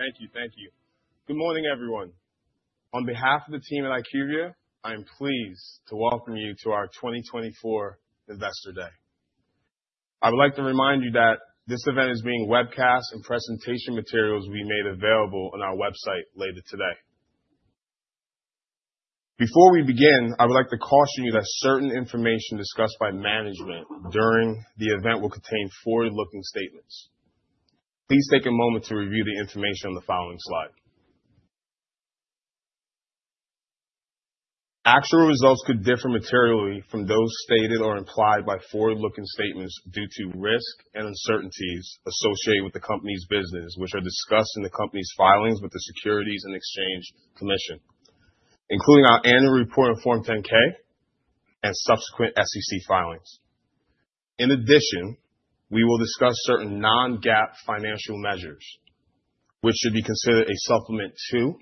Thank you, thank you. Good morning, everyone. On behalf of the team at IQVIA, I am pleased to welcome you to our 2024 Investor Day. I would like to remind you that this event is being webcast, and presentation materials will be made available on our website later today. Before we begin, I would like to caution you that certain information discussed by management during the event will contain forward-looking statements. Please take a moment to review the information on the following slide. Actual results could differ materially from those stated or implied by forward-looking statements due to risk and uncertainties associated with the company's business, which are discussed in the company's filings with the Securities and Exchange Commission, including our annual report on Form 10-K and subsequent SEC filings. In addition, we will discuss certain non-GAAP financial measures, which should be considered a supplement to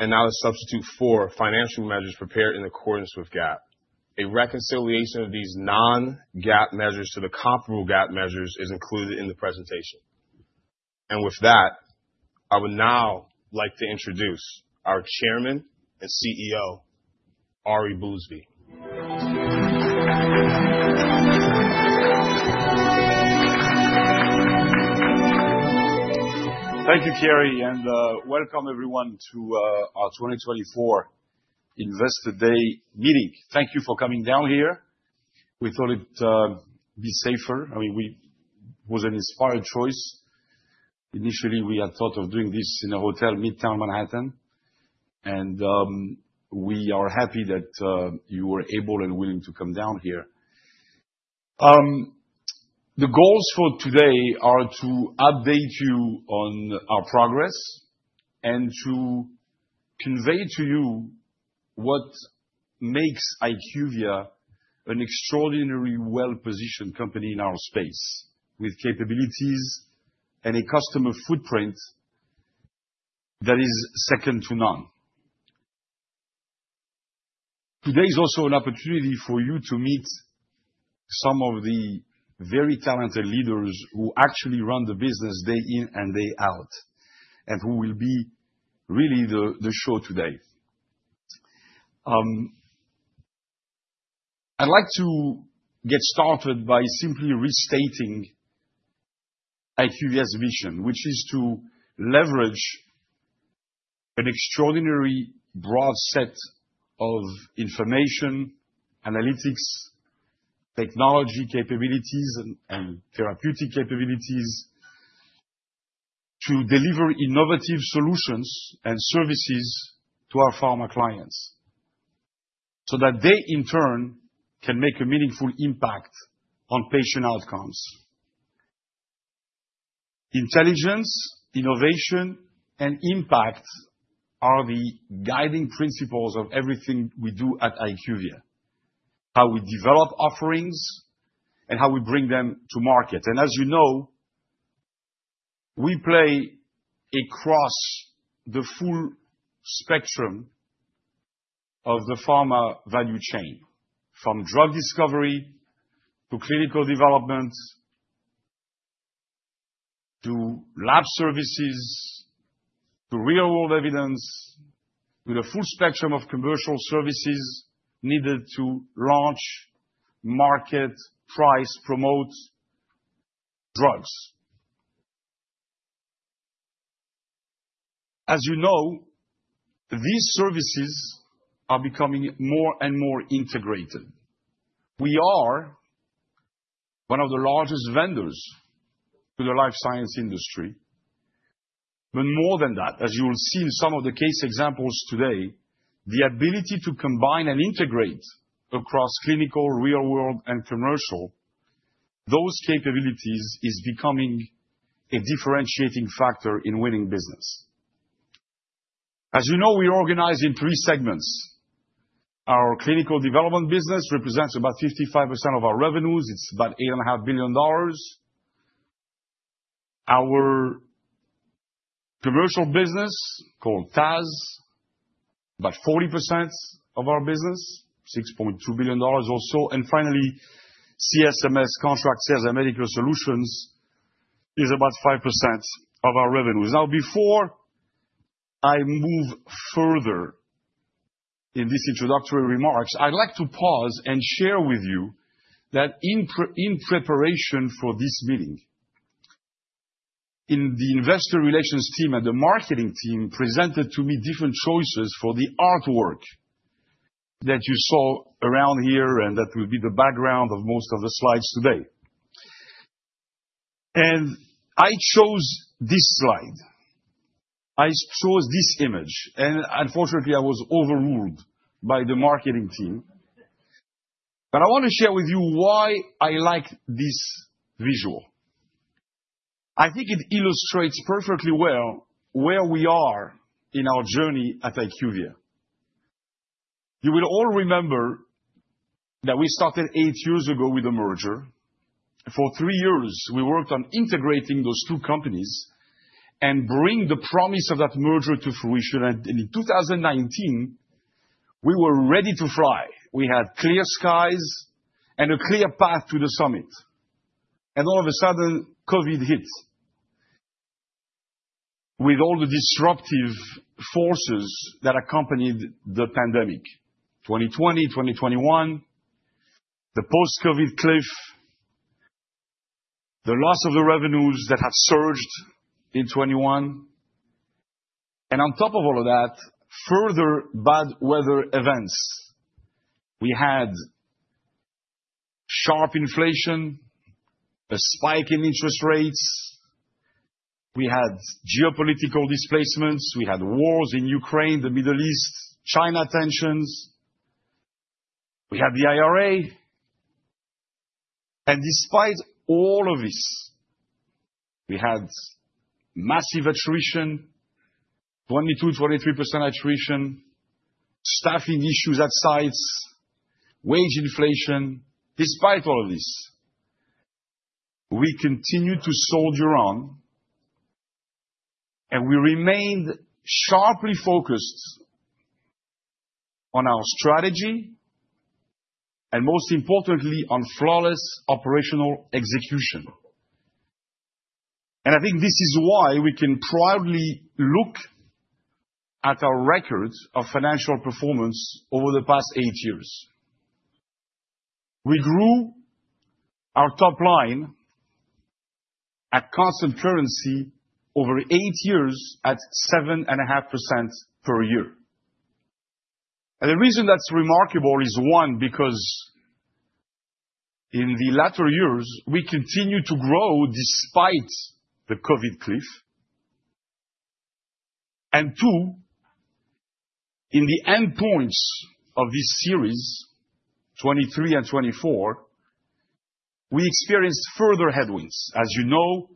and not a substitute for financial measures prepared in accordance with GAAP. A reconciliation of these non-GAAP measures to the comparable GAAP measures is included in the presentation. With that, I would now like to introduce our Chairman and CEO, Ari Bousbib. Thank you, Kerri, and welcome everyone to our 2024 Investor Day meeting. Thank you for coming down here. We thought it would be safer. I mean, it was an inspired choice. Initially, we had thought of doing this in a hotel Midtown Manhattan, and we are happy that you were able and willing to come down here. The goals for today are to update you on our progress and to convey to you what makes IQVIA an extraordinarily well-positioned company in our space, with capabilities and a customer footprint that is second to none. Today is also an opportunity for you to meet some of the very talented leaders who actually run the business day in and day out and who will be really the show today. I'd like to get started by simply restating IQVIA's vision, which is to leverage an extraordinarily broad set of information, analytics, technology capabilities, and therapeutic capabilities to deliver innovative solutions and services to our pharma clients so that they, in turn, can make a meaningful impact on patient outcomes. Intelligence, innovation, and impact are the guiding principles of everything we do at IQVIA, how we develop offerings and how we bring them to market. As you know, we play across the full spectrum of the pharma value chain, from drug discovery to clinical development to lab services to real-world evidence, to the full spectrum of commercial services needed to launch, market, price, and promote drugs, and as you know, these services are becoming more and more integrated. We are one of the largest vendors to the life science industry. But more than that, as you will see in some of the case examples today, the ability to combine and integrate across clinical, real-world, and commercial, those capabilities is becoming a differentiating factor in winning business. As you know, we organize in three segments. Our clinical development business represents about 55% of our revenues. It's about $8.5 billion. Our commercial business, called TAS, is about 40% of our business, $6.2 billion or so. And finally, CSMS, Contract Sales and Medical Solutions is about 5% of our revenues. Now, before I move further in these introductory remarks, I'd like to pause and share with you that in preparation for this meeting, the investor relations team and the marketing team presented to me different choices for the artwork that you saw around here and that will be the background of most of the slides today. And I chose this slide. I chose this image. And unfortunately, I was overruled by the marketing team. But I want to share with you why I like this visual. I think it illustrates perfectly well where we are in our journey at IQVIA. You will all remember that we started eight years ago with a merger. For three years, we worked on integrating those two companies and bringing the promise of that merger to fruition. And in 2019, we were ready to fly. We had clear skies and a clear path to the summit. And all of a sudden, COVID hit, with all the disruptive forces that accompanied the pandemic, 2020, 2021, the post-COVID cliff, the loss of the revenues that had surged in 2021. And on top of all of that, further bad weather events. We had sharp inflation, a spike in interest rates. We had geopolitical displacements. We had wars in Ukraine, the Middle East, China tensions. We had the IRA. And despite all of this, we had massive attrition, 22%, 23% attrition, staffing issues at sites, wage inflation. Despite all of this, we continued to soldier on, and we remained sharply focused on our strategy and, most importantly, on flawless operational execution. And I think this is why we can proudly look at our record of financial performance over the past eight years. We grew our top line at constant currency over eight years at 7.5% per year. And the reason that's remarkable is, one, because in the latter years, we continue to grow despite the COVID cliff. And two, in the endpoints of this series, 2023 and 2024, we experienced further headwinds. As you know,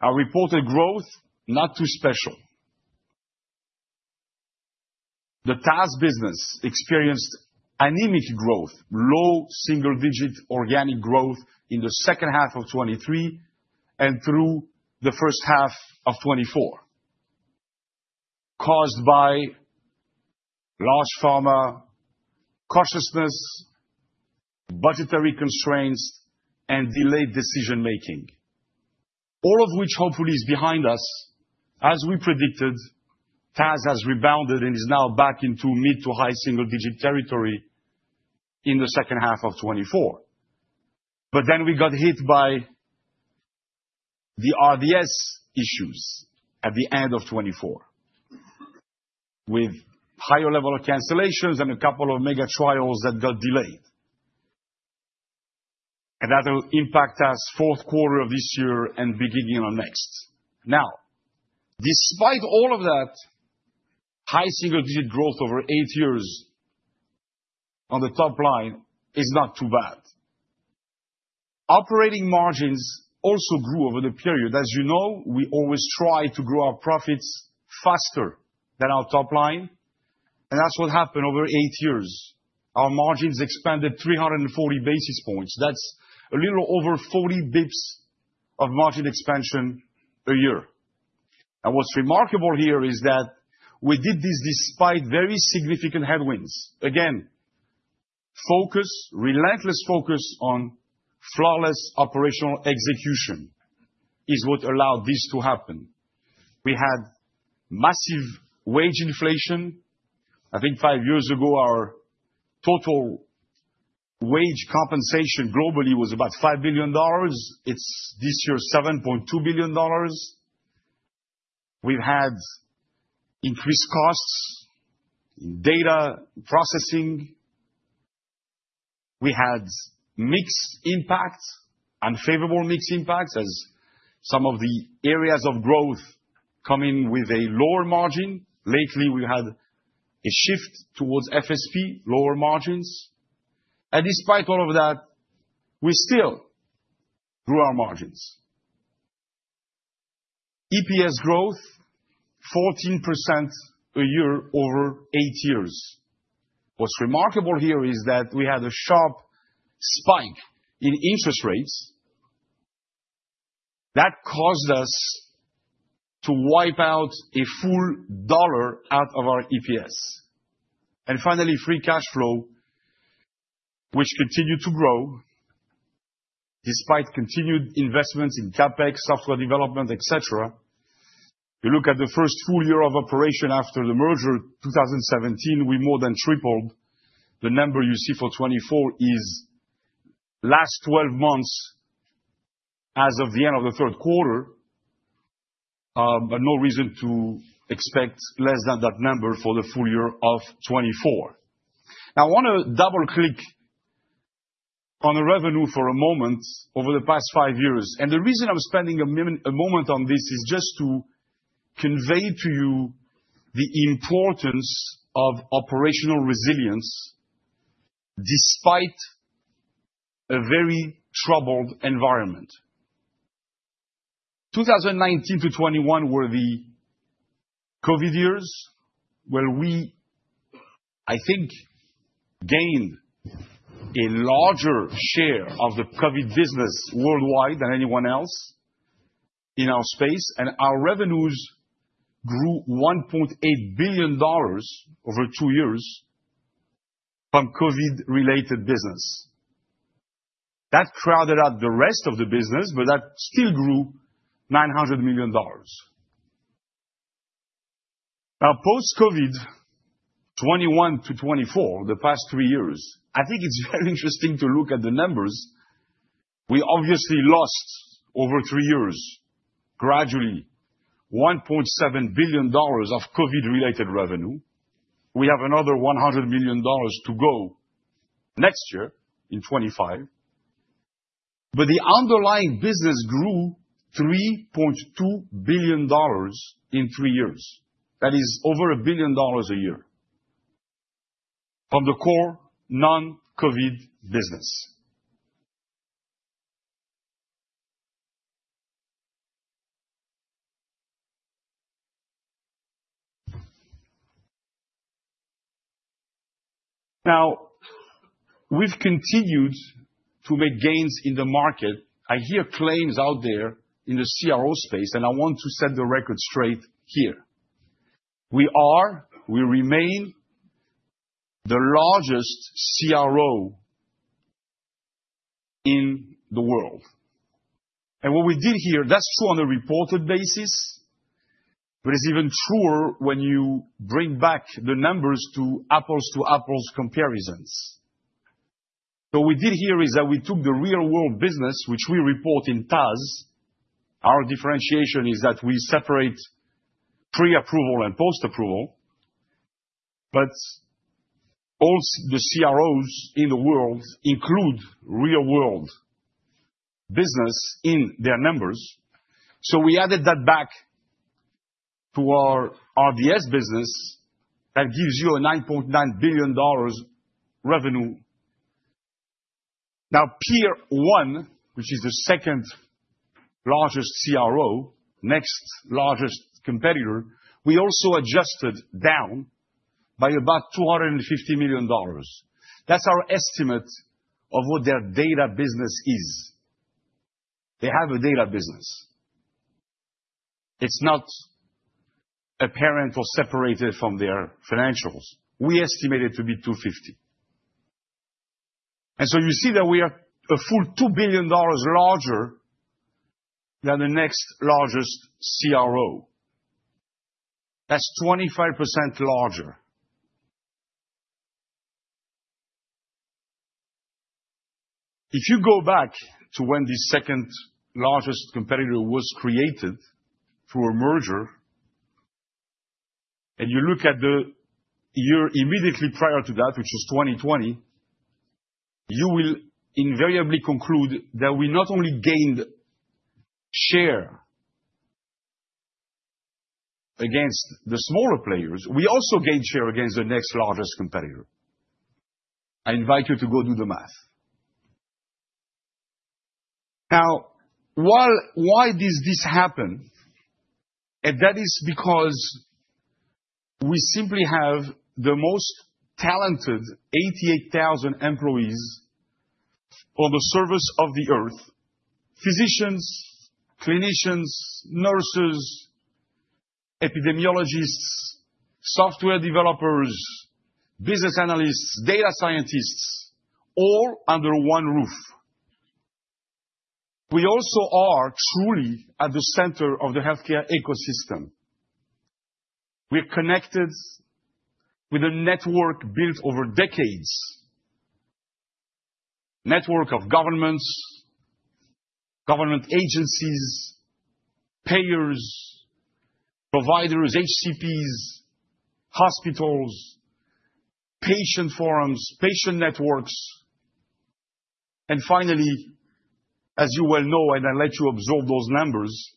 our reported growth was not too special. The TAS business experienced anemic growth, low single-digit organic growth in the second half of 2023 and through the first half of 2024, caused by large pharma, cautiousness, budgetary constraints, and delayed decision-making, all of which hopefully is behind us. As we predicted, TAS has rebounded and is now back into mid to high single-digit territory in the second half of 2024, but then we got hit by the R&DS issues at the end of 2024, with a higher level of cancellations and a couple of mega trials that got delayed, and that will impact us in the fourth quarter of this year and beginning of next. Now, despite all of that, high single-digit growth over eight years on the top line is not too bad. Operating margins also grew over the period. As you know, we always try to grow our profits faster than our top line. And that's what happened over eight years. Our margins expanded 340 basis points. That's a little over 40 basis points of margin expansion a year. And what's remarkable here is that we did this despite very significant headwinds. Again, focus, relentless focus on flawless operational execution is what allowed this to happen. We had massive wage inflation. I think five years ago, our total wage compensation globally was about $5 billion. It's this year $7.2 billion. We've had increased costs in data processing. We had mixed impacts, unfavorable mixed impacts, as some of the areas of growth come in with a lower margin. Lately, we had a shift towards FSP, lower margins. And despite all of that, we still grew our margins. EPS growth, 14% a year over eight years. What's remarkable here is that we had a sharp spike in interest rates that caused us to wipe out a full $1 out of our EPS. And finally, free cash flow, which continued to grow despite continued investments in CapEx, software development, et cetera. You look at the first full year of operation after the merger, 2017. We more than tripled the number you see for 2024, which is last 12 months as of the end of the third quarter, but no reason to expect less than that number for the full year of 2024. Now, I want to double-click on the revenue for a moment over the past five years. And the reason I'm spending a moment on this is just to convey to you the importance of operational resilience despite a very troubled environment. 2019 to 2021 were the COVID years where we, I think, gained a larger share of the COVID business worldwide than anyone else in our space, and our revenues grew $1.8 billion over two years from COVID-related business. That crowded out the rest of the business, but that still grew $900 million. Now, post-COVID, 2021 to 2024, the past three years, I think it's very interesting to look at the numbers. We obviously lost over three years gradually $1.7 billion of COVID-related revenue. We have another $100 million to go next year in 2025, but the underlying business grew $3.2 billion in three years. That is over a billion dollars a year from the core non-COVID business. Now, we've continued to make gains in the market. I hear claims out there in the CRO space, and I want to set the record straight here. We are. We remain the largest CRO in the world, and what we did here, that's true on a reported basis, but it's even truer when you bring back the numbers to apples-to-apples comparisons. What we did here is that we took the real-world business, which we report in TAS. Our differentiation is that we separate pre-approval and post-approval. But all the CROs in the world include real-world business in their numbers, so we added that back to our R&DS business that gives you a $9.9 billion revenue. Now, peer one, which is the second largest CRO, next largest competitor, we also adjusted down by about $250 million. That's our estimate of what their data business is. They have a data business. It's not apparent or separated from their financials. We estimate it to be $250. And so you see that we are a full $2 billion larger than the next largest CRO. That's 25% larger. If you go back to when the second largest competitor was created through a merger, and you look at the year immediately prior to that, which was 2020, you will invariably conclude that we not only gained share against the smaller players, we also gained share against the next largest competitor. I invite you to go do the math. Now, why does this happen? And that is because we simply have the most talented 88,000 employees on the surface of the earth: physicians, clinicians, nurses, epidemiologists, software developers, business analysts, data scientists, all under one roof. We also are truly at the center of the healthcare ecosystem. We're connected with a network built over decades, a network of governments, government agencies, payers, providers, HCPs, hospitals, patient forums, patient networks. Finally, as you well know, and I'll let you absorb those numbers,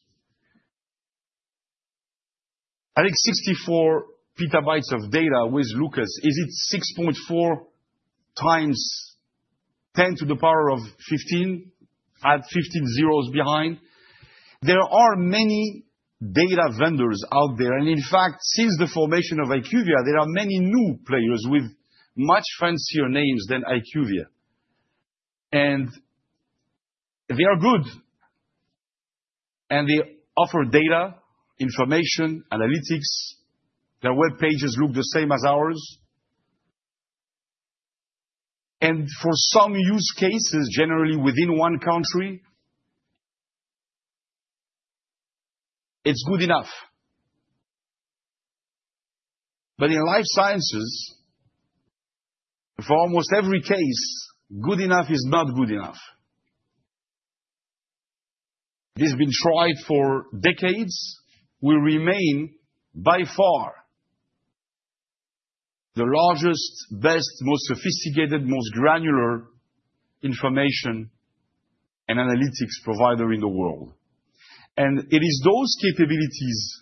I think 64 petabytes of data with Lucas. Is it 6.4 times 10 to the power of 15, add 15 zeros behind? There are many data vendors out there. In fact, since the formation of IQVIA, there are many new players with much fancier names than IQVIA. They are good. They offer data, information, analytics. Their web pages look the same as ours. For some use cases, generally within one country, it's good enough. But in life sciences, for almost every case, good enough is not good enough. This has been tried for decades. We remain, by far, the largest, best, most sophisticated, most granular information and analytics provider in the world. It is those capabilities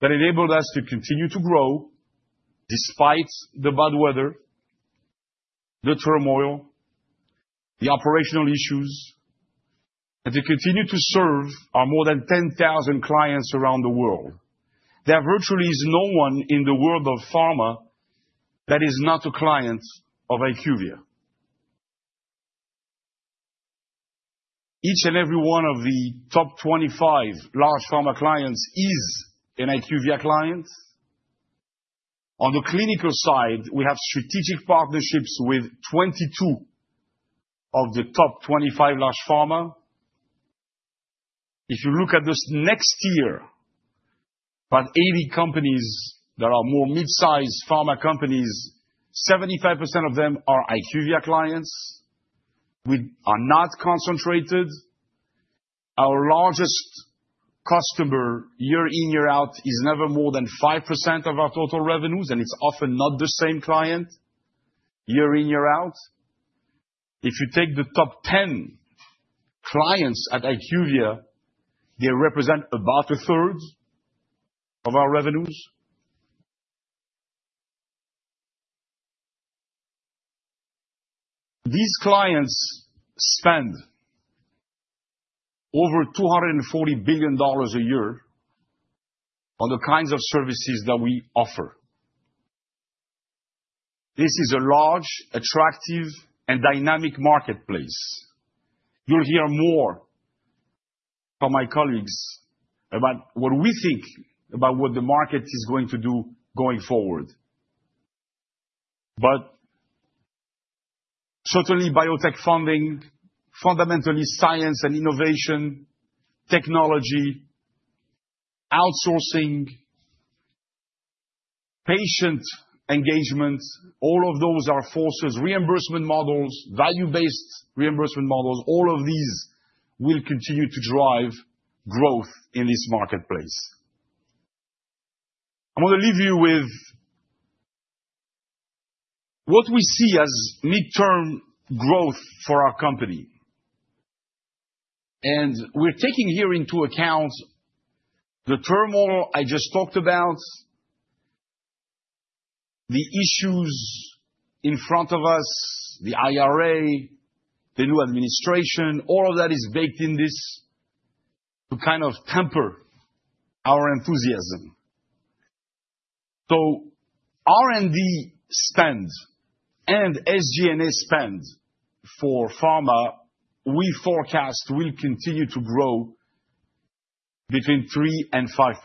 that enabled us to continue to grow despite the bad weather, the turmoil, the operational issues, and to continue to serve our more than 10,000 clients around the world. There virtually is no one in the world of pharma that is not a client of IQVIA. Each and every one of the top 25 large pharma clients is an IQVIA client. On the clinical side, we have strategic partnerships with 22 of the top 25 large pharma. If you look at this next year, about 80 companies that are more mid-sized pharma companies, 75% of them are IQVIA clients. We are not concentrated. Our largest customer year in, year out is never more than 5% of our total revenues, and it's often not the same client year in, year out. If you take the top 10 clients at IQVIA, they represent about a third of our revenues. These clients spend over $240 billion a year on the kinds of services that we offer. This is a large, attractive, and dynamic marketplace. You'll hear more from my colleagues about what we think about what the market is going to do going forward. But certainly biotech funding, fundamentally science and innovation, technology, outsourcing, patient engagement, all of those are forces. Reimbursement models, value-based reimbursement models, all of these will continue to drive growth in this marketplace. I want to leave you with what we see as mid-term growth for our company, and we're taking here into account the turmoil I just talked about, the issues in front of us, the IRA, the new administration. All of that is baked in this to kind of temper our enthusiasm. So R&D spend and SG&A spend for pharma, we forecast will continue to grow between 3% and 5%.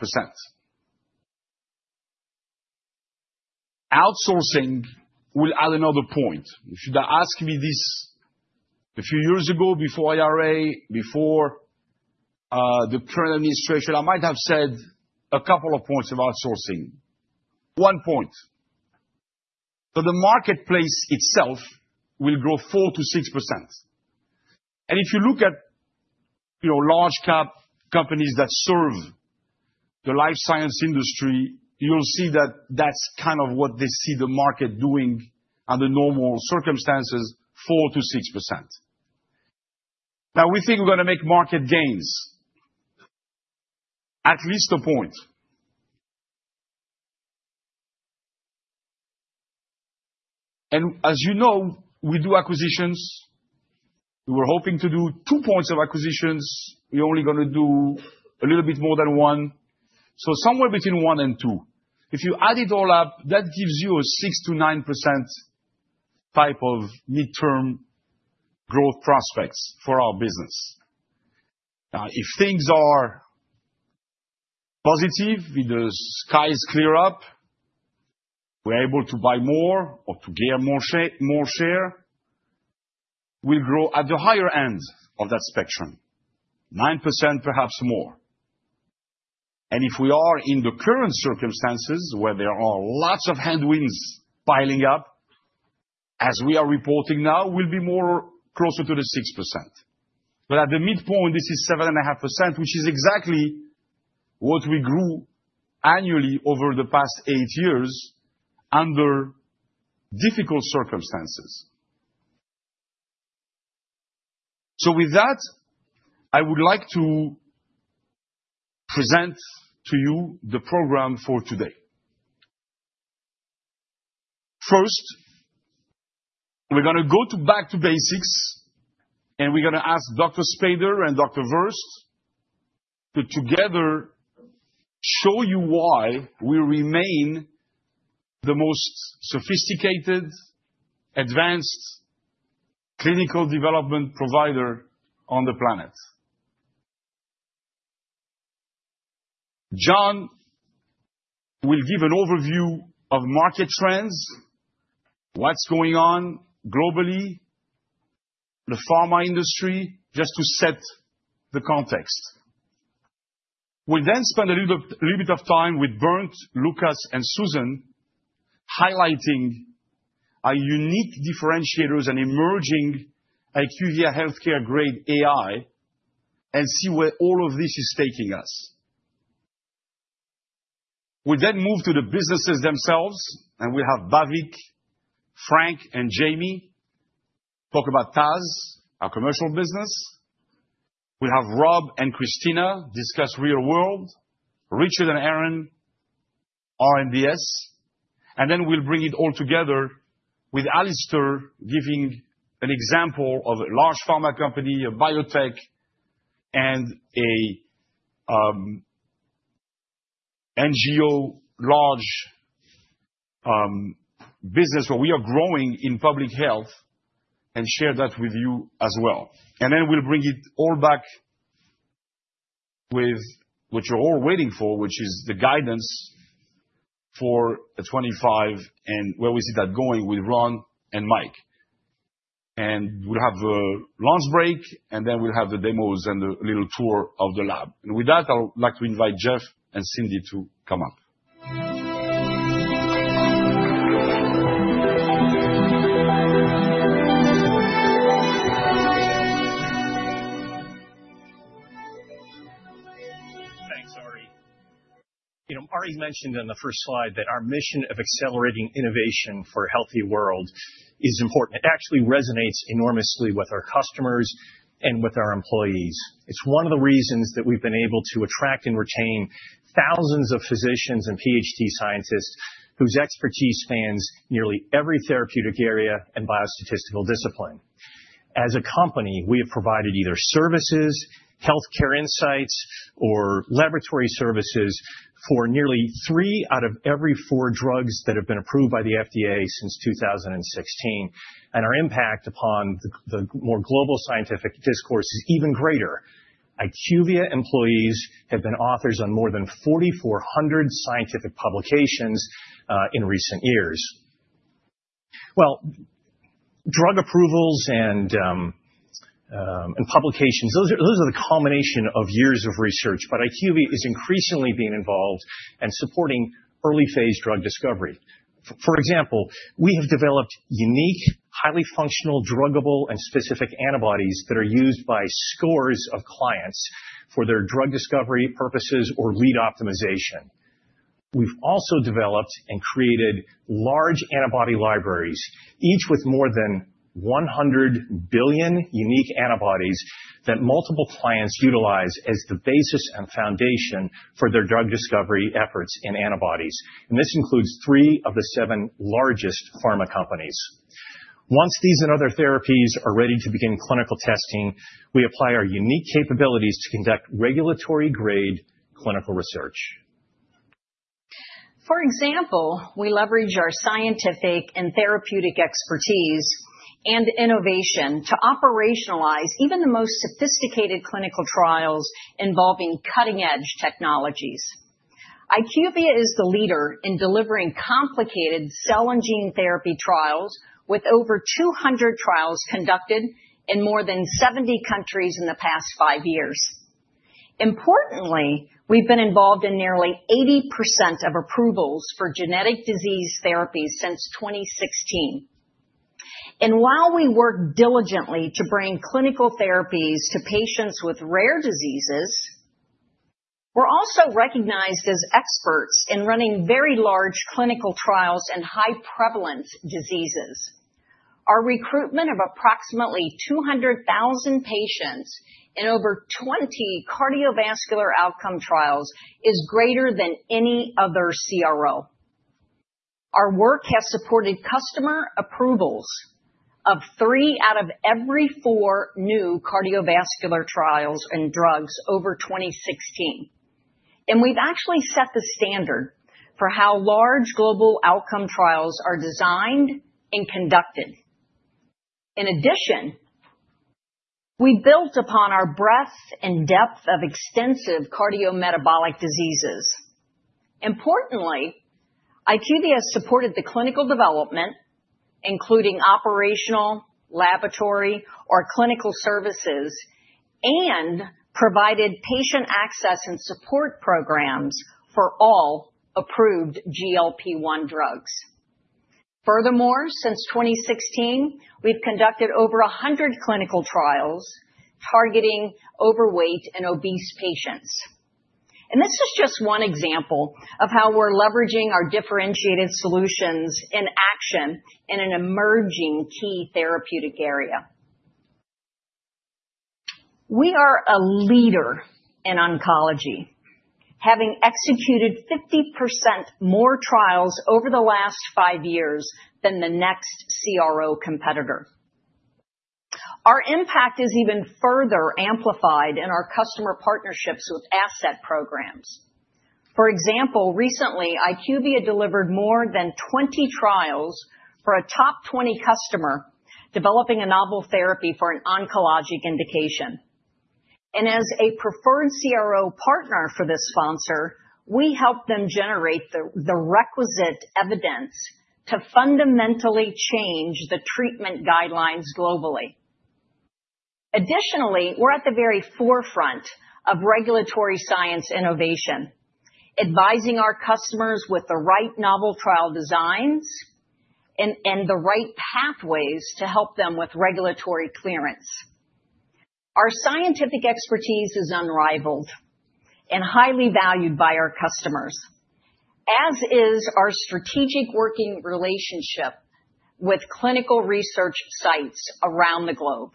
Outsourcing will add another point. If you'd ask me this a few years ago before IRA, before the current administration, I might have said a couple of points about sourcing. One point, so the marketplace itself will grow 4%-6%, and if you look at large cap companies that serve the life science industry, you'll see that that's kind of what they see the market doing under normal circumstances, 4%-6%. Now, we think we're going to make market gains, at least a point, and as you know, we do acquisitions. We were hoping to do two points of acquisitions. We're only going to do a little bit more than one, so somewhere between one and two. If you add it all up, that gives you a 6%-9% type of mid-term growth prospects for our business. Now, if things are positive, if the skies clear up, we're able to buy more or to gain more share, we'll grow at the higher end of that spectrum, 9%, perhaps more. And if we are in the current circumstances, where there are lots of headwinds piling up, as we are reporting now, we'll be closer to the 6%. But at the midpoint, this is 7.5%, which is exactly what we grew annually over the past eight years under difficult circumstances. So with that, I would like to present to you the program for today. First, we're going to go back to basics, and we're going to ask Dr. Spaeder and Dr. Cindy Verst together show you why we remain the most sophisticated, advanced clinical development provider on the planet. John will give an overview of market trends, what's going on globally, the pharma industry, just to set the context. We'll then spend a little bit of time with Bernd, Lucas, and Susan highlighting our unique differentiators and emerging IQVIA healthcare-grade AI and see where all of this is taking us. We'll then move to the businesses themselves, and we'll have Bhavik, Frank, and Jamie talk about TAS, our commercial business. We'll have Rob and Christina discuss real-world, Richard and Aaron, R&DS. And then we'll bring it all together with Alistair giving an example of a large pharma company, a biotech, and an NGO large business where we are growing in public health and share that with you as well. Then we'll bring it all back with what you're all waiting for, which is the guidance for 2025 and where we see that going with Ron and Mike. We'll have a lunch break, and then we'll have the demos and a little tour of the lab. With that, I'd like to invite Jeff and Cindy to come up. Thanks, Ari. Ari mentioned in the first slide that our mission of accelerating innovation for a healthy world is important. It actually resonates enormously with our customers and with our employees. It's one of the reasons that we've been able to attract and retain thousands of physicians and PhD scientists whose expertise spans nearly every therapeutic area and biostatistical discipline. As a company, we have provided either services, healthcare insights, or laboratory services for nearly three out of every four drugs that have been approved by the FDA since 2016. Our impact upon the more global scientific discourse is even greater. IQVIA employees have been authors on more than 4,400 scientific publications in recent years. Drug approvals and publications, those are the culmination of years of research, but IQVIA is increasingly being involved and supporting early-phase drug discovery. For example, we have developed unique, highly functional, druggable, and specific antibodies that are used by scores of clients for their drug discovery purposes or lead optimization. We've also developed and created large antibody libraries, each with more than 100 billion unique antibodies that multiple clients utilize as the basis and foundation for their drug discovery efforts in antibodies. This includes three of the seven largest pharma companies. Once these and other therapies are ready to begin clinical testing, we apply our unique capabilities to conduct regulatory-grade clinical research. For example, we leverage our scientific and therapeutic expertise and innovation to operationalize even the most sophisticated clinical trials involving cutting-edge technologies. IQVIA is the leader in delivering complicated cell and gene therapy trials with over 200 trials conducted in more than 70 countries in the past five years. Importantly, we've been involved in nearly 80% of approvals for genetic disease therapies since 2016, and while we work diligently to bring clinical therapies to patients with rare diseases, we're also recognized as experts in running very large clinical trials in high-prevalence diseases. Our recruitment of approximately 200,000 patients in over 20 cardiovascular outcome trials is greater than any other CRO. Our work has supported customer approvals of three out of every four new cardiovascular trials and drugs over 2016. And we've actually set the standard for how large global outcome trials are designed and conducted. In addition, we built upon our breadth and depth of extensive cardiometabolic diseases. Importantly, IQVIA has supported the clinical development, including operational, laboratory, or clinical services, and provided patient access and support programs for all approved GLP-1 drugs. Furthermore, since 2016, we've conducted over 100 clinical trials targeting overweight and obese patients. And this is just one example of how we're leveraging our differentiated solutions in action in an emerging key therapeutic area. We are a leader in oncology, having executed 50% more trials over the last five years than the next CRO competitor. Our impact is even further amplified in our customer partnerships with asset programs. For example, recently, IQVIA delivered more than 20 trials for a top 20 customer developing a novel therapy for an oncologic indication. And as a preferred CRO partner for this sponsor, we help them generate the requisite evidence to fundamentally change the treatment guidelines globally. Additionally, we're at the very forefront of regulatory science innovation, advising our customers with the right novel trial designs and the right pathways to help them with regulatory clearance. Our scientific expertise is unrivaled and highly valued by our customers, as is our strategic working relationship with clinical research sites around the globe.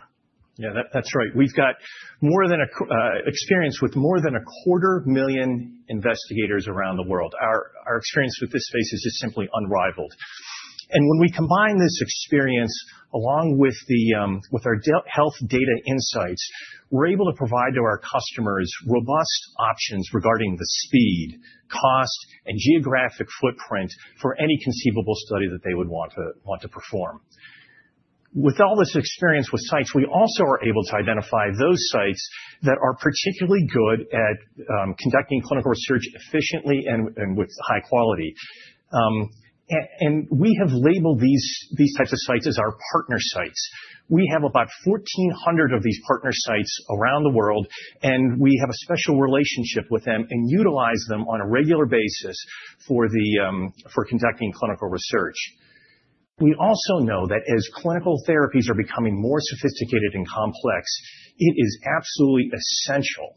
Yeah, that's right. We've got more than experience with more than a quarter million investigators around the world. Our experience with this space is just simply unrivaled. And when we combine this experience along with our health data insights, we're able to provide to our customers robust options regarding the speed, cost, and geographic footprint for any conceivable study that they would want to perform. With all this experience with sites, we also are able to identify those sites that are particularly good at conducting clinical research efficiently and with high quality, and we have labeled these types of sites as our Partner Sites. We have about 1,400 of these Partner Sites around the world, and we have a special relationship with them and utilize them on a regular basis for conducting clinical research. We also know that as clinical therapies are becoming more sophisticated and complex, it is absolutely essential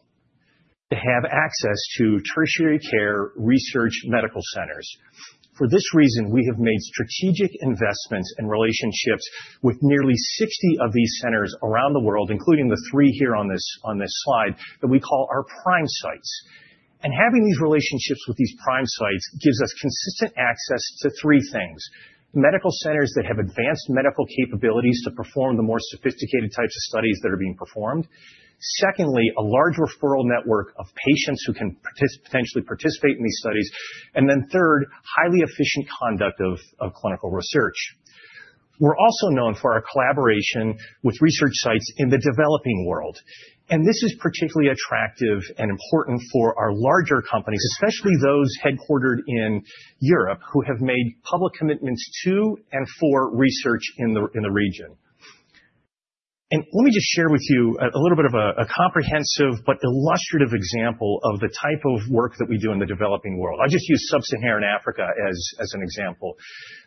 to have access to tertiary care research medical centers. For this reason, we have made strategic investments and relationships with nearly 60 of these centers around the world, including the three here on this slide that we call our Prime Sites. Having these relationships with these Prime Sites gives us consistent access to three things: medical centers that have advanced medical capabilities to perform the more sophisticated types of studies that are being performed, secondly, a large referral network of patients who can potentially participate in these studies, and then third, highly efficient conduct of clinical research. We're also known for our collaboration with research sites in the developing world. This is particularly attractive and important for our larger companies, especially those headquartered in Europe, who have made public commitments to and for research in the region. Let me just share with you a little bit of a comprehensive but illustrative example of the type of work that we do in the developing world. I'll just use Sub-Saharan Africa as an example.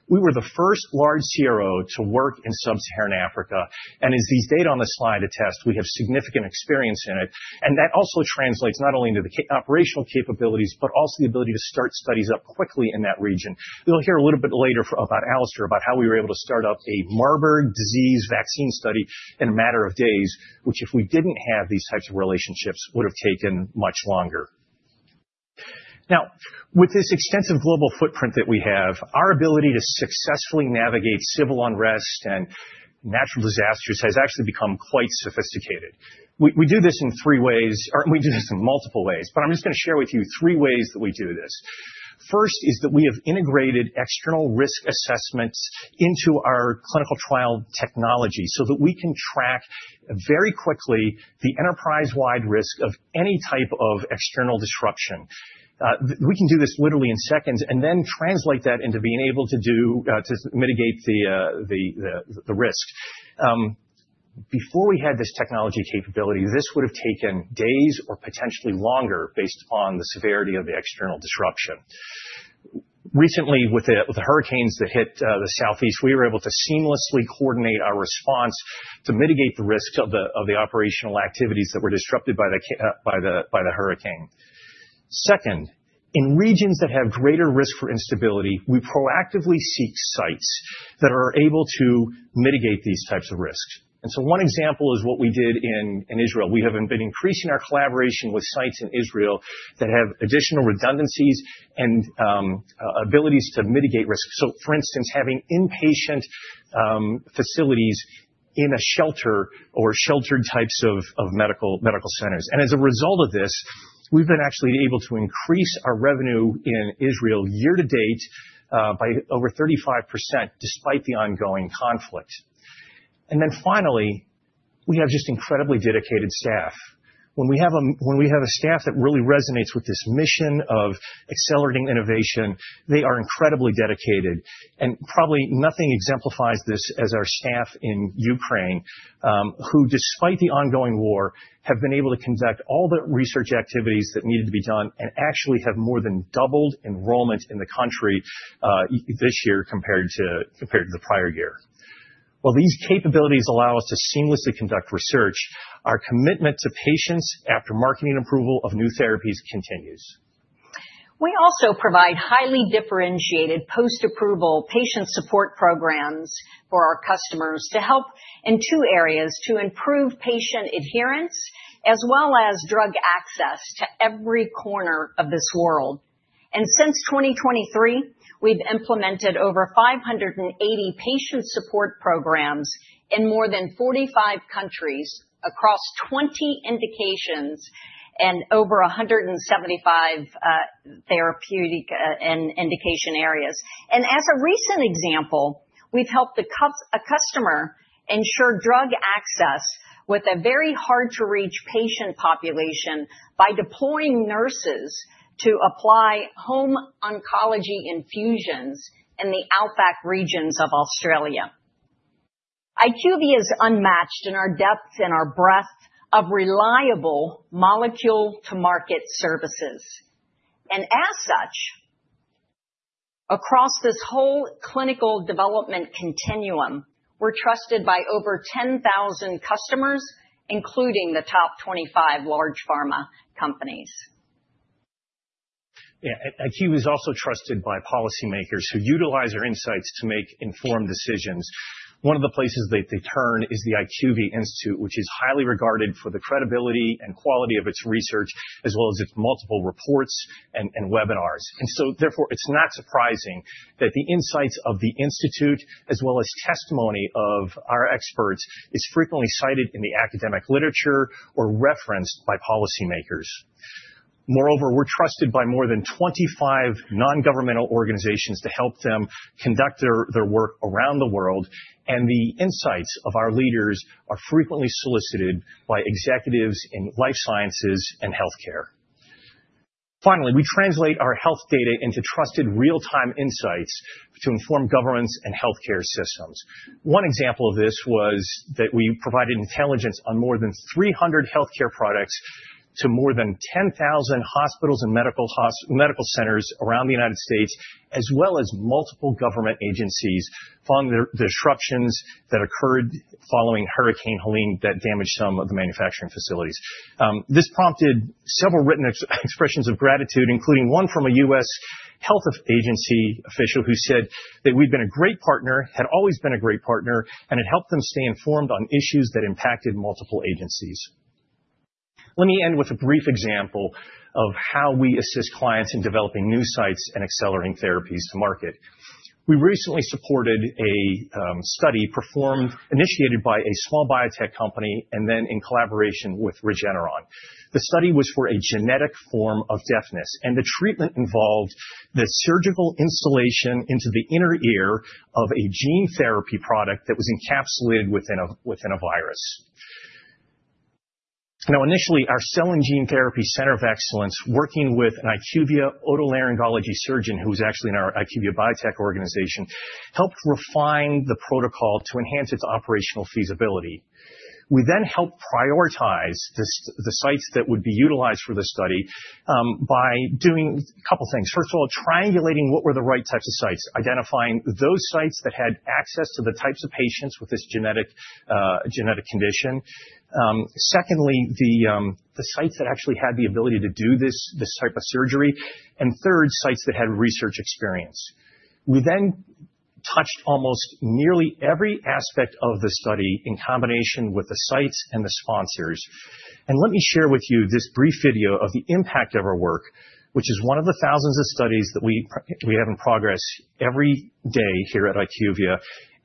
We were the first large CRO to work in Sub-Saharan Africa. As these data on the slide attest, we have significant experience in it. That also translates not only into the operational capabilities, but also the ability to start studies up quickly in that region. You'll hear a little bit later about Alistair, about how we were able to start up a Marburg disease vaccine study in a matter of days, which, if we didn't have these types of relationships, would have taken much longer. Now, with this extensive global footprint that we have, our ability to successfully navigate civil unrest and natural disasters has actually become quite sophisticated. We do this in three ways, or we do this in multiple ways, but I'm just going to share with you three ways that we do this. First is that we have integrated external risk assessments into our clinical trial technology so that we can track very quickly the enterprise-wide risk of any type of external disruption. We can do this literally in seconds and then translate that into being able to mitigate the risk. Before we had this technology capability, this would have taken days or potentially longer based on the severity of the external disruption. Recently, with the hurricanes that hit the southeast, we were able to seamlessly coordinate our response to mitigate the risks of the operational activities that were disrupted by the hurricane. Second, in regions that have greater risk for instability, we proactively seek sites that are able to mitigate these types of risks, and so one example is what we did in Israel. We have been increasing our collaboration with sites in Israel that have additional redundancies and abilities to mitigate risk, so for instance, having inpatient facilities in a shelter or sheltered types of medical centers and as a result of this, we've been actually able to increase our revenue in Israel year to date by over 35% despite the ongoing conflict. Then finally, we have just incredibly dedicated staff. When we have a staff that really resonates with this mission of accelerating innovation, they are incredibly dedicated and probably nothing exemplifies this as our staff in Ukraine, who, despite the ongoing war, have been able to conduct all the research activities that needed to be done and actually have more than doubled enrollment in the country this year compared to the prior year. These capabilities allow us to seamlessly conduct research. Our commitment to patients after marketing approval of new therapies continues. We also provide highly differentiated post-approval patient support programs for our customers to help in two areas: to improve patient adherence, as well as drug access to every corner of this world. And since 2023, we've implemented over 580 patient support programs in more than 45 countries across 20 indications and over 175 therapeutic and indication areas. And as a recent example, we've helped a customer ensure drug access with a very hard-to-reach patient population by deploying nurses to apply home oncology infusions in the Outback regions of Australia. IQVIA is unmatched in our depth and our breadth of reliable molecule-to-market services. And as such, across this whole clinical development continuum, we're trusted by over 10,000 customers, including the top 25 large pharma companies. Yeah, IQVIA is also trusted by policymakers who utilize our insights to make informed decisions. One of the places that they turn is the IQVIA Institute, which is highly regarded for the credibility and quality of its research, as well as its multiple reports and webinars. And so, therefore, it's not surprising that the insights of the Institute, as well as testimony of our experts, are frequently cited in the academic literature or referenced by policymakers. Moreover, we're trusted by more than 25 non-governmental organizations to help them conduct their work around the world. And the insights of our leaders are frequently solicited by executives in life sciences and healthcare. Finally, we translate our health data into trusted real-time insights to inform governments and healthcare systems. One example of this was that we provided intelligence on more than 300 healthcare products to more than 10,000 hospitals and medical centers around the United States, as well as multiple government agencies following the disruptions that occurred following Hurricane Helene that damaged some of the manufacturing facilities. This prompted several written expressions of gratitude, including one from a U.S. health agency official who said that we've been a great partner, had always been a great partner, and had helped them stay informed on issues that impacted multiple agencies. Let me end with a brief example of how we assist clients in developing new sites and accelerating therapies to market. We recently supported a study initiated by a small biotech company and then in collaboration with Regeneron. The study was for a genetic form of deafness, and the treatment involved the surgical installation into the inner ear of a gene therapy product that was encapsulated within a virus. Now, initially, our Cell and Gene Therapy Center of Excellence, working with an IQVIA otolaryngology surgeon who is actually in our IQVIA Biotech organization, helped refine the protocol to enhance its operational feasibility. We then helped prioritize the sites that would be utilized for the study by doing a couple of things. First of all, triangulating what were the right types of sites, identifying those sites that had access to the types of patients with this genetic condition. Secondly, the sites that actually had the ability to do this type of surgery. And third, sites that had research experience. We then touched almost nearly every aspect of the study in combination with the sites and the sponsors. Let me share with you this brief video of the impact of our work, which is one of the thousands of studies that we have in progress every day here at IQVIA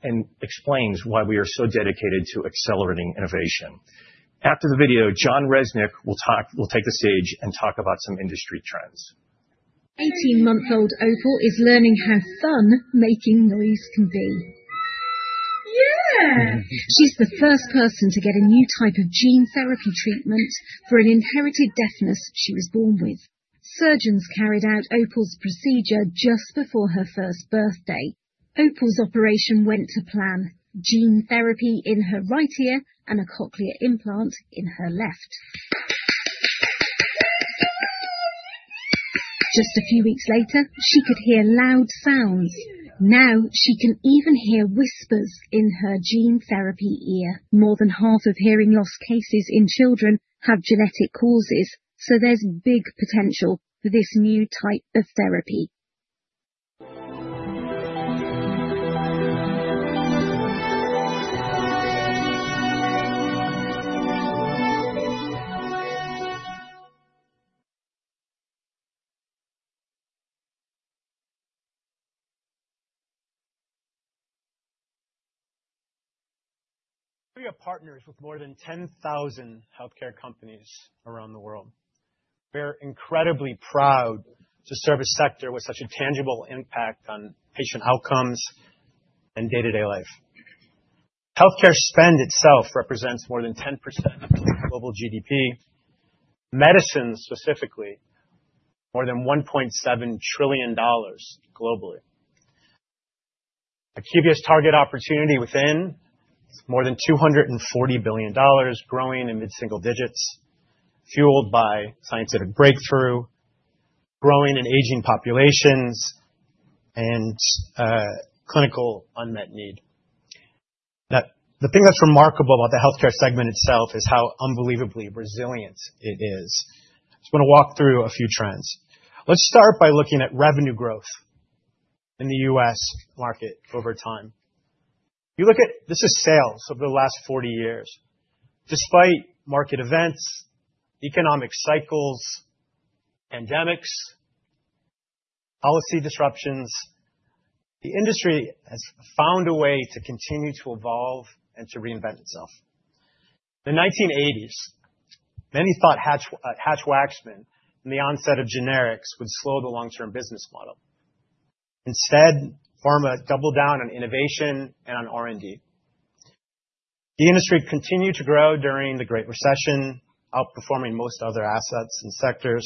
and explains why we are so dedicated to accelerating innovation. After the video, John Resnick will take the stage and talk about some industry trends. 18-month-old Opal is learning how fun making noise can be. Yeah! She's the first person to get a new type of gene therapy treatment for an inherited deafness she was born with. Surgeons carried out Opal's procedure just before her first birthday. Opal's operation went to plan: gene therapy in her right ear and a cochlear implant in her left. Just a few weeks later, she could hear loud sounds. Now she can even hear whispers in her gene therapy ear. More than half of hearing loss cases in children have genetic causes, so there's big potential for this new type of therapy. IQVIA partners with more than 10,000 healthcare companies around the world. We're incredibly proud to serve a sector with such a tangible impact on patient outcomes and day-to-day life. Healthcare spend itself represents more than 10% of global GDP. Medicine, specifically, more than $1.7 trillion globally. IQVIA's target opportunity within is more than $240 billion, growing in mid-single digits, fueled by scientific breakthrough, growing and aging populations, and clinical unmet need. The thing that's remarkable about the healthcare segment itself is how unbelievably resilient it is. I just want to walk through a few trends. Let's start by looking at revenue growth in the U.S. market over time. This is sales over the last 40 years. Despite market events, economic cycles, pandemics, policy disruptions, the industry has found a way to continue to evolve and to reinvent itself. In the 1980s, many thought Hatch-Waxman and the onset of generics would slow the long-term business model. Instead, pharma doubled down on innovation and on R&D. The industry continued to grow during the Great Recession, outperforming most other assets and sectors,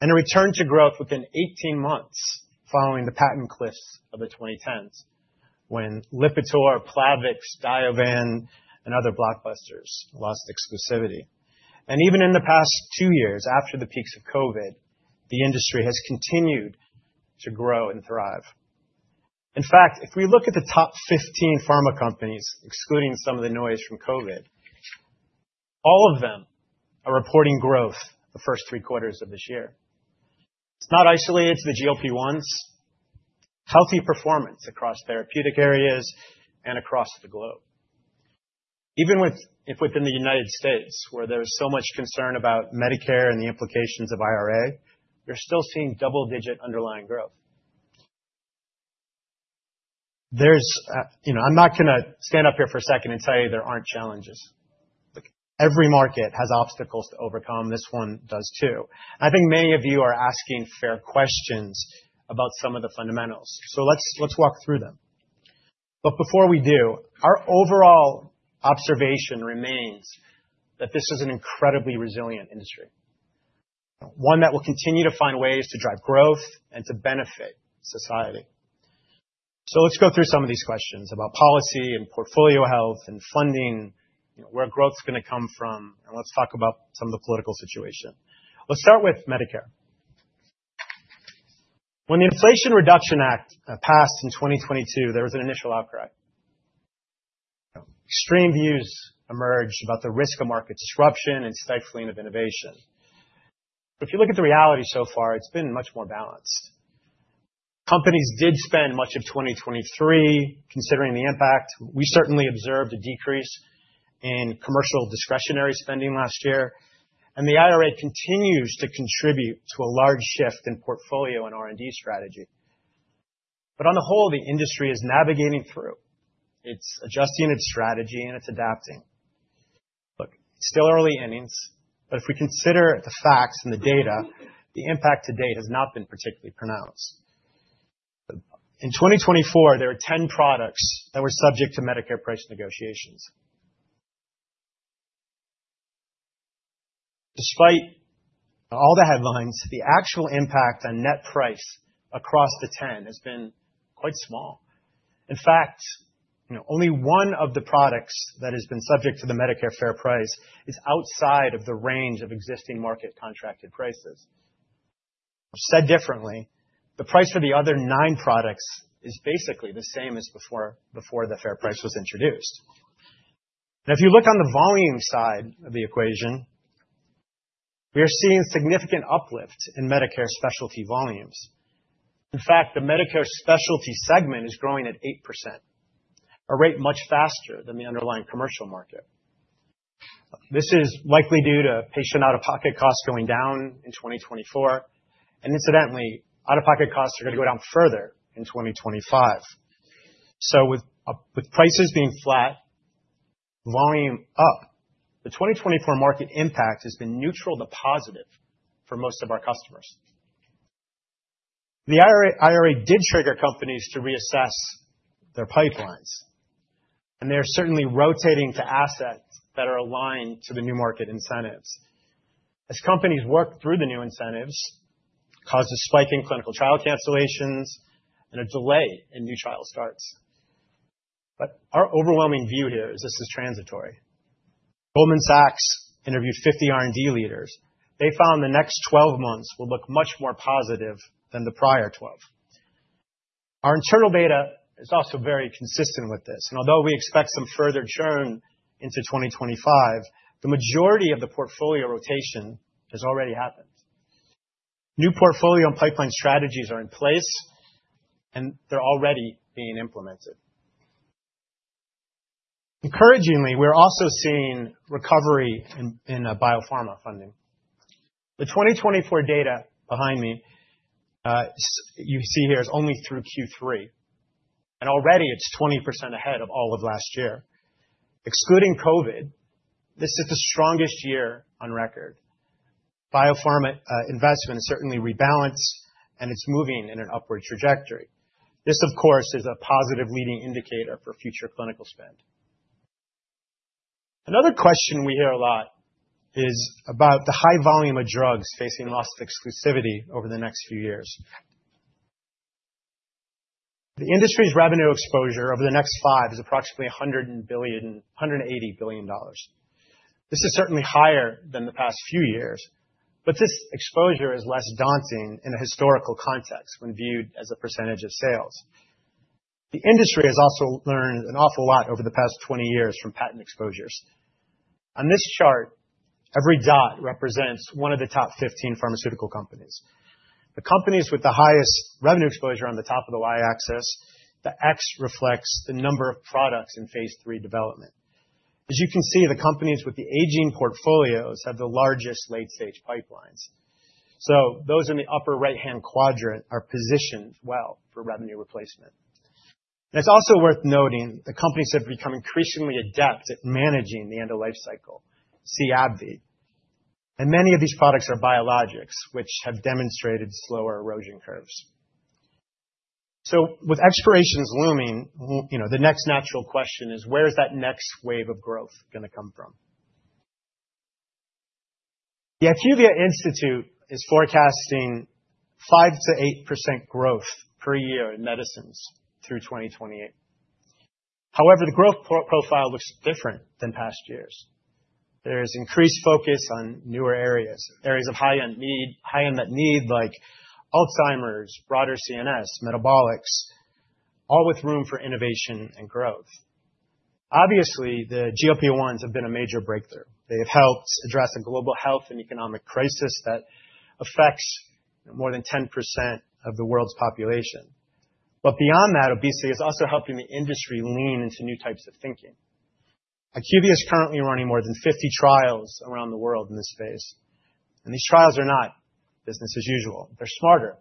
and returned to growth within 18 months following the patent cliffs of the 2010s when Lipitor, Plavix, Diovan, and other blockbusters lost exclusivity. And even in the past two years after the peaks of COVID, the industry has continued to grow and thrive. In fact, if we look at the top 15 pharma companies, excluding some of the noise from COVID, all of them are reporting growth the first three quarters of this year. It's not isolated to the GLP-1s. Healthy performance across therapeutic areas and across the globe. Even within the United States, where there is so much concern about Medicare and the implications of IRA, we're still seeing double-digit underlying growth. I'm not going to stand up here for a second and tell you there aren't challenges. Every market has obstacles to overcome. This one does too. I think many of you are asking fair questions about some of the fundamentals. So let's walk through them. But before we do, our overall observation remains that this is an incredibly resilient industry, one that will continue to find ways to drive growth and to benefit society. So let's go through some of these questions about policy and portfolio health and funding, where growth is going to come from, and let's talk about some of the political situation. Let's start with Medicare. When the Inflation Reduction Act passed in 2022, there was an initial outcry. Extreme views emerged about the risk of market disruption and stifling of innovation. If you look at the reality so far, it's been much more balanced. Companies did spend much of 2023 considering the impact. We certainly observed a decrease in commercial discretionary spending last year. And the IRA continues to contribute to a large shift in portfolio and R&D strategy. But on the whole, the industry is navigating through. It's adjusting its strategy and it's adapting. Look, it's still early innings, but if we consider the facts and the data, the impact to date has not been particularly pronounced. In 2024, there were 10 products that were subject to Medicare price negotiations. Despite all the headlines, the actual impact on net price across the 10 has been quite small. In fact, only one of the products that has been subject to the Medicare fair price is outside of the range of existing market contracted prices. Said differently, the price for the other nine products is basically the same as before the fair price was introduced. Now, if you look on the volume side of the equation, we are seeing significant uplift in Medicare specialty volumes. In fact, the Medicare specialty segment is growing at 8%, a rate much faster than the underlying commercial market. This is likely due to patient out-of-pocket costs going down in 2024, and incidentally, out-of-pocket costs are going to go down further in 2025, so with prices being flat, volume up, the 2024 market impact has been neutral to positive for most of our customers. The IRA did trigger companies to reassess their pipelines, and they are certainly rotating to assets that are aligned to the new market incentives. As companies work through the new incentives, it causes a spike in clinical trial cancellations and a delay in new trial starts, but our overwhelming view here is this is transitory. Goldman Sachs interviewed 50 R&D leaders. They found the next 12 months will look much more positive than the prior 12. Our internal data is also very consistent with this, and although we expect some further churn into 2025, the majority of the portfolio rotation has already happened. New portfolio and pipeline strategies are in place, and they're already being implemented. Encouragingly, we're also seeing recovery in biopharma funding. The 2024 data behind me you see here is only through Q3, and already, it's 20% ahead of all of last year. Excluding COVID, this is the strongest year on record. Biopharma investment has certainly rebalanced, and it's moving in an upward trajectory. This, of course, is a positive leading indicator for future clinical spend. Another question we hear a lot is about the high volume of drugs facing loss of exclusivity over the next few years. The industry's revenue exposure over the next five is approximately $180 billion. This is certainly higher than the past few years, but this exposure is less daunting in a historical context when viewed as a percentage of sales. The industry has also learned an awful lot over the past 20 years from patent exposures. On this chart, every dot represents one of the top 15 pharmaceutical companies. The companies with the highest revenue exposure on the top of the Y-axis, the X reflects the number of products in phase three development. As you can see, the companies with the aging portfolios have the largest late-stage pipelines. So those in the upper right-hand quadrant are positioned well for revenue replacement. It's also worth noting the companies have become increasingly adept at managing the end-of-life cycle, AbbVie. And many of these products are biologics, which have demonstrated slower erosion curves. So with expirations looming, the next natural question is, where is that next wave of growth going to come from? The IQVIA Institute is forecasting 5%-8% growth per year in medicines through 2028. However, the growth profile looks different than past years. There is increased focus on newer areas, areas of high-end that need like Alzheimer's, broader CNS, metabolics, all with room for innovation and growth. Obviously, the GLP-1s have been a major breakthrough. They have helped address a global health and economic crisis that affects more than 10% of the world's population. But beyond that, obesity is also helping the industry lean into new types of thinking. IQVIA is currently running more than 50 trials around the world in this space. And these trials are not business as usual. They're smarter.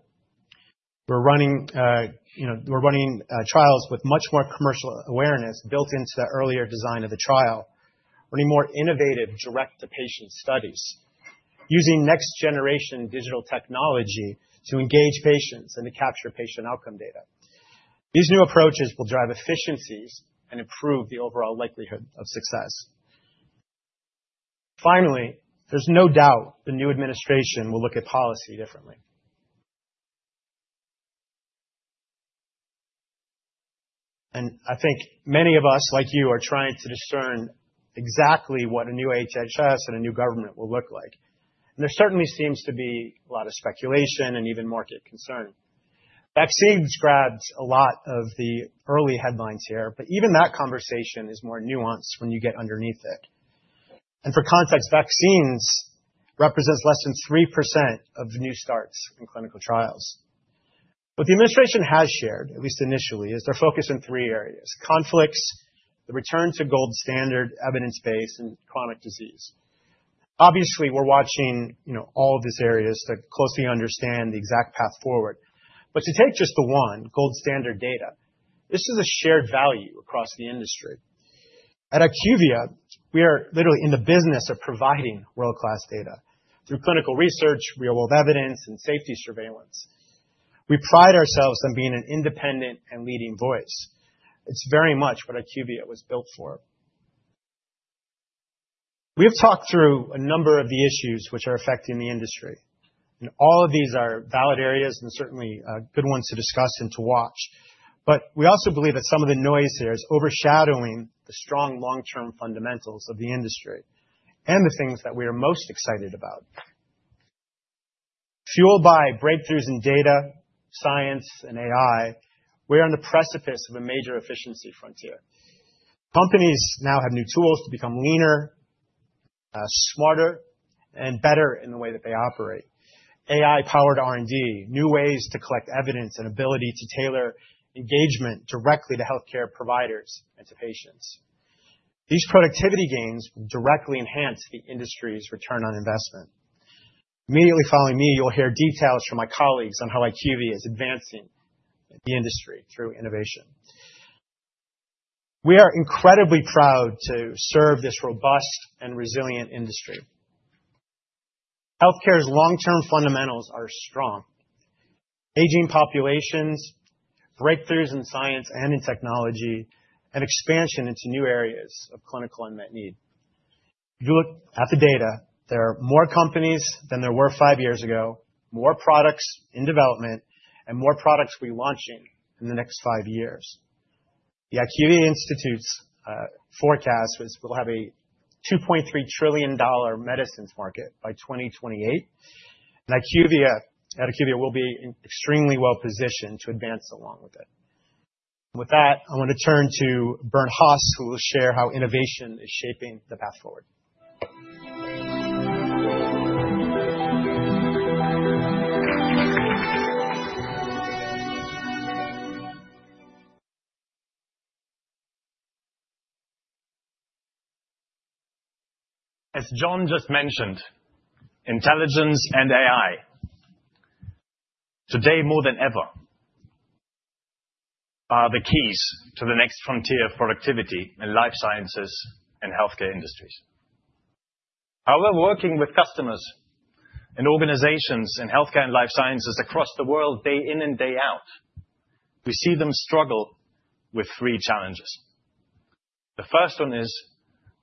We're running trials with much more commercial awareness built into the earlier design of the trial, running more innovative direct-to-patient studies, using next-generation digital technology to engage patients and to capture patient outcome data. These new approaches will drive efficiencies and improve the overall likelihood of success. Finally, there's no doubt the new administration will look at policy differently. And I think many of us, like you, are trying to discern exactly what a new HHS and a new government will look like. There certainly seems to be a lot of speculation and even market concern. Vaccines grabs a lot of the early headlines here, but even that conversation is more nuanced when you get underneath it. For context, vaccines represent less than 3% of new starts in clinical trials. What the administration has shared, at least initially, is their focus in three areas: conflicts, the return to gold standard, evidence-based, and chronic disease. Obviously, we're watching all of these areas to closely understand the exact path forward. To take just the one, gold standard data, this is a shared value across the industry. At IQVIA, we are literally in the business of providing world-class data through clinical research, real-world evidence, and safety surveillance. We pride ourselves on being an independent and leading voice. It's very much what IQVIA was built for. We have talked through a number of the issues which are affecting the industry. And all of these are valid areas and certainly good ones to discuss and to watch. But we also believe that some of the noise here is overshadowing the strong long-term fundamentals of the industry and the things that we are most excited about. Fueled by breakthroughs in data, science, and AI, we're on the precipice of a major efficiency frontier. Companies now have new tools to become leaner, smarter, and better in the way that they operate. AI-powered R&D, new ways to collect evidence, and ability to tailor engagement directly to healthcare providers and to patients. These productivity gains will directly enhance the industry's return on investment. Immediately following me, you'll hear details from my colleagues on how IQVIA is advancing the industry through innovation. We are incredibly proud to serve this robust and resilient industry. Healthcare's long-term fundamentals are strong. Aging populations, breakthroughs in science and in technology, and expansion into new areas of clinical unmet need. If you look at the data, there are more companies than there were five years ago, more products in development, and more products we're launching in the next five years. The IQVIA Institute's forecast is we'll have a $2.3 trillion medicines market by 2028, and IQVIA will be extremely well-positioned to advance along with it. With that, I want to turn to Bernd Haas, who will share how innovation is shaping the path forward. As John just mentioned, intelligence and AI, today more than ever, are the keys to the next frontier of productivity in life sciences and healthcare industries. However, working with customers and organizations in healthcare and life sciences across the world day in and day out, we see them struggle with three challenges. The first one is,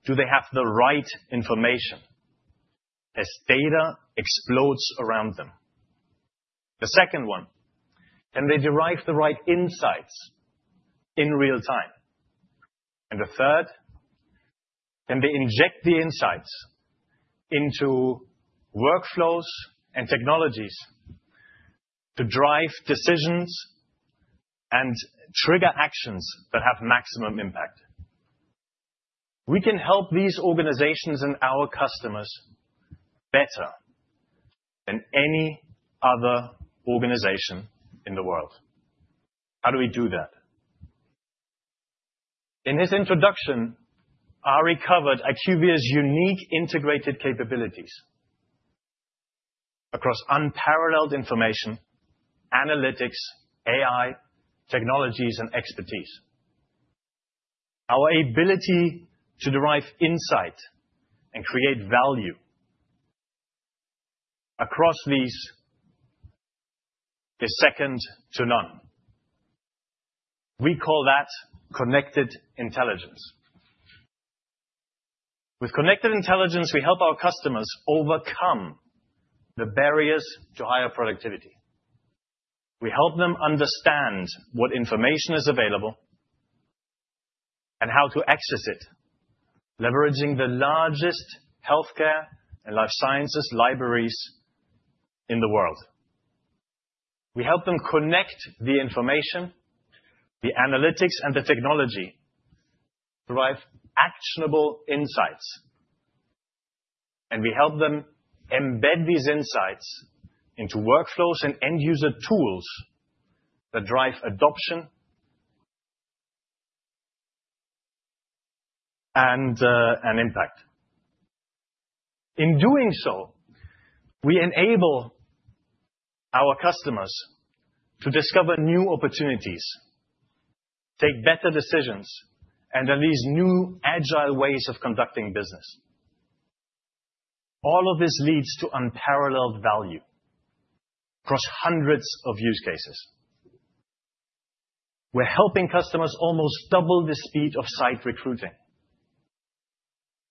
do they have the right information as data explodes around them? The second one, can they derive the right insights in real time? And the third, can they inject the insights into workflows and technologies to drive decisions and trigger actions that have maximum impact? We can help these organizations and our customers better than any other organization in the world. How do we do that? In his introduction, Ari covered IQVIA's unique integrated capabilities across unparalleled information, analytics, AI, technologies, and expertise. Our ability to derive insight and create value across these is second to none. We call that Connected Intelligence. With Connected Intelligence, we help our customers overcome the barriers to higher productivity. We help them understand what information is available and how to access it, leveraging the largest healthcare and life sciences libraries in the world. We help them connect the information, the analytics, and the technology to drive actionable insights, and we help them embed these insights into workflows and end-user tools that drive adoption and impact. In doing so, we enable our customers to discover new opportunities, take better decisions, and then these new agile ways of conducting business. All of this leads to unparalleled value across hundreds of use cases. We're helping customers almost double the speed of site recruiting.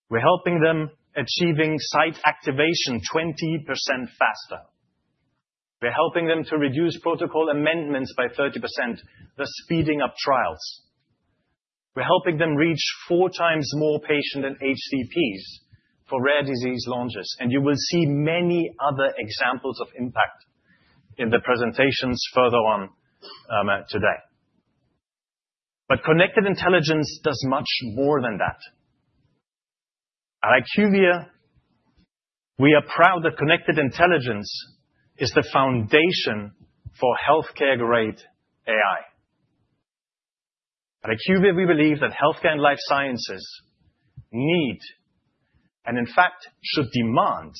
We're helping them achieving site activation 20% faster. We're helping them to reduce protocol amendments by 30%, thus speeding up trials. We're helping them reach four times more patients and HCPs for rare disease launches. You will see many other examples of impact in the presentations further on today. But Connected Intelligence does much more than that. At IQVIA, we are proud that Connected Intelligence is the foundation for healthcare-grade AI. At IQVIA, we believe that healthcare and life sciences need, and in fact, should demand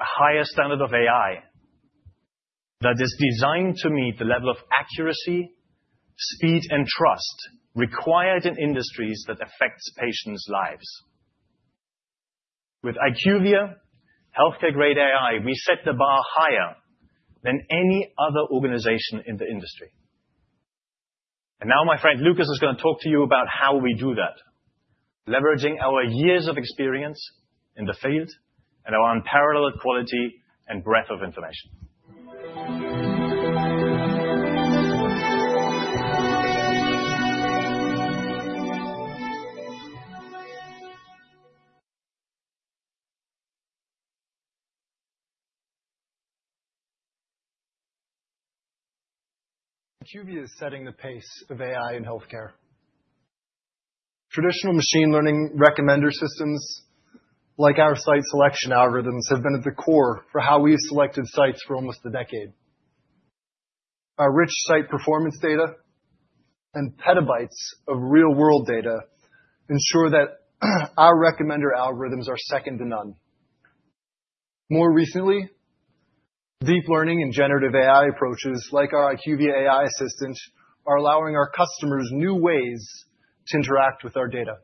a higher standard of AI that is designed to meet the level of accuracy, speed, and trust required in industries that affect patients' lives. With IQVIA healthcare-grade AI, we set the bar higher than any other organization in the industry. Now, my friend Lucas is going to talk to you about how we do that, leveraging our years of experience in the field and our unparalleled quality and breadth of information. IQVIA is setting the pace of AI in healthcare. Traditional machine learning recommender systems like our site selection algorithms have been at the core for how we've selected sites for almost a decade. Our rich site performance data and petabytes of real-world data ensure that our recommender algorithms are second to none. More recently, deep learning and generative AI approaches like our IQVIA AI Assistant are allowing our customers new ways to interact with our data.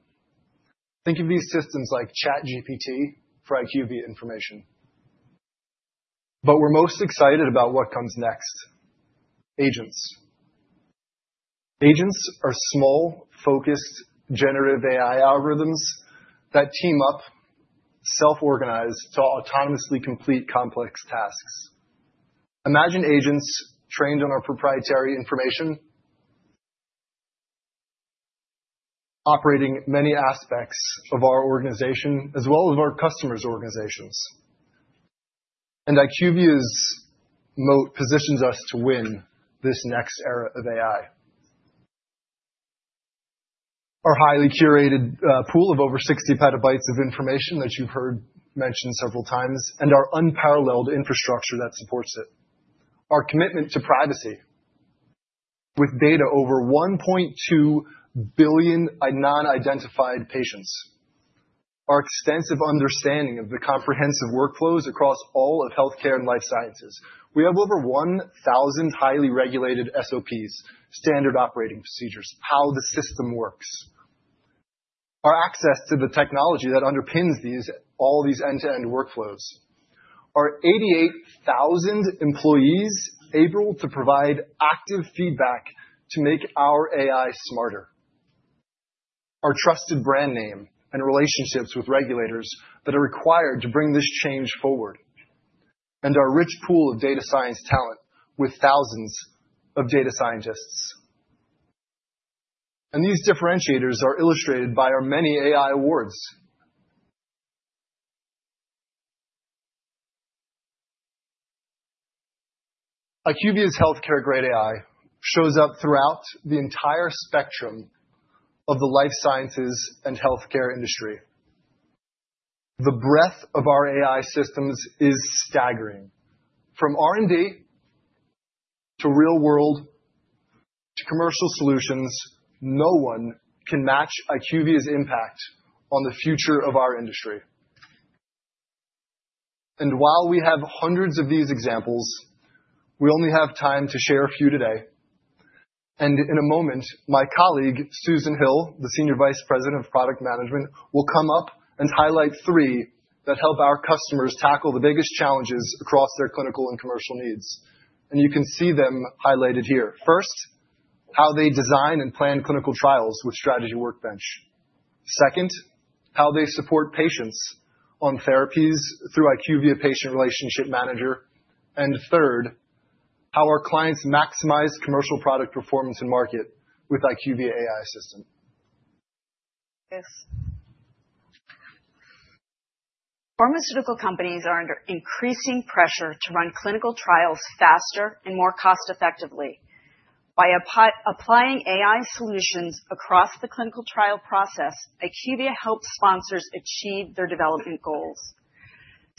Think of these systems like ChatGPT for IQVIA information. But we're most excited about what comes next: agents. Agents are small, focused generative AI algorithms that team up, self-organize to autonomously complete complex tasks. Imagine agents trained on our proprietary information, operating many aspects of our organization as well as our customers' organizations, and IQVIA's moat positions us to win this next era of AI. Our highly curated pool of over 60 petabytes of information that you've heard mentioned several times and our unparalleled infrastructure that supports it. Our commitment to privacy with data over 1.2 billion non-identified patients. Our extensive understanding of the comprehensive workflows across all of healthcare and life sciences. We have over 1,000 highly regulated SOPs, standard operating procedures, how the system works. Our access to the technology that underpins all these end-to-end workflows. Our 88,000 employees able to provide active feedback to make our AI smarter. Our trusted brand name and relationships with regulators that are required to bring this change forward, and our rich pool of data science talent with thousands of data scientists, and these differentiators are illustrated by our many AI awards. IQVIA's healthcare-grade AI shows up throughout the entire spectrum of the life sciences and healthcare industry. The breadth of our AI systems is staggering. From R&D to real-world to commercial solutions, no one can match IQVIA's impact on the future of our industry. And while we have hundreds of these examples, we only have time to share a few today. And in a moment, my colleague, Susan Hill, the Senior Vice President of Product Management, will come up and highlight three that help our customers tackle the biggest challenges across their clinical and commercial needs. And you can see them highlighted here. First, how they design and plan clinical trials with Strategy Workbench. Second, how they support patients on therapies through IQVIA Patient Relationship Manager. And third, how our clients maximize commercial product performance and market with IQVIA AI Assistant. Yes. Pharmaceutical companies are under increasing pressure to run clinical trials faster and more cost-effectively. By applying AI solutions across the clinical trial process, IQVIA helps sponsors achieve their development goals.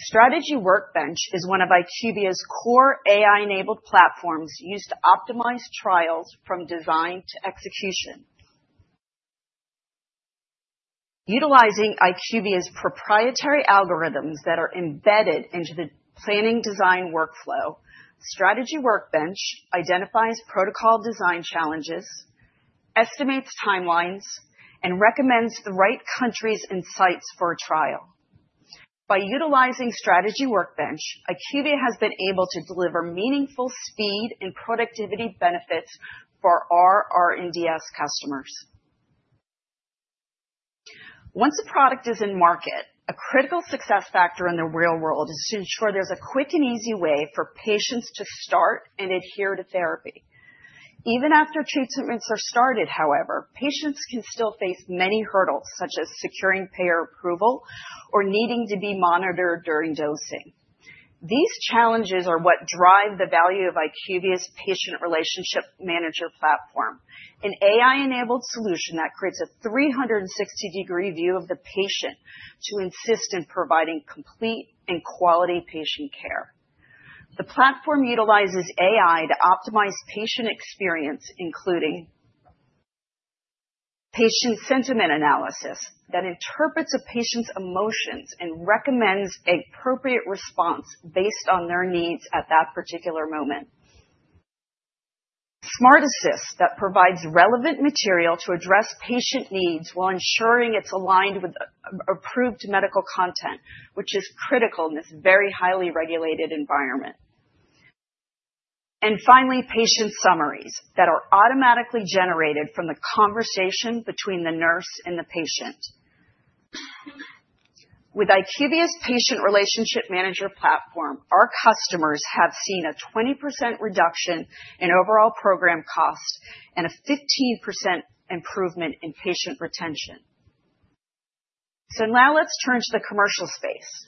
Strategy Workbench is one of IQVIA's core AI-enabled platforms used to optimize trials from design to execution. Utilizing IQVIA's proprietary algorithms that are embedded into the planning design workflow, Strategy Workbench identifies protocol design challenges, estimates timelines, and recommends the right countries and sites for a trial. By utilizing Strategy Workbench, IQVIA has been able to deliver meaningful speed and productivity benefits for our R&DS customers. Once a product is in market, a critical success factor in the real world is to ensure there's a quick and easy way for patients to start and adhere to therapy. Even after treatments are started, however, patients can still face many hurdles, such as securing payer approval or needing to be monitored during dosing. These challenges are what drive the value of IQVIA's Patient Relationship Manager platform, an AI-enabled solution that creates a 360-degree view of the patient to assist in providing complete and quality patient care. The platform utilizes AI to optimize patient experience, including patient sentiment analysis that interprets a patient's emotions and recommends an appropriate response based on their needs at that particular moment, SmartAssist that provides relevant material to address patient needs while ensuring it's aligned with approved medical content, which is critical in this very highly regulated environment, and finally, patient summaries that are automatically generated from the conversation between the nurse and the patient. With IQVIA's Patient Relationship Manager platform, our customers have seen a 20% reduction in overall program cost and a 15% improvement in patient retention. So now let's turn to the commercial space.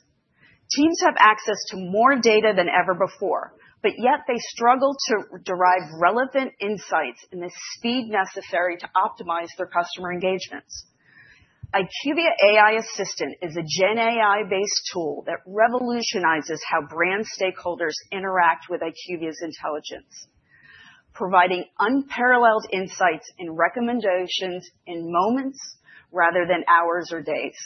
Teams have access to more data than ever before, but yet they struggle to derive relevant insights in the speed necessary to optimize their customer engagements. IQVIA AI Assistant is a GenAI-based tool that revolutionizes how brand stakeholders interact with IQVIA's intelligence, providing unparalleled insights and recommendations in moments rather than hours or days.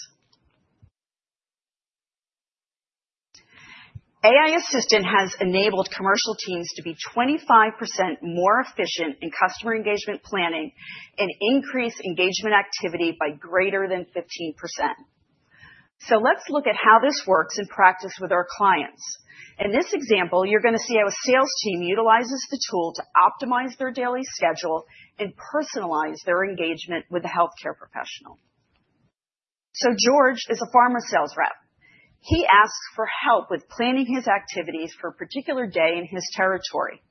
AI Assistant has enabled commercial teams to be 25% more efficient in customer engagement planning and increase engagement activity by greater than 15%. So, let's look at how this works in practice with our clients. In this example, you're going to see how a sales team utilizes the tool to optimize their daily schedule and personalize their engagement with a healthcare professional. So, George is a pharma sales rep. He asks for help with planning his activities for a particular day in his territory.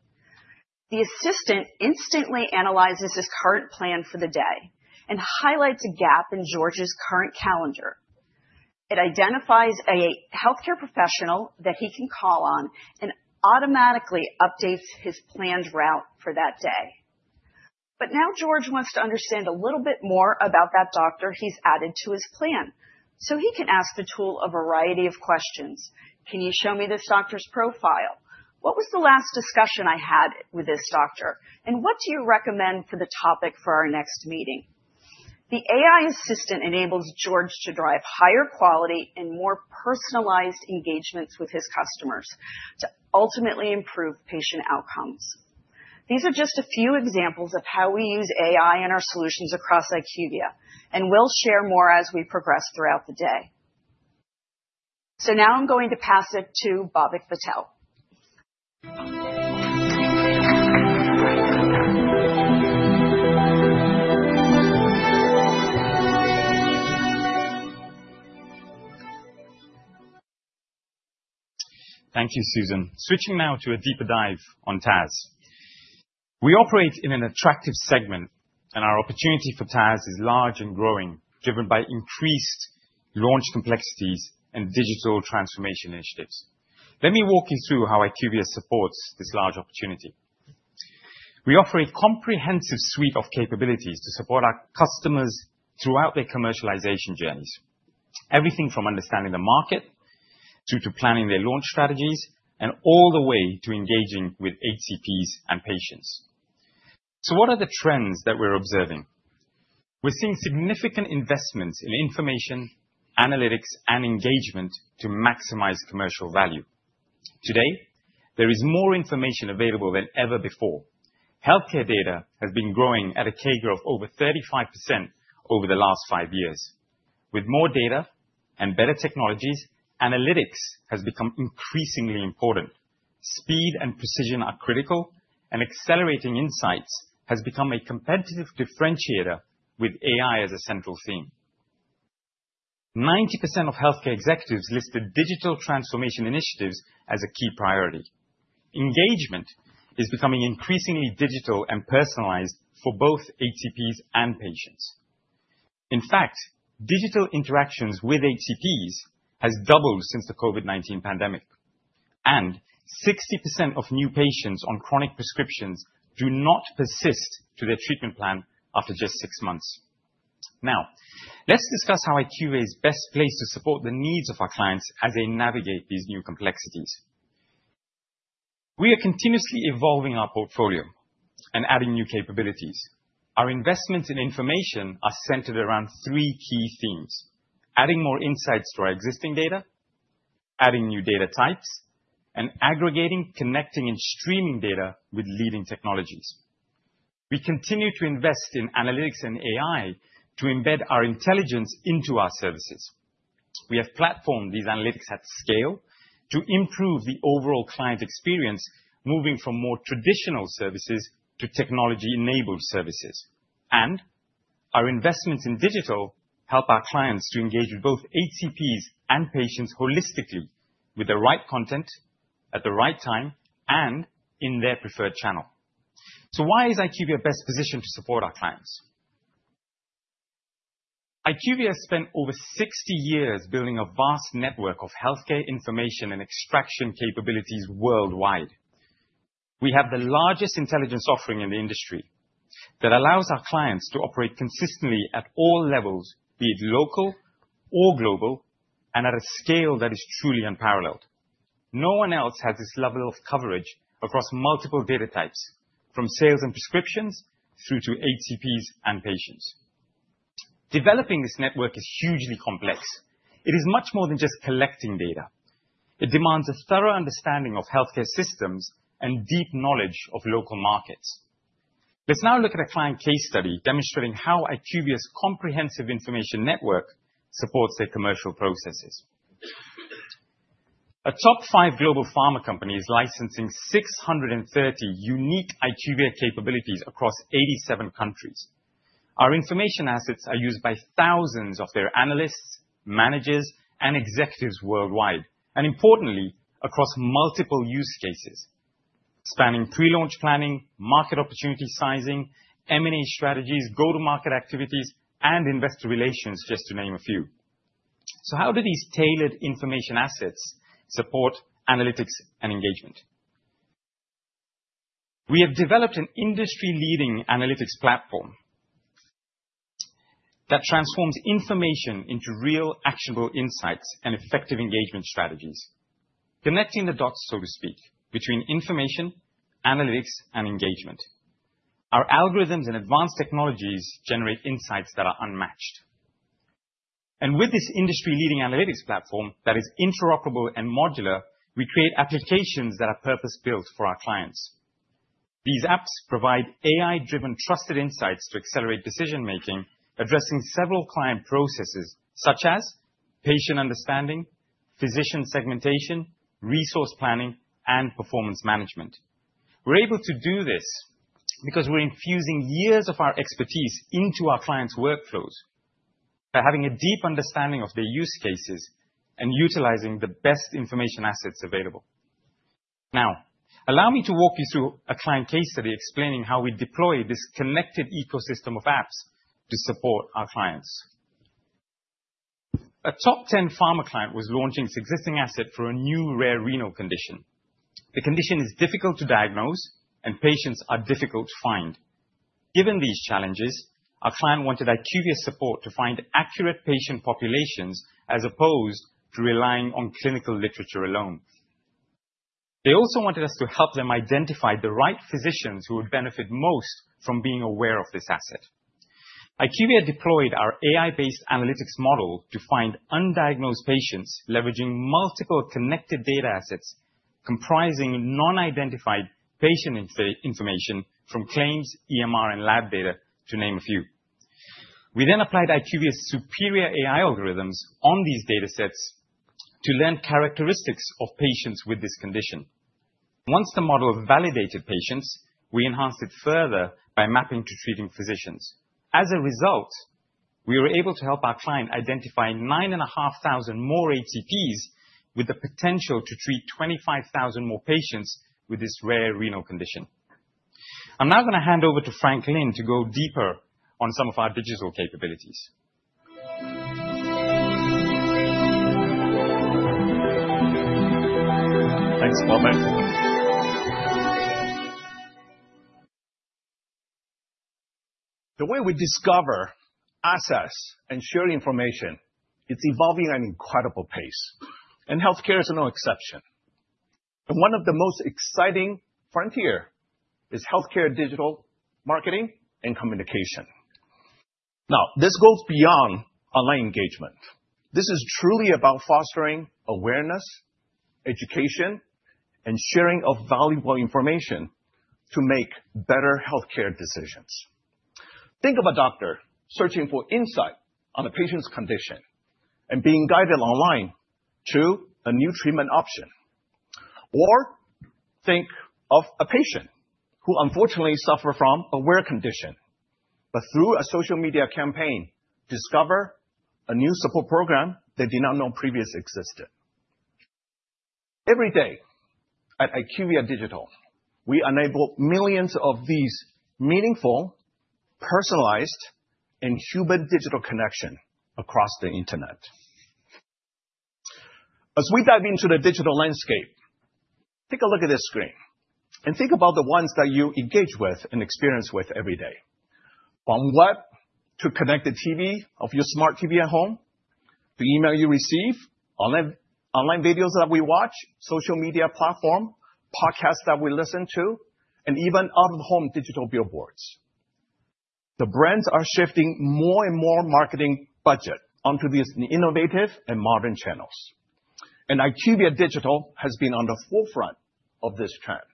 The assistant instantly analyzes his current plan for the day and highlights a gap in George's current calendar. It identifies a healthcare professional that he can call on and automatically updates his planned route for that day. But now George wants to understand a little bit more about that doctor he's added to his plan. So he can ask the tool a variety of questions. Can you show me this doctor's profile? What was the last discussion I had with this doctor? And what do you recommend for the topic for our next meeting? The AI Assistant enables George to drive higher quality and more personalized engagements with his customers to ultimately improve patient outcomes. These are just a few examples of how we use AI and our solutions across IQVIA, and we'll share more as we progress throughout the day. So now I'm going to pass it to Bhavik Patel. Thank you, Susan. Switching now to a deeper dive on TAS. We operate in an attractive segment, and our opportunity for TAS is large and growing, driven by increased launch complexities and digital transformation initiatives. Let me walk you through how IQVIA supports this large opportunity. We offer a comprehensive suite of capabilities to support our customers throughout their commercialization journeys, everything from understanding the market to planning their launch strategies, and all the way to engaging with HCPs and patients. So what are the trends that we're observing? We're seeing significant investments in information, analytics, and engagement to maximize commercial value. Today, there is more information available than ever before. Healthcare data has been growing at a CAGR of over 35% over the last five years. With more data and better technologies, analytics has become increasingly important. Speed and precision are critical, and accelerating insights have become a competitive differentiator with AI as a central theme. 90% of healthcare executives listed digital transformation initiatives as a key priority. Engagement is becoming increasingly digital and personalized for both HCPs and patients. In fact, digital interactions with HCPs have doubled since the COVID-19 pandemic, and 60% of new patients on chronic prescriptions do not persist to their treatment plan after just six months. Now, let's discuss how IQVIA is best placed to support the needs of our clients as they navigate these new complexities. We are continuously evolving our portfolio and adding new capabilities. Our investments in information are centered around three key themes: adding more insights to our existing data, adding new data types, and aggregating, connecting, and streaming data with leading technologies. We continue to invest in analytics and AI to embed our intelligence into our services. We have platformed these analytics at scale to improve the overall client experience, moving from more traditional services to technology-enabled services, and our investments in digital help our clients to engage with both HCPs and patients holistically, with the right content, at the right time, and in their preferred channel, so why is IQVIA best positioned to support our clients? IQVIA has spent over 60 years building a vast network of healthcare information and extraction capabilities worldwide. We have the largest intelligence offering in the industry that allows our clients to operate consistently at all levels, be it local or global, and at a scale that is truly unparalleled. No one else has this level of coverage across multiple data types, from sales and prescriptions through to HCPs and patients. Developing this network is hugely complex. It is much more than just collecting data. It demands a thorough understanding of healthcare systems and deep knowledge of local markets. Let's now look at a client case study demonstrating how IQVIA's comprehensive information network supports their commercial processes. A top five global pharma company is licensing 630 unique IQVIA capabilities across 87 countries. Our information assets are used by thousands of their analysts, managers, and executives worldwide, and importantly, across multiple use cases, spanning pre-launch planning, market opportunity sizing, M&A strategies, go-to-market activities, and investor relations, just to name a few. So how do these tailored information assets support analytics and engagement? We have developed an industry-leading analytics platform that transforms information into real, actionable insights and effective engagement strategies, connecting the dots, so to speak, between information, analytics, and engagement. Our algorithms and advanced technologies generate insights that are unmatched. And with this industry-leading analytics platform that is interoperable and modular, we create applications that are purpose-built for our clients. These apps provide AI-driven, trusted insights to accelerate decision-making, addressing several client processes, such as patient understanding, physician segmentation, resource planning, and performance management. We're able to do this because we're infusing years of our expertise into our clients' workflows by having a deep understanding of their use cases and utilizing the best information assets available. Now, allow me to walk you through a client case study explaining how we deploy this connected ecosystem of apps to support our clients. A top 10 pharma client was launching its existing asset for a new rare renal condition. The condition is difficult to diagnose, and patients are difficult to find. Given these challenges, our client wanted IQVIA support to find accurate patient populations as opposed to relying on clinical literature alone. They also wanted us to help them identify the right physicians who would benefit most from being aware of this asset. IQVIA deployed our AI-based analytics model to find undiagnosed patients, leveraging multiple connected data assets comprising non-identified patient information from claims, EMR, and lab data, to name a few. We then applied IQVIA's superior AI algorithms on these data sets to learn characteristics of patients with this condition. Once the model validated patients, we enhanced it further by mapping to treating physicians. As a result, we were able to help our client identify 9,500 more HCPs with the potential to treat 25,000 more patients with this rare renal condition. I'm now going to hand over to Frank Lin to go deeper on some of our digital capabilities. Thanks, Bhavik, for coming. The way we discover, assess, and share information, it's evolving at an incredible pace, and healthcare is no exception. And one of the most exciting frontiers is healthcare digital marketing and communication. Now, this goes beyond online engagement. This is truly about fostering awareness, education, and sharing of valuable information to make better healthcare decisions. Think of a doctor searching for insight on a patient's condition and being guided online to a new treatment option. Or think of a patient who unfortunately suffers from a rare condition, but through a social media campaign, discovers a new support program they did not know previously existed. Every day at IQVIA Digital, we enable millions of these meaningful, personalized, and human digital connections across the internet. As we dive into the digital landscape, take a look at this screen and think about the ones that you engage with and experience with every day. From web to connected TV of your smart TV at home, the email you receive, online videos that we watch, social media platforms, podcasts that we listen to, and even out-of-home digital billboards. The brands are shifting more and more marketing budgets onto these innovative and modern channels, and IQVIA Digital has been on the forefront of this trend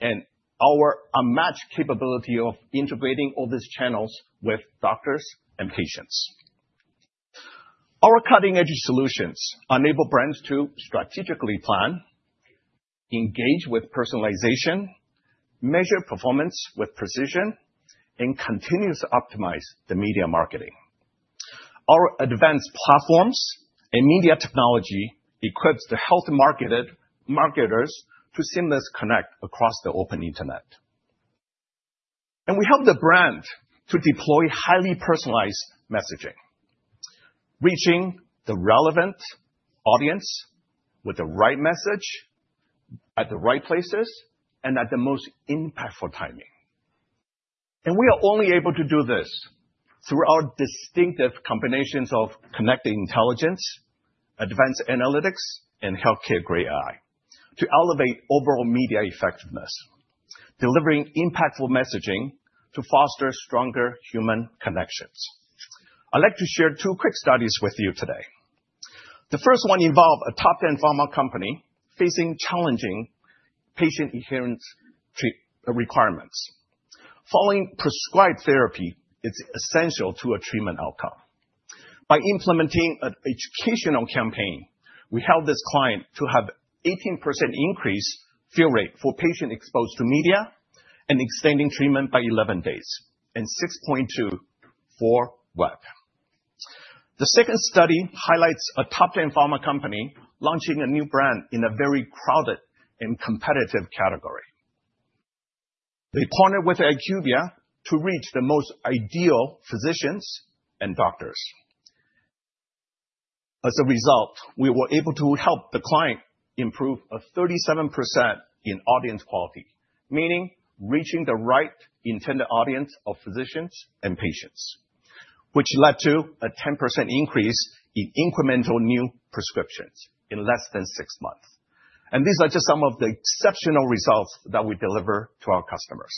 and our unmatched capability of integrating all these channels with doctors and patients. Our cutting-edge solutions enable brands to strategically plan, engage with personalization, measure performance with precision, and continuously optimize the media marketing. Our advanced platforms and media technology equip the health marketers to seamlessly connect across the open internet, and we help the brand to deploy highly personalized messaging, reaching the relevant audience with the right message at the right places and at the most impactful timing. And we are only able to do this through our distinctive combinations of connected intelligence, advanced analytics, and healthcare-grade AI to elevate overall media effectiveness, delivering impactful messaging to foster stronger human connections. I'd like to share two quick studies with you today. The first one involved a top-10 pharma company facing challenging patient adherence requirements. Following prescribed therapy, it's essential to a treatment outcome. By implementing an educational campaign, we helped this client to have an 18% increase in fill rate for patients exposed to media and extending treatment by 11 days and 6.2% for web. The second study highlights a top-10 pharma company launching a new brand in a very crowded and competitive category. They partnered with IQVIA to reach the most ideal physicians and doctors. As a result, we were able to help the client improve by 37% in audience quality, meaning reaching the right intended audience of physicians and patients, which led to a 10% increase in incremental new prescriptions in less than six months. These are just some of the exceptional results that we deliver to our customers.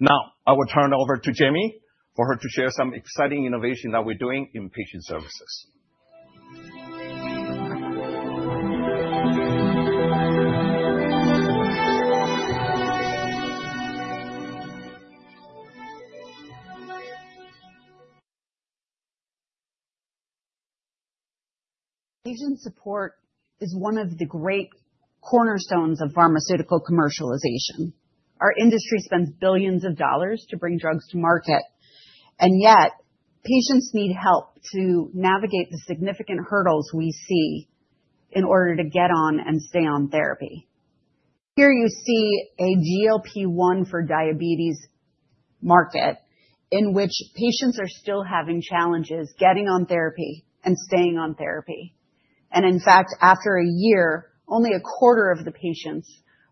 Now, I will turn it over to Jamie for her to share some exciting innovations that we're doing in patient services. Agent support is one of the great cornerstones of pharmaceutical commercialization. Our industry spends billions of dollars to bring drugs to market, and yet patients need help to navigate the significant hurdles we see in order to get on and stay on therapy. Here you see a GLP-1 for diabetes market in which patients are still having challenges getting on therapy and staying on therapy. In fact, after a year, only a quarter of the patients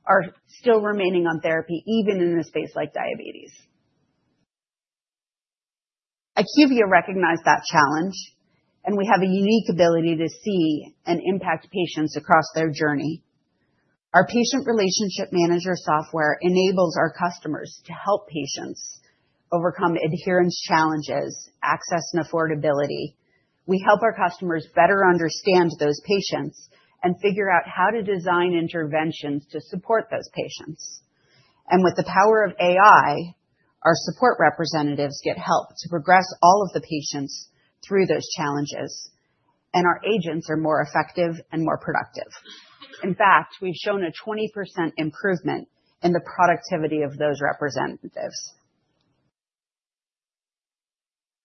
are still remaining on therapy, even in a space like diabetes. IQVIA recognized that challenge, and we have a unique ability to see and impact patients across their journey. Our patient relationship manager software enables our customers to help patients overcome adherence challenges, access, and affordability. We help our customers better understand those patients and figure out how to design interventions to support those patients. With the power of AI, our support representatives get help to progress all of the patients through those challenges, and our agents are more effective and more productive. In fact, we've shown a 20% improvement in the productivity of those representatives.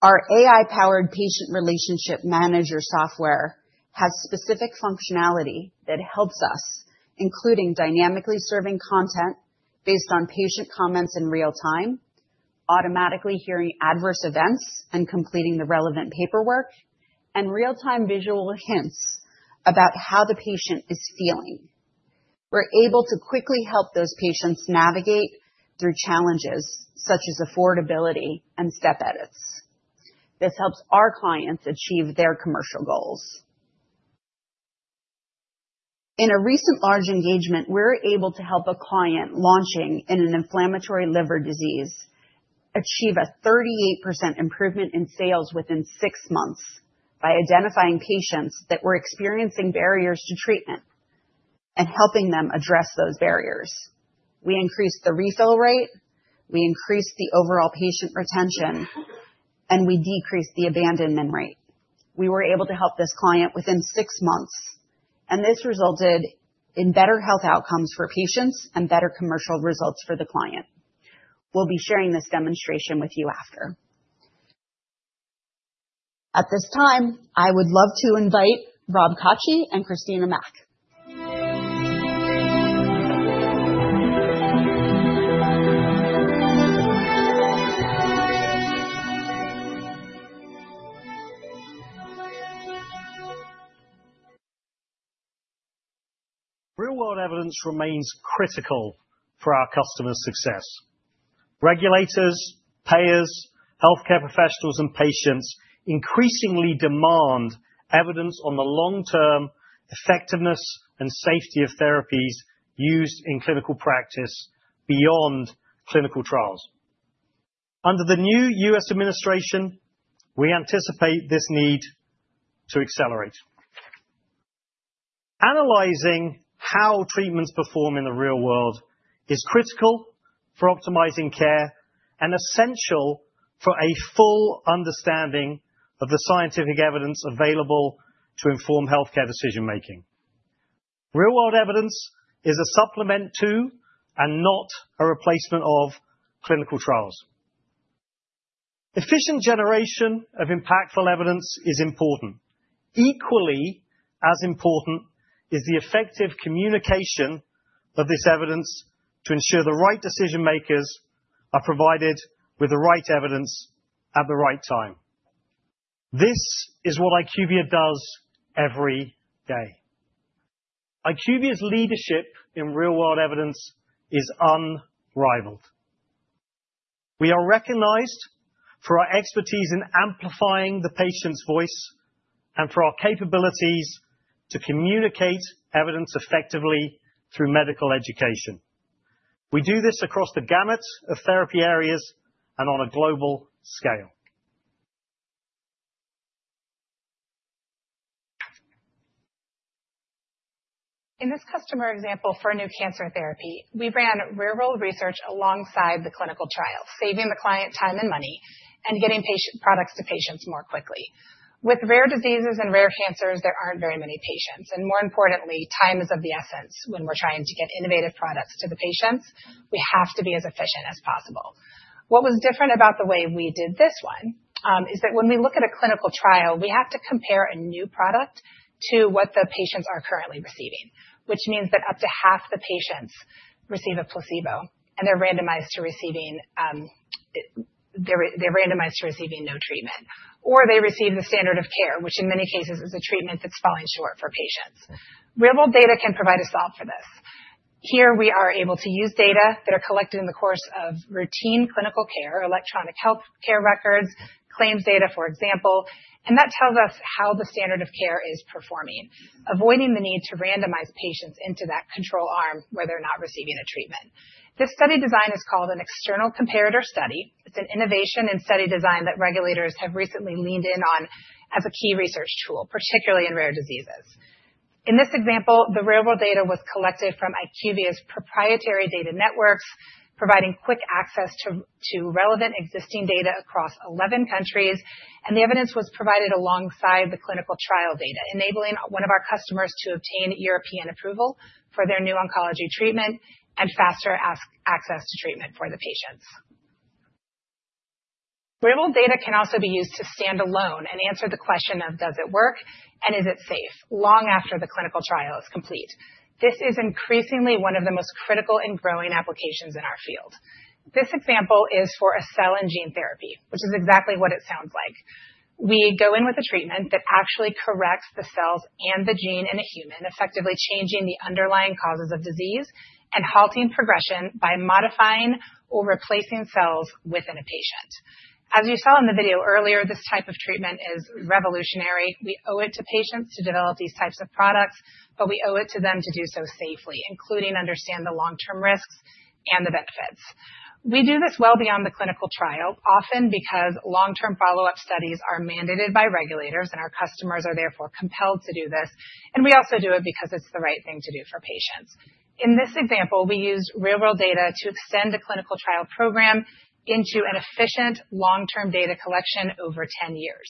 Our AI-powered patient relationship manager software has specific functionality that helps us, including dynamically serving content based on patient comments in real time, automatically hearing adverse events and completing the relevant paperwork, and real-time visual hints about how the patient is feeling. We're able to quickly help those patients navigate through challenges such as affordability and step edits. This helps our clients achieve their commercial goals. In a recent large engagement, we're able to help a client launching in an inflammatory liver disease achieve a 38% improvement in sales within six months by identifying patients that were experiencing barriers to treatment and helping them address those barriers. We increased the refill rate, we increased the overall patient retention, and we decreased the abandonment rate. We were able to help this client within six months, and this resulted in better health outcomes for patients and better commercial results for the client. We'll be sharing this demonstration with you after. At this time, I would love to invite Rob Kotchie and Christina Mack. Real-world evidence remains critical for our customer success. Regulators, payers, healthcare professionals, and patients increasingly demand evidence on the long-term effectiveness and safety of therapies used in clinical practice beyond clinical trials. Under the new U.S. administration, we anticipate this need to accelerate. Analyzing how treatments perform in the real world is critical for optimizing care and essential for a full understanding of the scientific evidence available to inform healthcare decision-making. Real-world evidence is a supplement to and not a replacement of clinical trials. Efficient generation of impactful evidence is important. Equally as important is the effective communication of this evidence to ensure the right decision-makers are provided with the right evidence at the right time. This is what IQVIA does every day. IQVIA's leadership in real-world evidence is unrivaled. We are recognized for our expertise in amplifying the patient's voice and for our capabilities to communicate evidence effectively through medical education. We do this across the gamut of therapy areas and on a global scale. In this customer example for a new cancer therapy, we ran real-world research alongside the clinical trials, saving the client time and money and getting products to patients more quickly. With rare diseases and rare cancers, there aren't very many patients, and more importantly, time is of the essence when we're trying to get innovative products to the patients. We have to be as efficient as possible. What was different about the way we did this one is that when we look at a clinical trial, we have to compare a new product to what the patients are currently receiving, which means that up to half the patients receive a placebo and they're randomized to receiving no treatment, or they receive the standard of care, which in many cases is a treatment that's falling short for patients. Real-world data can provide a solve for this. Here we are able to use data that are collected in the course of routine clinical care, electronic healthcare records, claims data, for example, and that tells us how the standard of care is performing, avoiding the need to randomize patients into that control arm where they're not receiving a treatment. This study design is called an external comparator study. It's an innovation in study design that regulators have recently leaned in on as a key research tool, particularly in rare diseases. In this example, the real-world data was collected from IQVIA's proprietary data networks, providing quick access to relevant existing data across 11 countries, and the evidence was provided alongside the clinical trial data, enabling one of our customers to obtain European approval for their new oncology treatment and faster access to treatment for the patients. Real-world data can also be used to stand alone and answer the question of, does it work and is it safe long after the clinical trial is complete? This is increasingly one of the most critical and growing applications in our field. This example is for a cell and gene therapy, which is exactly what it sounds like. We go in with a treatment that actually corrects the cells and the gene in a human, effectively changing the underlying causes of disease and halting progression by modifying or replacing cells within a patient. As you saw in the video earlier, this type of treatment is revolutionary. We owe it to patients to develop these types of products, but we owe it to them to do so safely, including understanding the long-term risks and the benefits. We do this well beyond the clinical trial, often because long-term follow-up studies are mandated by regulators and our customers are therefore compelled to do this, and we also do it because it's the right thing to do for patients. In this example, we used real-world data to extend a clinical trial program into an efficient long-term data collection over 10 years.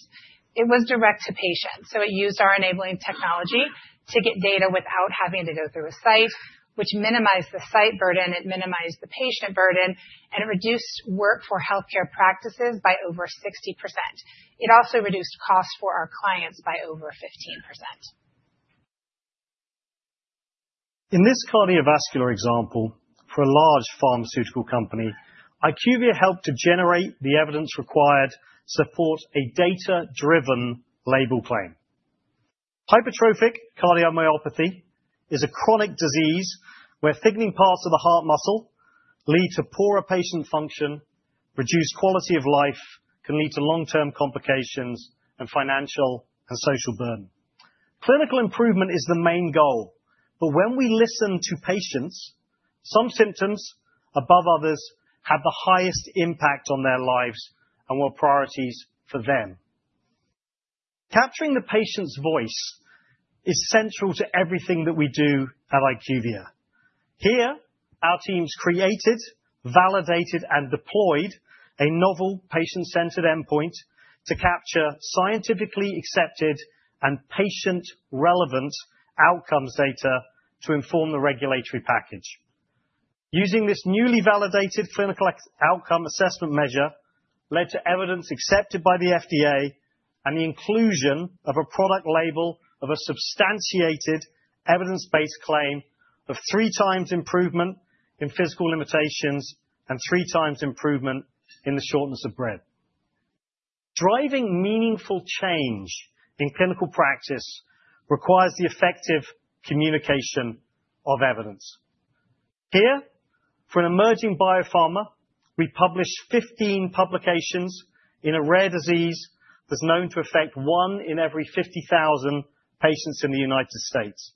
It was direct to patients, so it used our enabling technology to get data without having to go through a site, which minimized the site burden, it minimized the patient burden, and it reduced work for healthcare practices by over 60%. It also reduced costs for our clients by over 15%. In this cardiovascular example for a large pharmaceutical company, IQVIA helped to generate the evidence required to support a data-driven label claim. Hypertrophic cardiomyopathy is a chronic disease where thickening parts of the heart muscle lead to poorer patient function, reduced quality of life, can lead to long-term complications, and financial and social burden. Clinical improvement is the main goal, but when we listen to patients, some symptoms above others have the highest impact on their lives and were priorities for them. Capturing the patient's voice is central to everything that we do at IQVIA. Here, our teams created, validated, and deployed a novel patient-centered endpoint to capture scientifically accepted and patient-relevant outcomes data to inform the regulatory package. Using this newly validated clinical outcome assessment measure led to evidence accepted by the FDA and the inclusion of a product label of a substantiated evidence-based claim of three times improvement in physical limitations and three times improvement in the shortness of breath. Driving meaningful change in clinical practice requires the effective communication of evidence. Here, for an emerging biopharma, we published 15 publications in a rare disease that's known to affect one in every 50,000 patients in the United States.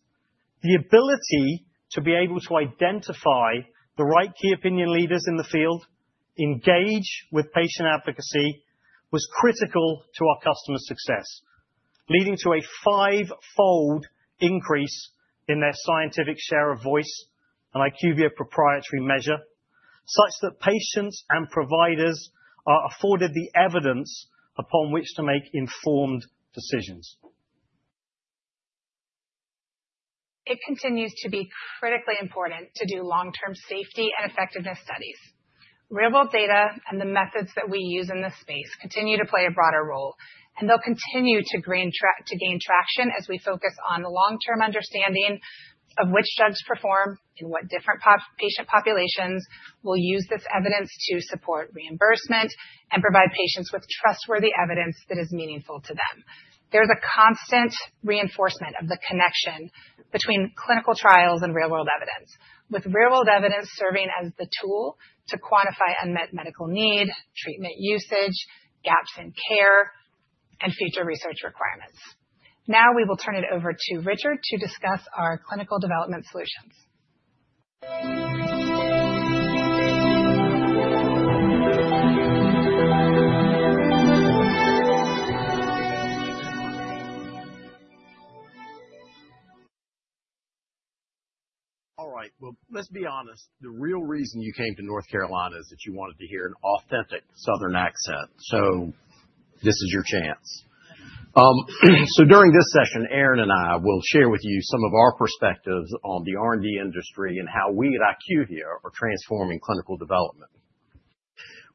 The ability to be able to identify the right key opinion leaders in the field, engage with patient advocacy was critical to our customer success, leading to a five-fold increase in their scientific share of voice and IQVIA proprietary measure, such that patients and providers are afforded the evidence upon which to make informed decisions. It continues to be critically important to do long-term safety and effectiveness studies. Real-world data and the methods that we use in this space continue to play a broader role, and they'll continue to gain traction as we focus on the long-term understanding of which drugs perform in what different patient populations. We'll use this evidence to support reimbursement and provide patients with trustworthy evidence that is meaningful to them. There's a constant reinforcement of the connection between clinical trials and real-world evidence, with real-world evidence serving as the tool to quantify unmet medical need, treatment usage, gaps in care, and future research requirements. Now we will turn it over to Richard to discuss our clinical development solutions. All right, well, let's be honest. The real reason you came to North Carolina is that you wanted to hear an authentic Southern accent, so this is your chance. So during this session, Aaron and I will share with you some of our perspectives on the R&D industry and how we at IQVIA are transforming clinical development.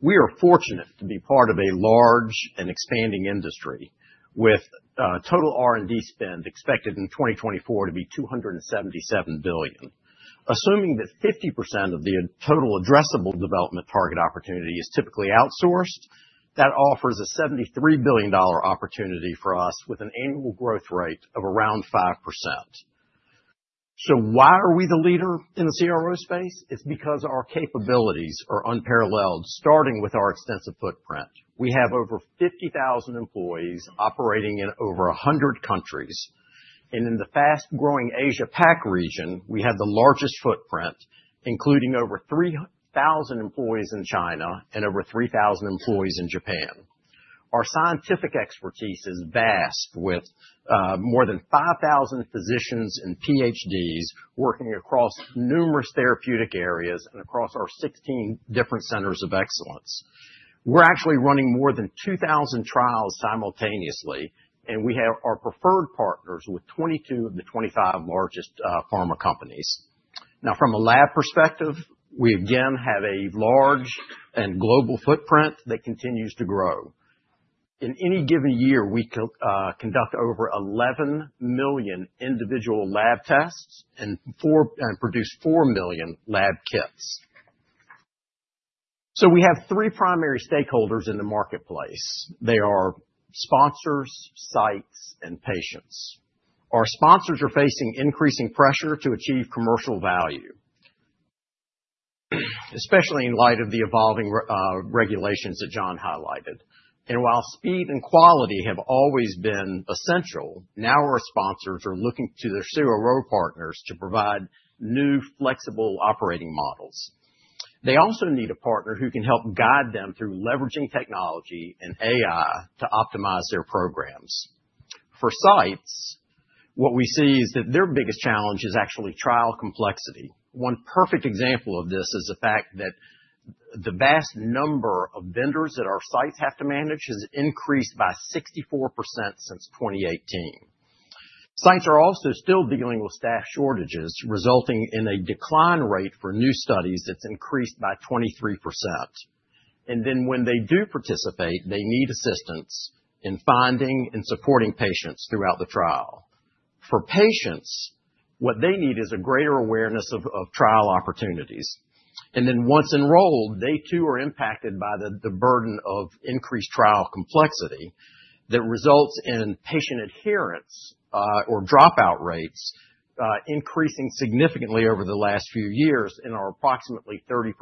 We are fortunate to be part of a large and expanding industry with total R&D spend expected in 2024 to be $277 billion. Assuming that 50% of the total addressable development target opportunity is typically outsourced, that offers a $73 billion opportunity for us with an annual growth rate of around 5%. So why are we the leader in the CRO space? It's because our capabilities are unparalleled, starting with our extensive footprint. We have over 50,000 employees operating in over 100 countries. And in the fast-growing Asia-Pac region, we have the largest footprint, including over 3,000 employees in China and over 3,000 employees in Japan. Our scientific expertise is vast, with more than 5,000 physicians and PhDs working across numerous therapeutic areas and across our 16 different centers of excellence. We're actually running more than 2,000 trials simultaneously, and we have our preferred partners with 22 of the 25 largest pharma companies. Now, from a lab perspective, we again have a large and global footprint that continues to grow. In any given year, we conduct over 11 million individual lab tests and produce 4 million lab kits, so we have three primary stakeholders in the marketplace. They are sponsors, sites, and patients. Our sponsors are facing increasing pressure to achieve commercial value, especially in light of the evolving regulations that John highlighted, and while speed and quality have always been essential, now our sponsors are looking to their CRO partners to provide new flexible operating models. They also need a partner who can help guide them through leveraging technology and AI to optimize their programs. For sites, what we see is that their biggest challenge is actually trial complexity. One perfect example of this is the fact that the vast number of vendors that our sites have to manage has increased by 64% since 2018. Sites are also still dealing with staff shortages, resulting in a decline rate for new studies that's increased by 23%. And then when they do participate, they need assistance in finding and supporting patients throughout the trial. For patients, what they need is a greater awareness of trial opportunities. And then once enrolled, they too are impacted by the burden of increased trial complexity that results in patient adherence or dropout rates increasing significantly over the last few years and are approximately 30%.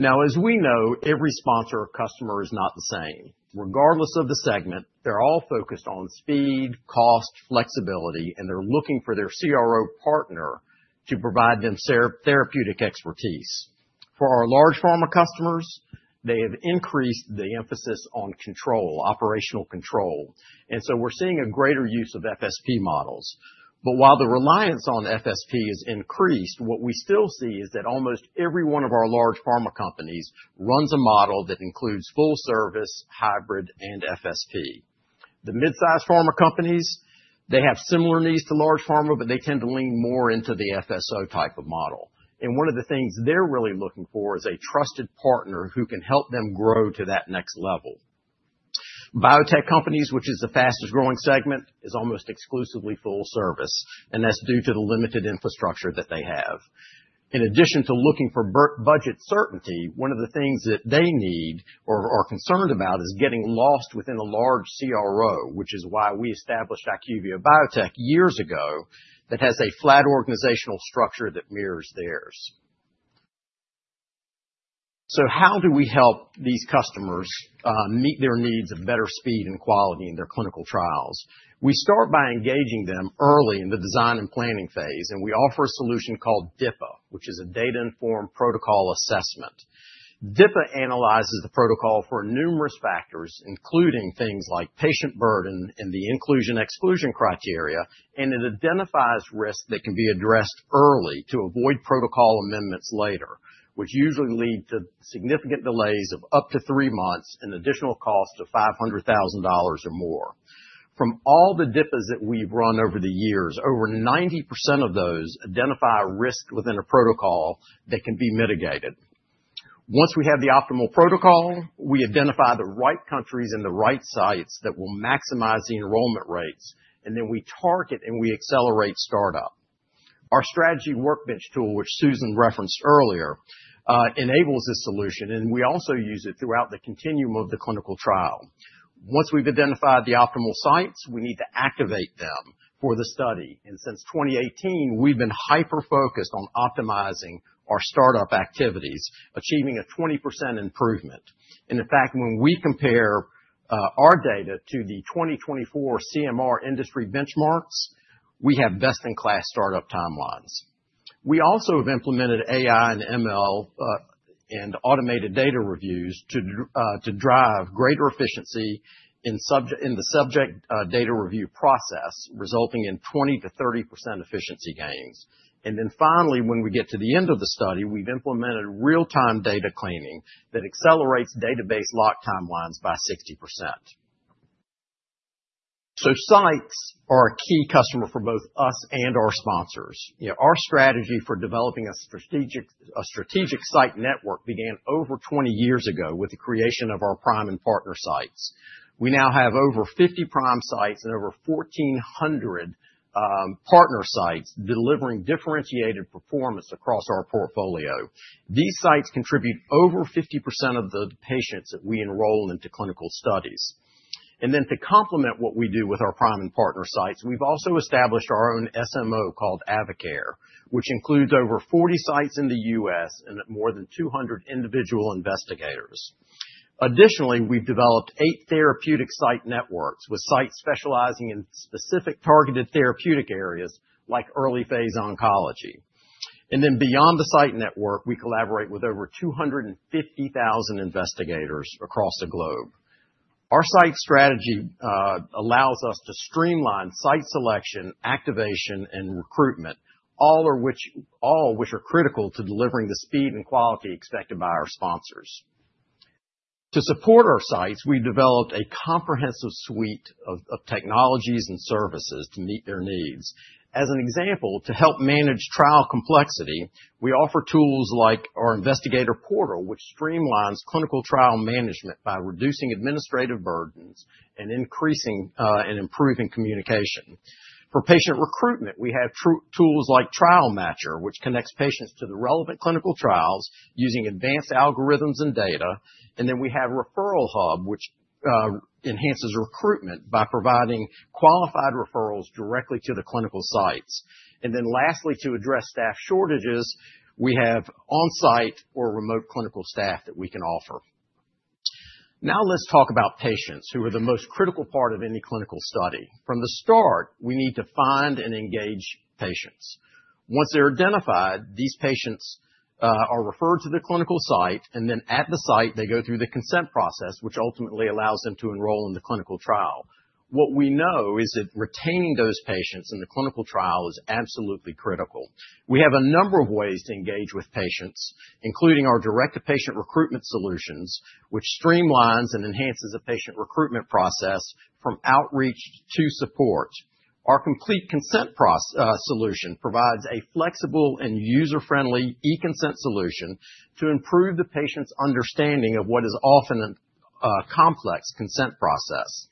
Now, as we know, every sponsor or customer is not the same. Regardless of the segment, they're all focused on speed, cost, flexibility, and they're looking for their CRO partner to provide them therapeutic expertise. For our large pharma customers, they have increased the emphasis on control, operational control. And so we're seeing a greater use of FSP models. But while the reliance on FSP is increased, what we still see is that almost every one of our large pharma companies runs a model that includes full service, hybrid, and FSP. The mid-size pharma companies, they have similar needs to large pharma, but they tend to lean more into the FSO type of model. And one of the things they're really looking for is a trusted partner who can help them grow to that next level. Biotech companies, which is the fastest growing segment, is almost exclusively full service, and that's due to the limited infrastructure that they have. In addition to looking for budget certainty, one of the things that they need or are concerned about is getting lost within a large CRO, which is why we established IQVIA Biotech years ago that has a flat organizational structure that mirrors theirs. How do we help these customers meet their needs of better speed and quality in their clinical trials? We start by engaging them early in the design and planning phase, and we offer a solution called DIPA, which is a data-informed protocol assessment. DIPA analyzes the protocol for numerous factors, including things like patient burden and the inclusion-exclusion criteria, and it identifies risks that can be addressed early to avoid protocol amendments later, which usually lead to significant delays of up to three months and additional costs of $500,000 or more. From all the DIPAs that we've run over the years, over 90% of those identify risk within a protocol that can be mitigated. Once we have the optimal protocol, we identify the right countries and the right sites that will maximize the enrollment rates, and then we target and we accelerate startup. Our Strategy Workbench tool, which Susan referenced earlier, enables this solution, and we also use it throughout the continuum of the clinical trial. Once we've identified the optimal sites, we need to activate them for the study, and since 2018, we've been hyper-focused on optimizing our startup activities, achieving a 20% improvement, and in fact, when we compare our data to the 2024 CMR industry benchmarks, we have best-in-class startup timelines. We also have implemented AI and ML and automated data reviews to drive greater efficiency in the subject data review process, resulting in 20%-30% efficiency gains, and then finally, when we get to the end of the study, we've implemented real-time data cleaning that accelerates database lock timelines by 60%, so sites are a key customer for both us and our sponsors. Our strategy for developing a strategic site network began over 20 years ago with the creation of our prime and partner sites. We now have over 50 prime sites and over 1,400 partner sites delivering differentiated performance across our portfolio. These sites contribute over 50% of the patients that we enroll into clinical studies, and then to complement what we do with our prime and partner sites, we've also established our own SMO called Avacare, which includes over 40 sites in the U.S. and more than 200 individual investigators. Additionally, we've developed eight therapeutic site networks with sites specializing in specific targeted therapeutic areas like early phase oncology, and then beyond the site network, we collaborate with over 250,000 investigators across the globe. Our site strategy allows us to streamline site selection, activation, and recruitment, all of which are critical to delivering the speed and quality expected by our sponsors. To support our sites, we've developed a comprehensive suite of technologies and services to meet their needs. As an example, to help manage trial complexity, we offer tools like our investigator portal, which streamlines clinical trial management by reducing administrative burdens and increasing and improving communication. For patient recruitment, we have tools like Trial Matcher, which connects patients to the relevant clinical trials using advanced algorithms and data. And then we have Referral Hub, which enhances recruitment by providing qualified referrals directly to the clinical sites. And then lastly, to address staff shortages, we have on-site or remote clinical staff that we can offer. Now let's talk about patients who are the most critical part of any clinical study. From the start, we need to find and engage patients. Once they're identified, these patients are referred to the clinical site, and then at the site, they go through the consent process, which ultimately allows them to enroll in the clinical trial. What we know is that retaining those patients in the clinical trial is absolutely critical. We have a number of ways to engage with patients, including our direct-to-patient recruitment solutions, which streamlines and enhances the patient recruitment process from outreach to support. Our complete consent solution provides a flexible and user-friendly e-consent solution to improve the patient's understanding of what is often a complex consent process,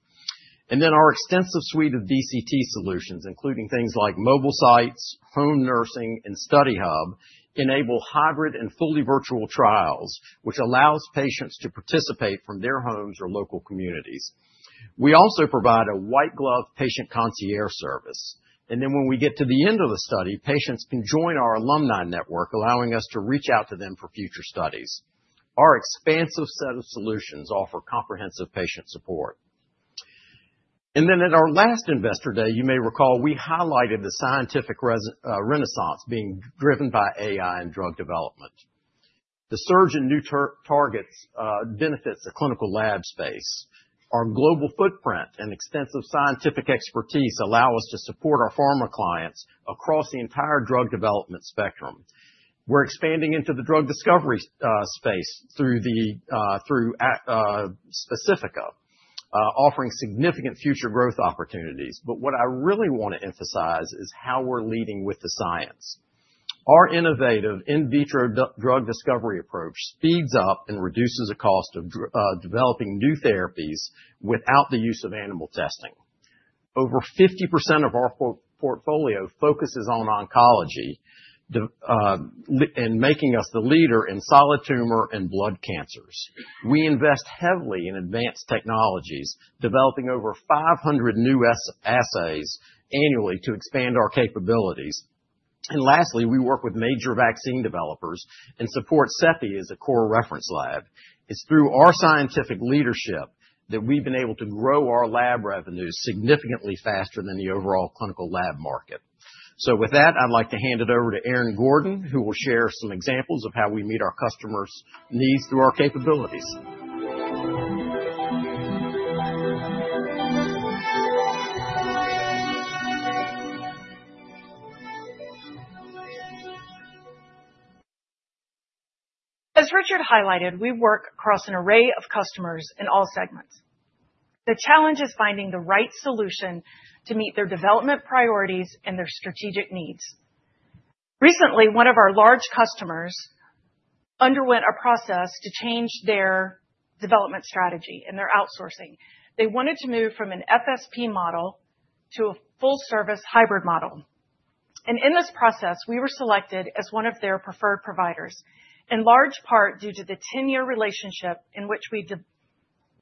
and then our extensive suite of DCT solutions, including things like mobile sites, home nursing, and Study Hub, enable hybrid and fully virtual trials, which allows patients to participate from their homes or local communities. We also provide a white-glove patient concierge service. And then when we get to the end of the study, patients can join our alumni network, allowing us to reach out to them for future studies. Our expansive set of solutions offers comprehensive patient support. And then at our last investor day, you may recall we highlighted the scientific renaissance being driven by AI and drug development. The surge in new targets benefits the clinical lab space. Our global footprint and extensive scientific expertise allow us to support our pharma clients across the entire drug development spectrum. We're expanding into the drug discovery space through Specifica, offering significant future growth opportunities. But what I really want to emphasize is how we're leading with the science. Our innovative in vitro drug discovery approach speeds up and reduces the cost of developing new therapies without the use of animal testing. Over 50% of our portfolio focuses on oncology, making us the leader in solid tumor and blood cancers. We invest heavily in advanced technologies, developing over 500 new assays annually to expand our capabilities, and lastly, we work with major vaccine developers and support CEPI as a core reference lab. It's through our scientific leadership that we've been able to grow our lab revenues significantly faster than the overall clinical lab market. So with that, I'd like to hand it over to Aaron Gordon, who will share some examples of how we meet our customers' needs through our capabilities. As Richard highlighted, we work across an array of customers in all segments. The challenge is finding the right solution to meet their development priorities and their strategic needs. Recently, one of our large customers underwent a process to change their development strategy and their outsourcing. They wanted to move from an FSP model to a full-service hybrid model, and in this process, we were selected as one of their preferred providers, in large part due to the 10-year relationship in which we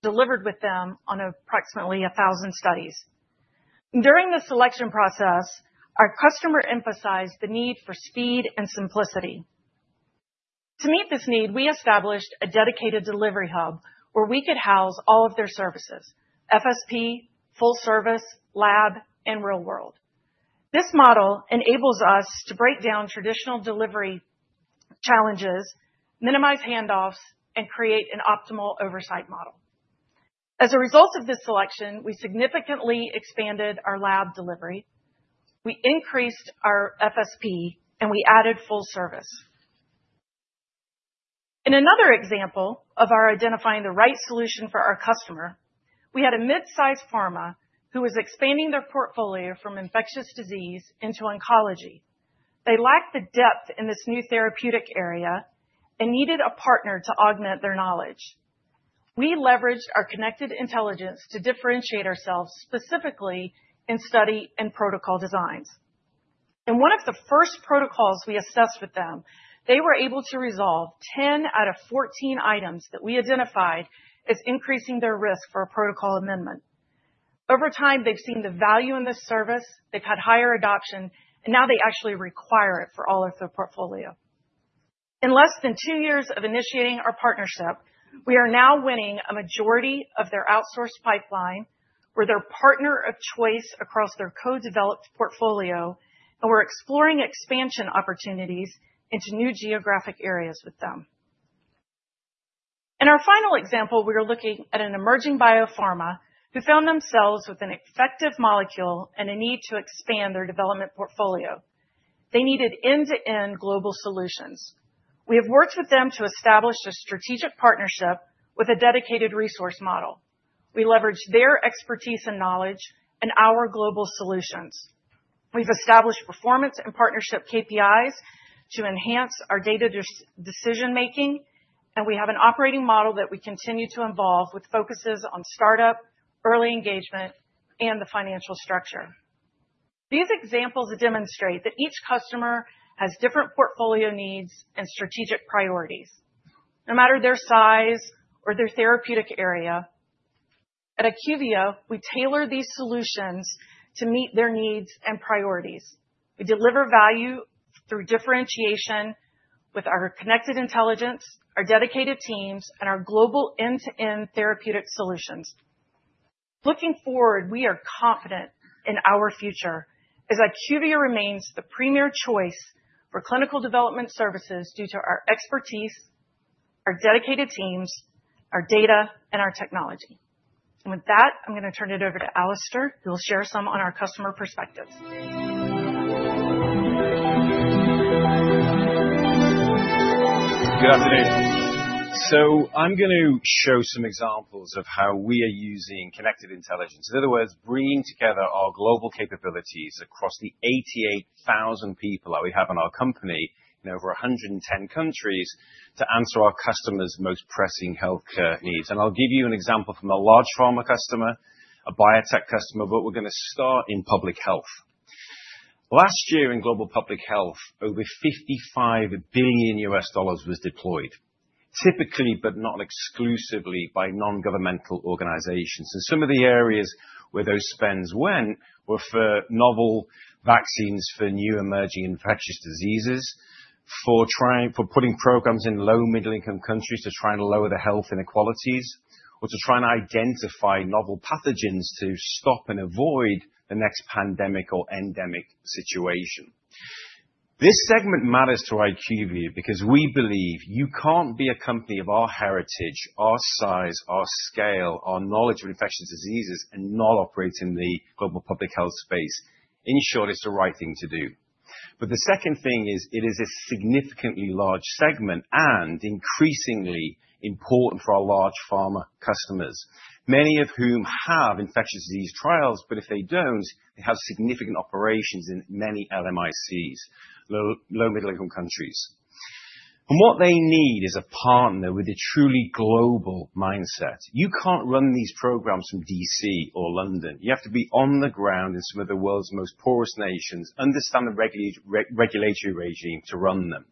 delivered with them on approximately 1,000 studies. During the selection process, our customer emphasized the need for speed and simplicity. To meet this need, we established a dedicated delivery hub where we could house all of their services: FSP, full service, lab, and real world. This model enables us to break down traditional delivery challenges, minimize handoffs, and create an optimal oversight model. As a result of this selection, we significantly expanded our lab delivery. We increased our FSP, and we added full service. In another example of our identifying the right solution for our customer, we had a mid-size pharma who was expanding their portfolio from infectious disease into oncology. They lacked the depth in this new therapeutic area and needed a partner to augment their knowledge. We leveraged our Connected Intelligence to differentiate ourselves specifically in study and protocol designs. In one of the first protocols we assessed with them, they were able to resolve 10 out of 14 items that we identified as increasing their risk for a protocol amendment. Over time, they've seen the value in this service. They've had higher adoption, and now they actually require it for all of their portfolio. In less than two years of initiating our partnership, we are now winning a majority of their outsourced pipeline. We're their partner of choice across their co-developed portfolio, and we're exploring expansion opportunities into new geographic areas with them. In our final example, we are looking at an emerging biopharma who found themselves with an effective molecule and a need to expand their development portfolio. They needed end-to-end global solutions. We have worked with them to establish a strategic partnership with a dedicated resource model. We leverage their expertise and knowledge and our global solutions. We've established performance and partnership KPIs to enhance our data decision-making, and we have an operating model that we continue to evolve with focuses on startup, early engagement, and the financial structure. These examples demonstrate that each customer has different portfolio needs and strategic priorities. No matter their size or their therapeutic area, at IQVIA, we tailor these solutions to meet their needs and priorities. We deliver value through differentiation with our connected intelligence, our dedicated teams, and our global end-to-end therapeutic solutions. Looking forward, we are confident in our future as IQVIA remains the premier choice for clinical development services due to our expertise, our dedicated teams, our data, and our technology. And with that, I'm going to turn it over to Alistair, who will share some on our customer perspectives. Good afternoon. So I'm going to show some examples of how we are using connected intelligence. In other words, bringing together our global capabilities across the 88,000 people that we have in our company in over 110 countries to answer our customers' most pressing healthcare needs. And I'll give you an example from a large pharma customer, a biotech customer, but we're going to start in public health. Last year in global public health, over $55 billion was deployed, typically, but not exclusively, by non-governmental organizations. Some of the areas where those spends went were for novel vaccines for new emerging infectious diseases, for putting programs in low-middle-income countries to try and lower the health inequalities, or to try and identify novel pathogens to stop and avoid the next pandemic or endemic situation. This segment matters to IQVIA because we believe you can't be a company of our heritage, our size, our scale, our knowledge of infectious diseases, and not operate in the global public health space. In short, it's the right thing to do. The second thing is it is a significantly large segment and increasingly important for our large pharma customers, many of whom have infectious disease trials, but if they don't, they have significant operations in many LMICs, low-middle-income countries. What they need is a partner with a truly global mindset. You can't run these programs from DC or London. You have to be on the ground in some of the world's most porous nations, understand the regulatory regime to run them.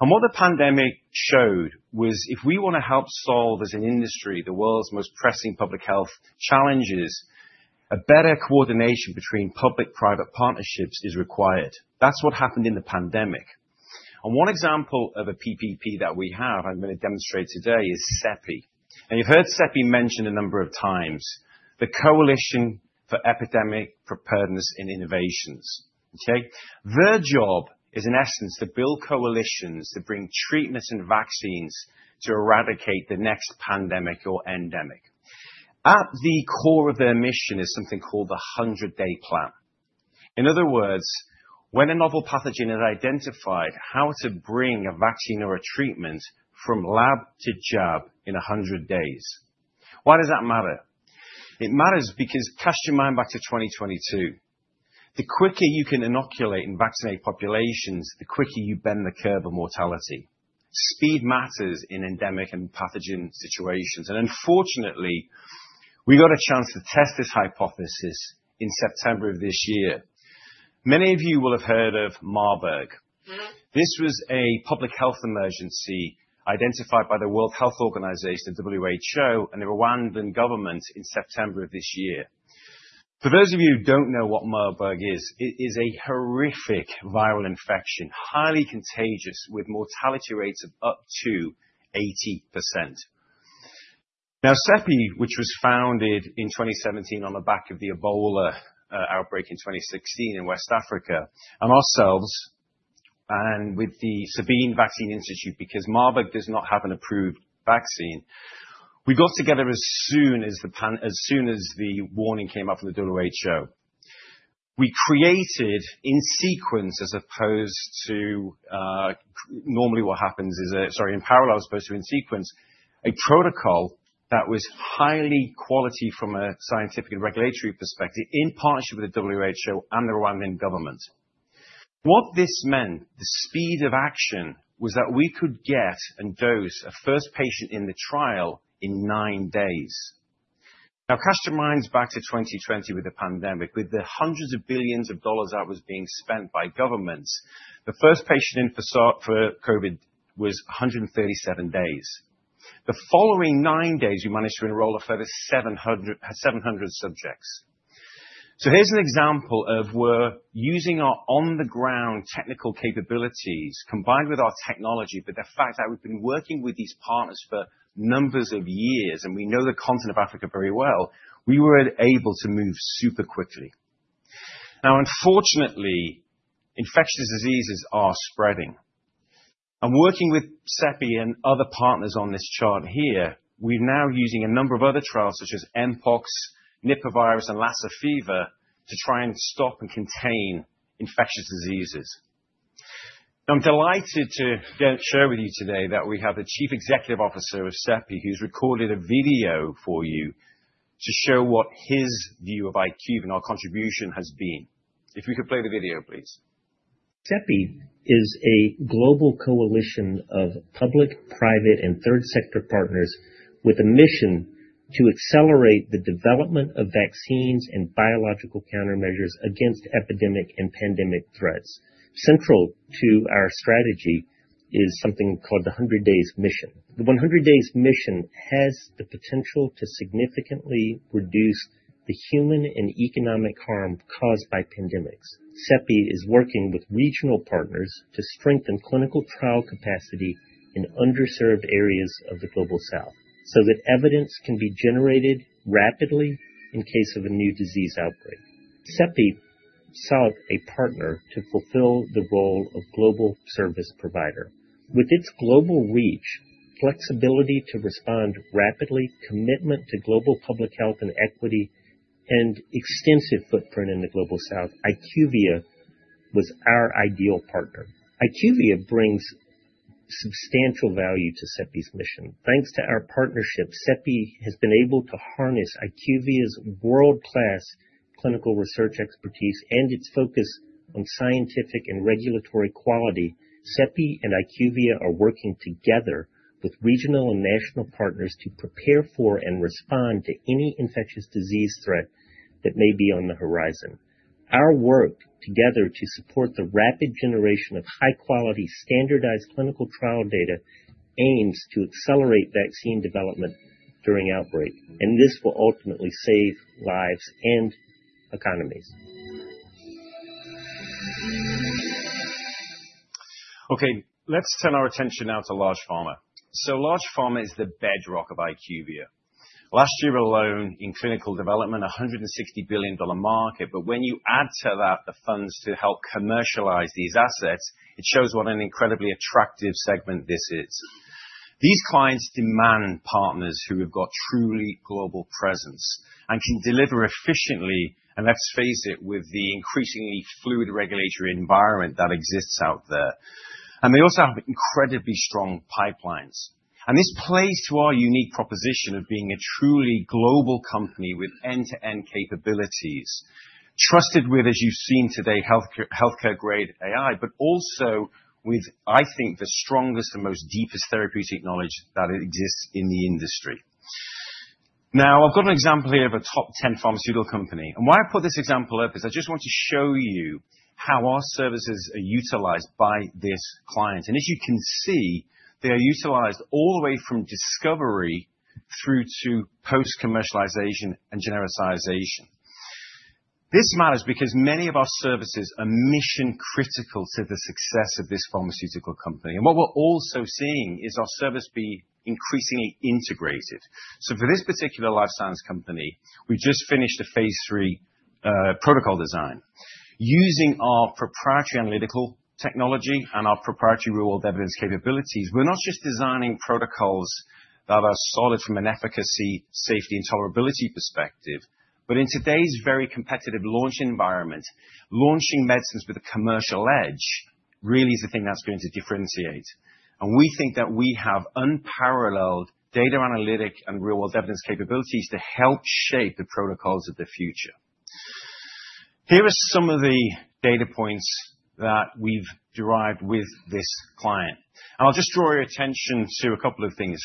And what the pandemic showed was if we want to help solve, as an industry, the world's most pressing public health challenges, a better coordination between public-private partnerships is required. That's what happened in the pandemic. And one example of a PPP that we have I'm going to demonstrate today is CEPI. And you've heard CEPI mentioned a number of times, the Coalition for Epidemic Preparedness and Innovations. Okay? Their job is, in essence, to build coalitions to bring treatments and vaccines to eradicate the next pandemic or endemic. At the core of their mission is something called the 100-day plan. In other words, when a novel pathogen is identified, how to bring a vaccine or a treatment from lab to jab in 100 days. Why does that matter? It matters because cast your mind back to 2022. The quicker you can inoculate and vaccinate populations, the quicker you bend the curve of mortality. Speed matters in endemic and pathogen situations, and unfortunately, we got a chance to test this hypothesis in September of this year. Many of you will have heard of Marburg. This was a public health emergency identified by the World Health Organization (WHO) and the Rwandan government in September of this year. For those of you who don't know what Marburg is, it is a horrific viral infection, highly contagious, with mortality rates of up to 80%. Now, CEPI, which was founded in 2017 on the back of the Ebola outbreak in 2016 in West Africa, and ourselves and with the Sabin Vaccine Institute, because Marburg does not have an approved vaccine, we got together as soon as the warning came up from the WHO. We created, in parallel, as opposed to in sequence, a protocol that was highly quality from a scientific and regulatory perspective in partnership with the WHO and the Rwandan government. What this meant, the speed of action, was that we could get and dose a first patient in the trial in nine days. Now, cast your minds back to 2020 with the pandemic, with the hundreds of billions of dollars that was being spent by governments. The first patient in for COVID was 137 days. The following nine days, we managed to enroll a further 700 subjects. So here's an example of where using our on-the-ground technical capabilities combined with our technology, but the fact that we've been working with these partners for numbers of years, and we know the continent of Africa very well, we were able to move super quickly. Now, unfortunately, infectious diseases are spreading, and working with CEPI and other partners on this chart here, we're now using a number of other trials, such as Mpox, Nipah virus, and Lassa fever, to try and stop and contain infectious diseases. I'm delighted to share with you today that we have the Chief Executive Officer of CEPI, who's recorded a video for you to show what his view of IQVIA and our contribution has been. If you could play the video, please. CEPI is a global coalition of public, private, and third-sector partners with a mission to accelerate the development of vaccines and biological countermeasures against epidemic and pandemic threats. Central to our strategy is something called the 100 Days Mission. The 100 Days Mission has the potential to significantly reduce the human and economic harm caused by pandemics. CEPI is working with regional partners to strengthen clinical trial capacity in underserved areas of the Global South so that evidence can be generated rapidly in case of a new disease outbreak. CEPI sought a partner to fulfill the role of global service provider. With its global reach, flexibility to respond rapidly, commitment to global public health and equity, and extensive footprint in the Global South, IQVIA was our ideal partner. IQVIA brings substantial value to CEPI's mission. Thanks to our partnership, CEPI has been able to harness IQVIA's world-class clinical research expertise and its focus on scientific and regulatory quality. CEPI and IQVIA are working together with regional and national partners to prepare for and respond to any infectious disease threat that may be on the horizon. Our work together to support the rapid generation of high-quality, standardized clinical trial data aims to accelerate vaccine development during outbreaks, and this will ultimately save lives and economies. Okay. Let's turn our attention now to large pharma. So large pharma is the bedrock of IQVIA. Last year alone, in clinical development, a $160 billion market. But when you add to that the funds to help commercialize these assets, it shows what an incredibly attractive segment this is. These clients demand partners who have got truly global presence and can deliver efficiently, and let's face it, with the increasingly fluid regulatory environment that exists out there. And they also have incredibly strong pipelines. And this plays to our unique proposition of being a truly global company with end-to-end capabilities, trusted with, as you've seen today, healthcare-grade AI, but also with, I think, the strongest and most deepest therapeutic knowledge that exists in the industry. Now, I've got an example here of a top 10 pharmaceutical company. And why I put this example up is I just want to show you how our services are utilized by this client. And as you can see, they are utilized all the way from discovery through to post-commercialization and genericization. This matters because many of our services are mission-critical to the success of this pharmaceutical company. And what we're also seeing is our service being increasingly integrated. So for this particular life science company, we've just finished a phase three protocol design. Using our proprietary analytical technology and our proprietary real-world evidence capabilities, we're not just designing protocols that are solid from an efficacy, safety, and tolerability perspective, but in today's very competitive launch environment, launching medicines with a commercial edge really is the thing that's going to differentiate. And we think that we have unparalleled data analytic and real-world evidence capabilities to help shape the protocols of the future. Here are some of the data points that we've derived with this client. And I'll just draw your attention to a couple of things.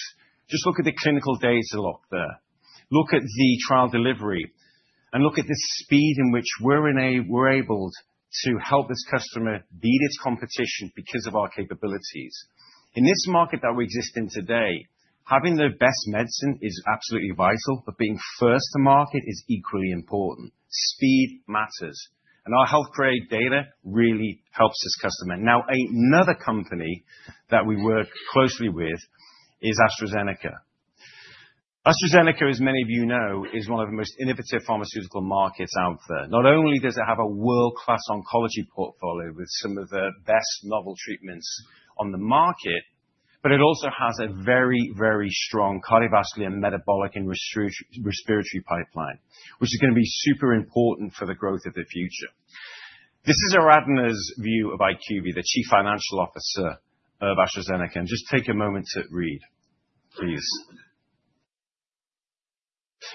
Just look at the clinical data lock there. Look at the trial delivery, and look at the speed in which we're able to help this customer beat its competition because of our capabilities. In this market that we exist in today, having the best medicine is absolutely vital, but being first to market is equally important. Speed matters, and our health-grade data really helps this customer. Now, another company that we work closely with is AstraZeneca. AstraZeneca, as many of you know, is one of the most innovative pharmaceutical markets out there. Not only does it have a world-class oncology portfolio with some of the best novel treatments on the market, but it also has a very, very strong cardiovascular and metabolic and respiratory pipeline, which is going to be super important for the growth of the future. This is Aradhana's view of IQVIA, the Chief Financial Officer of AstraZeneca, and just take a moment to read, please.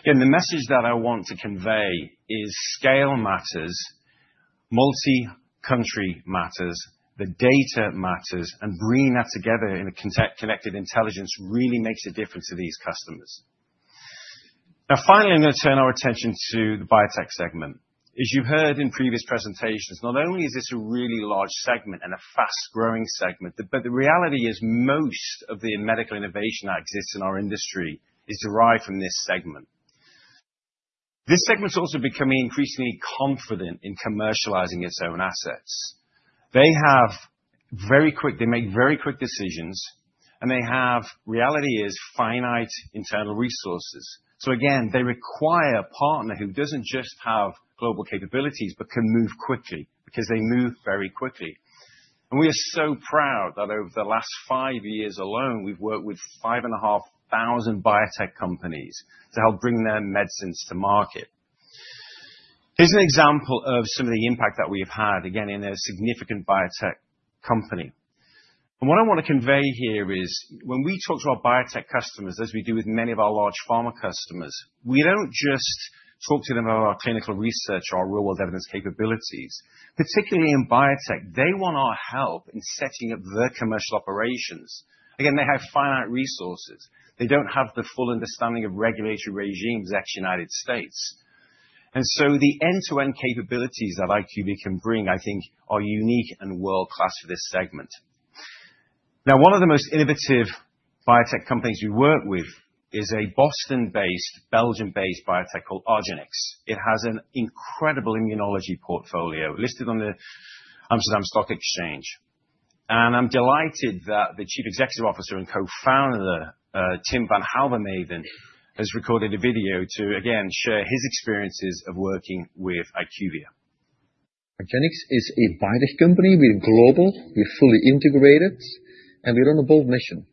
Again, the message that I want to convey is scale matters, multi-country matters, the data matters, and bringing that together in a connected intelligence really makes a difference to these customers. Now, finally, I'm going to turn our attention to the biotech segment. As you've heard in previous presentations, not only is this a really large segment and a fast-growing segment, but the reality is most of the medical innovation that exists in our industry is derived from this segment. This segment's also becoming increasingly confident in commercializing its own assets. They have very quick - they make very quick decisions, and they have - reality is finite internal resources. So again, they require a partner who doesn't just have global capabilities but can move quickly because they move very quickly. We are so proud that over the last five years alone, we've worked with five and a half thousand biotech companies to help bring their medicines to market. Here's an example of some of the impact that we have had, again, in a significant biotech company. What I want to convey here is when we talk to our biotech customers, as we do with many of our large pharma customers, we don't just talk to them about our clinical research or our real-world evidence capabilities. Particularly in biotech, they want our help in setting up their commercial operations. Again, they have finite resources. They don't have the full understanding of regulatory regimes ex-United States. So the end-to-end capabilities that IQVIA can bring, I think, are unique and world-class for this segment. Now, one of the most innovative biotech companies we work with is a Boston-based, Belgium-based biotech called Argenyx. It has an incredible immunology portfolio listed on the Amsterdam Stock Exchange. And I'm delighted that the Chief Executive Officer and co-founder, Tim Van Hauwermeiren, has recorded a video to, again, share his experiences of working with IQVIA. Argenyx is a biotech company. We're global. We're fully integrated. And we run a bold mission.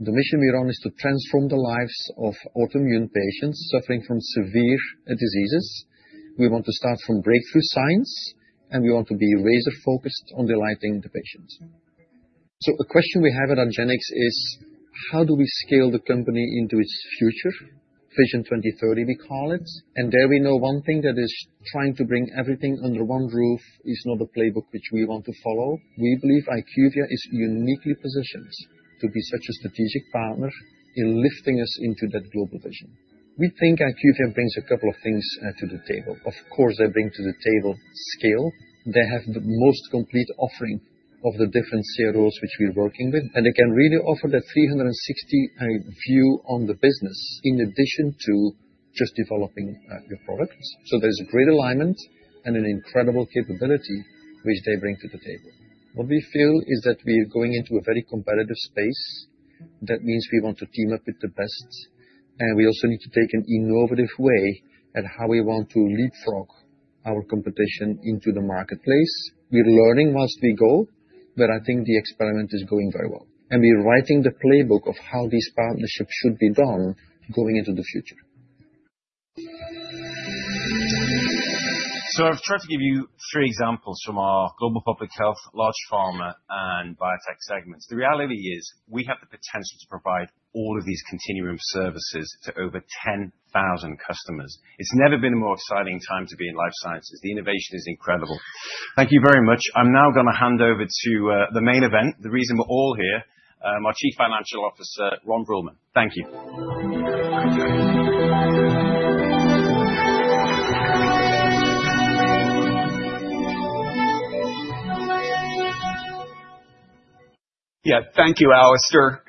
The mission we run is to transform the lives of autoimmune patients suffering from severe diseases. We want to start from breakthrough science, and we want to be laser-focused on delighting the patients. So a question we have at Argenyx is, how do we scale the company into its future? Vision 2030, we call it. And there we know one thing that is trying to bring everything under one roof is not a playbook which we want to follow. We believe IQVIA is uniquely positioned to be such a strategic partner in lifting us into that global vision. We think IQVIA brings a couple of things to the table. Of course, they bring to the table scale. They have the most complete offering of the different CROs which we're working with. And they can really offer that 360-degree view on the business in addition to just developing your products. So there's a great alignment and an incredible capability which they bring to the table. What we feel is that we're going into a very competitive space. That means we want to team up with the best. We also need to take an innovative way at how we want to leapfrog our competition into the marketplace. We're learning while we go, but I think the experiment is going very well. We're writing the playbook of how these partnerships should be done going into the future. I've tried to give you three examples from our global public health, large pharma, and biotech segments. The reality is we have the potential to provide all of these continuum services to over 10,000 customers. It's never been a more exciting time to be in life sciences. The innovation is incredible. Thank you very much. I'm now going to hand over to the main event, the reason we're all here, our Chief Financial Officer, Ron Bruehlman. Thank you. Yeah, thank you, Alistair.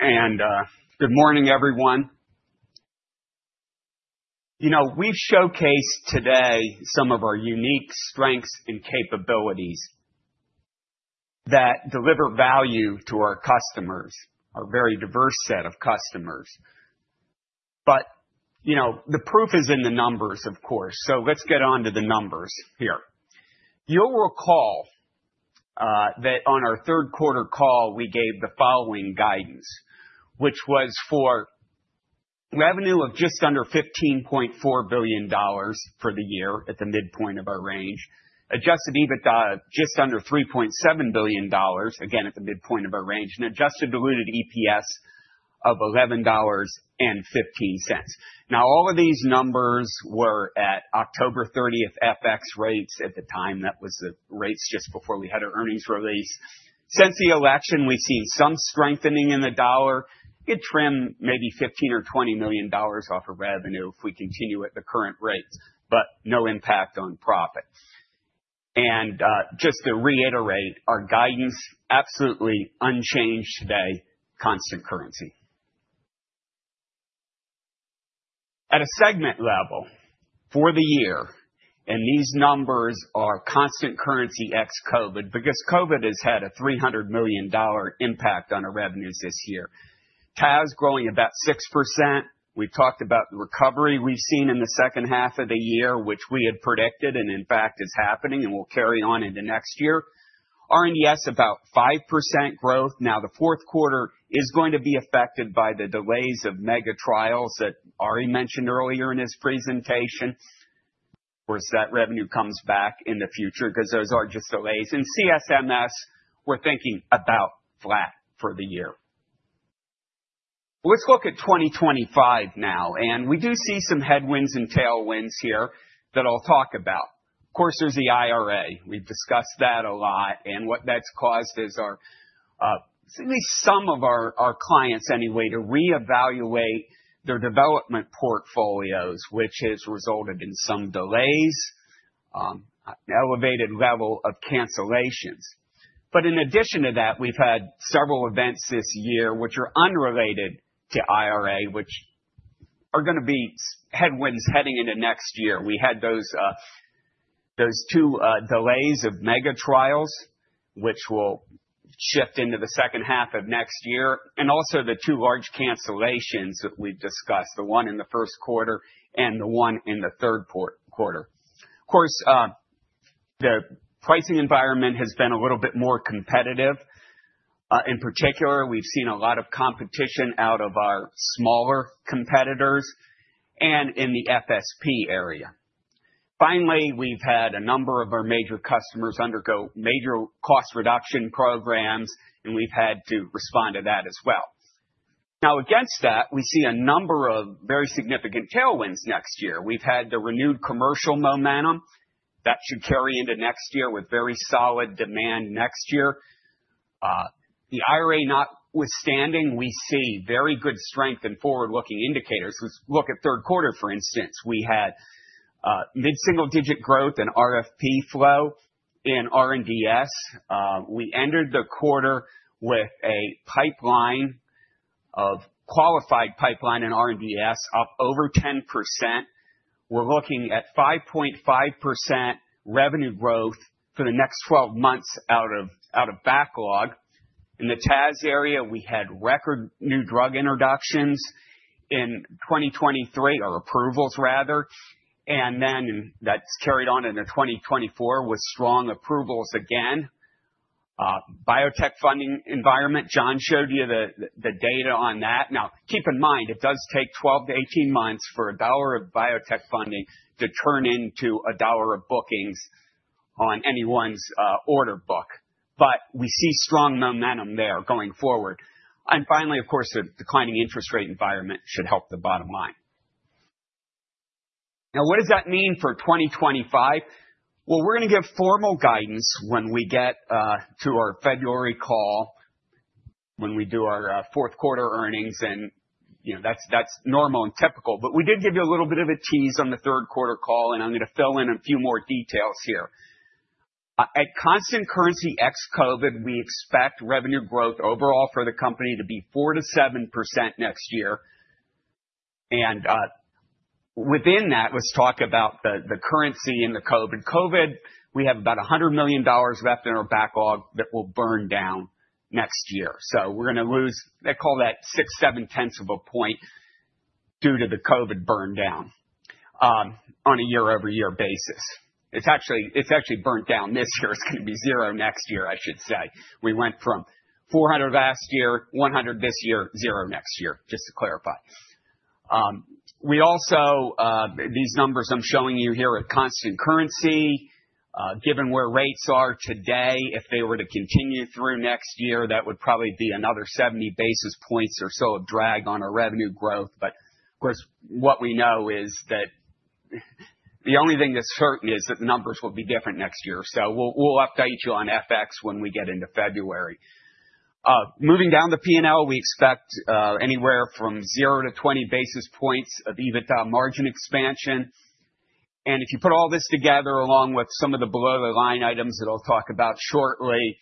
Good morning, everyone. You know, we've showcased today some of our unique strengths and capabilities that deliver value to our customers, our very diverse set of customers. But you know, the proof is in the numbers, of course. So let's get on to the numbers here. You'll recall that on our third quarter call, we gave the following guidance, which was for revenue of just under $15.4 billion for the year at the midpoint of our range, adjusted EBITDA just under $3.7 billion, again, at the midpoint of our range, and adjusted diluted EPS of $11.15. Now, all of these numbers were at October 30th FX rates at the time. That was the rates just before we had our earnings release. Since the election, we've seen some strengthening in the dollar. It'd trim maybe $15 or $20 million off of revenue if we continue at the current rates, but no impact on profit. And just to reiterate, our guidance is absolutely unchanged today, constant currency. At a segment level for the year, and these numbers are constant currency ex-COVID because COVID has had a $300 million impact on our revenues this year. TAS is growing about 6%. We've talked about the recovery we've seen in the second half of the year, which we had predicted and, in fact, is happening and will carry on into next year. R&DS is about 5% growth. Now, the fourth quarter is going to be affected by the delays of mega trials that Ari mentioned earlier in his presentation. Of course, that revenue comes back in the future because those are just delays. And CSMS, we're thinking about flat for the year. Let's look at 2025 now. And we do see some headwinds and tailwinds here that I'll talk about. Of course, there's the IRA. We've discussed that a lot. And what that's caused is our, at least some of our clients, anyway, to re-evaluate their development portfolios, which has resulted in some delays, an elevated level of cancellations. But in addition to that, we've had several events this year which are unrelated to IRA, which are going to be headwinds heading into next year. We had those two delays of mega trials, which will shift into the second half of next year, and also the two large cancellations that we've discussed, the one in the first quarter and the one in the third quarter. Of course, the pricing environment has been a little bit more competitive. In particular, we've seen a lot of competition out of our smaller competitors and in the FSP area. Finally, we've had a number of our major customers undergo major cost reduction programs, and we've had to respond to that as well. Now, against that, we see a number of very significant tailwinds next year. We've had the renewed commercial momentum that should carry into next year with very solid demand next year. The IRA notwithstanding, we see very good strength and forward-looking indicators. Let's look at third quarter, for instance. We had mid-single-digit growth in RFP flow in R&DS. We entered the quarter with a pipeline of qualified pipeline in R&DS up over 10%. We're looking at 5.5% revenue growth for the next 12 months out of backlog. In the TAS area, we had record new drug introductions in 2023, or approvals rather. And then that's carried on into 2024 with strong approvals again. Biotech funding environment. John showed you the data on that. Now, keep in mind, it does take 12-18 months for a dollar of biotech funding to turn into a dollar of bookings on anyone's order book. But we see strong momentum there going forward. And finally, of course, the declining interest rate environment should help the bottom line. Now, what does that mean for 2025? Well, we're going to give formal guidance when we get to our February call, when we do our fourth quarter earnings. And that's normal and typical. But we did give you a little bit of a tease on the third quarter call, and I'm going to fill in a few more details here. At constant currency ex-COVID, we expect revenue growth overall for the company to be 4%-7% next year. And within that, let's talk about the currency and the COVID. COVID, we have about $100 million left in our backlog that will burn down next year. So we're going to lose. I call that six, seven tenths of a point due to the COVID burndown on a year-over-year basis. It's actually burnt down this year. It's going to be zero next year, I should say. We went from $400 million last year, $100 million this year, zero next year, just to clarify. We also, these numbers I'm showing you here are constant currency. Given where rates are today, if they were to continue through next year, that would probably be another 70 basis points or so of drag on our revenue growth. But of course, what we know is that the only thing that's certain is that numbers will be different next year. So we'll update you on FX when we get into February. Moving down the P&L, we expect anywhere from 0-20 basis points of EBITDA margin expansion, and if you put all this together along with some of the below-the-line items that I'll talk about shortly,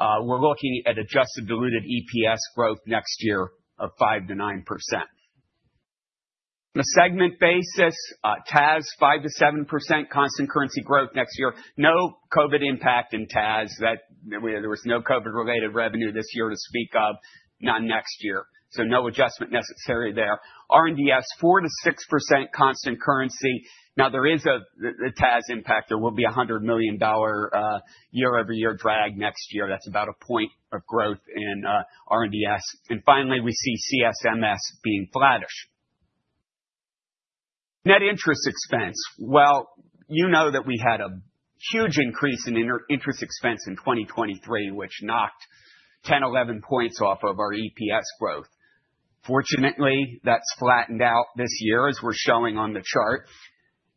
we're looking at adjusted diluted EPS growth next year of 5%-9%. The segment basis, TAS 5%-7% constant currency growth next year. No COVID impact in TAS. There was no COVID-related revenue this year to speak of, none next year. So no adjustment necessary there. R&DS 4%-6% constant currency. Now, there is a TAS impact. There will be a $100 million year-over-year drag next year. That's about a point of growth in R&DS. And finally, we see CSMS being flattish. Net interest expense, well, you know that we had a huge increase in interest expense in 2023, which knocked 10, 11 points off of our EPS growth. Fortunately, that's flattened out this year, as we're showing on the chart.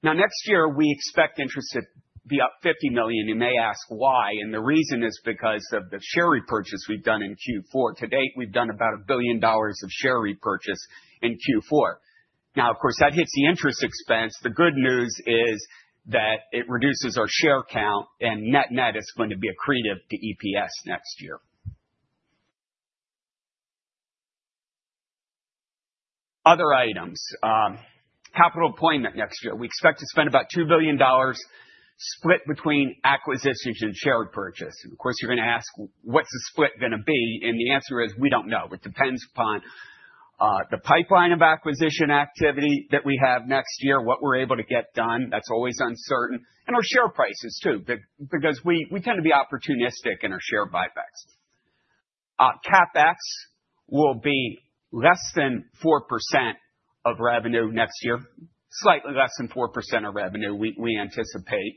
Now, next year, we expect interest to be up $50 million. You may ask why. And the reason is because of the share repurchase we've done in Q4. To date, we've done about $1 billion of share repurchase in Q4. Now, of course, that hits the interest expense. The good news is that it reduces our share count, and net-net is going to be accretive to EPS next year. Other items, capital allocation next year. We expect to spend about $2 billion split between acquisitions and share purchase. And of course, you're going to ask, what's the split going to be? And the answer is we don't know. It depends upon the pipeline of acquisition activity that we have next year, what we're able to get done. That's always uncertain. Our share prices too, because we tend to be opportunistic in our share buybacks. CapEx will be less than 4% of revenue next year, slightly less than 4% of revenue we anticipate.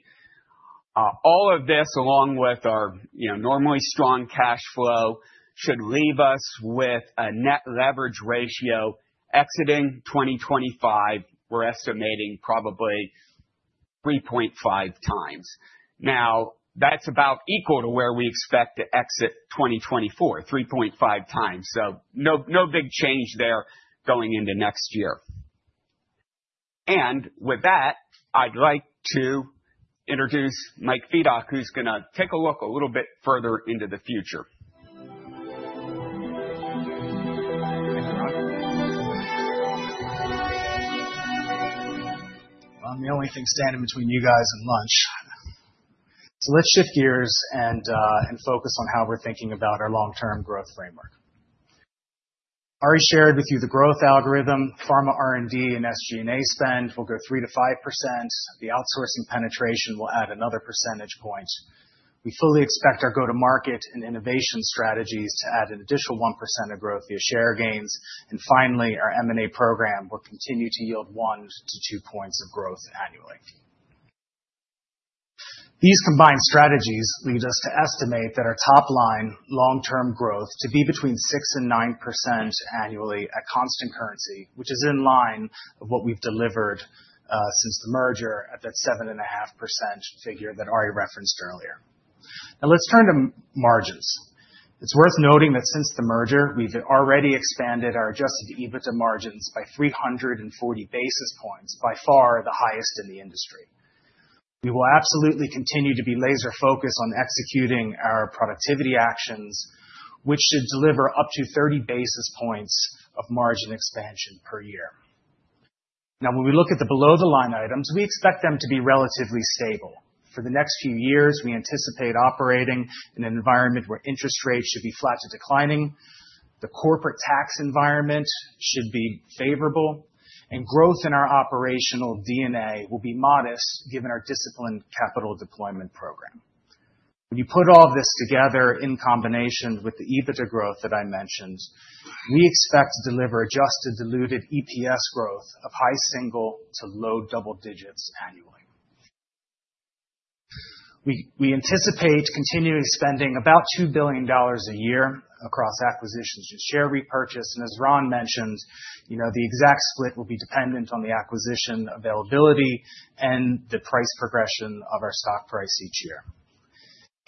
All of this, along with our normally strong cash flow, should leave us with a net leverage ratio exiting 2025. We're estimating probably 3.5 times. Now, that's about equal to where we expect to exit 2024, 3.5 times. So no big change there going into next year. And with that, I'd like to introduce Mike Fedock, who's going to take a look a little bit further into the future. I'm the only thing standing between you guys and lunch. So let's shift gears and focus on how we're thinking about our long-term growth framework. Ari shared with you the growth algorithm, pharma R&D, and SG&A spend will go 3%-5%. The outsourcing penetration will add another percentage point. We fully expect our go-to-market and innovation strategies to add an additional 1% of growth via share gains. And finally, our M&A program will continue to yield 1-2 points of growth annually. These combined strategies lead us to estimate that our top-line long-term growth to be between 6 and 9% annually at constant currency, which is in line with what we've delivered since the merger at that 7.5% figure that Ari referenced earlier. Now, let's turn to margins. It's worth noting that since the merger, we've already expanded our adjusted EBITDA margins by 340 basis points, by far the highest in the industry. We will absolutely continue to be laser-focused on executing our productivity actions, which should deliver up to 30 basis points of margin expansion per year. Now, when we look at the below-the-line items, we expect them to be relatively stable. For the next few years, we anticipate operating in an environment where interest rates should be flat to declining. The corporate tax environment should be favorable. And growth in our operational DNA will be modest given our disciplined capital deployment program. When you put all of this together in combination with the EBITDA growth that I mentioned, we expect to deliver adjusted diluted EPS growth of high single to low double digits annually. We anticipate continuing spending about $2 billion a year across acquisitions and share repurchase. And as Ron mentioned, the exact split will be dependent on the acquisition availability and the price progression of our stock price each year.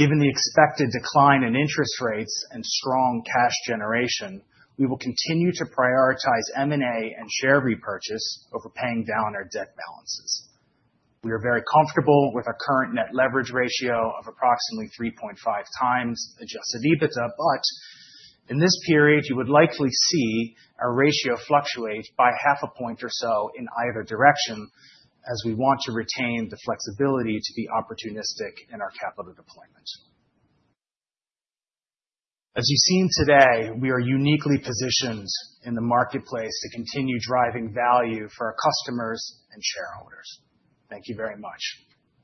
Given the expected decline in interest rates and strong cash generation, we will continue to prioritize M&A and share repurchase over paying down our debt balances. We are very comfortable with our current net leverage ratio of approximately 3.5 times adjusted EBITDA. But in this period, you would likely see our ratio fluctuate by half a point or so in either direction as we want to retain the flexibility to be opportunistic in our capital deployment. As you've seen today, we are uniquely positioned in the marketplace to continue driving value for our customers and shareholders. Thank you very much.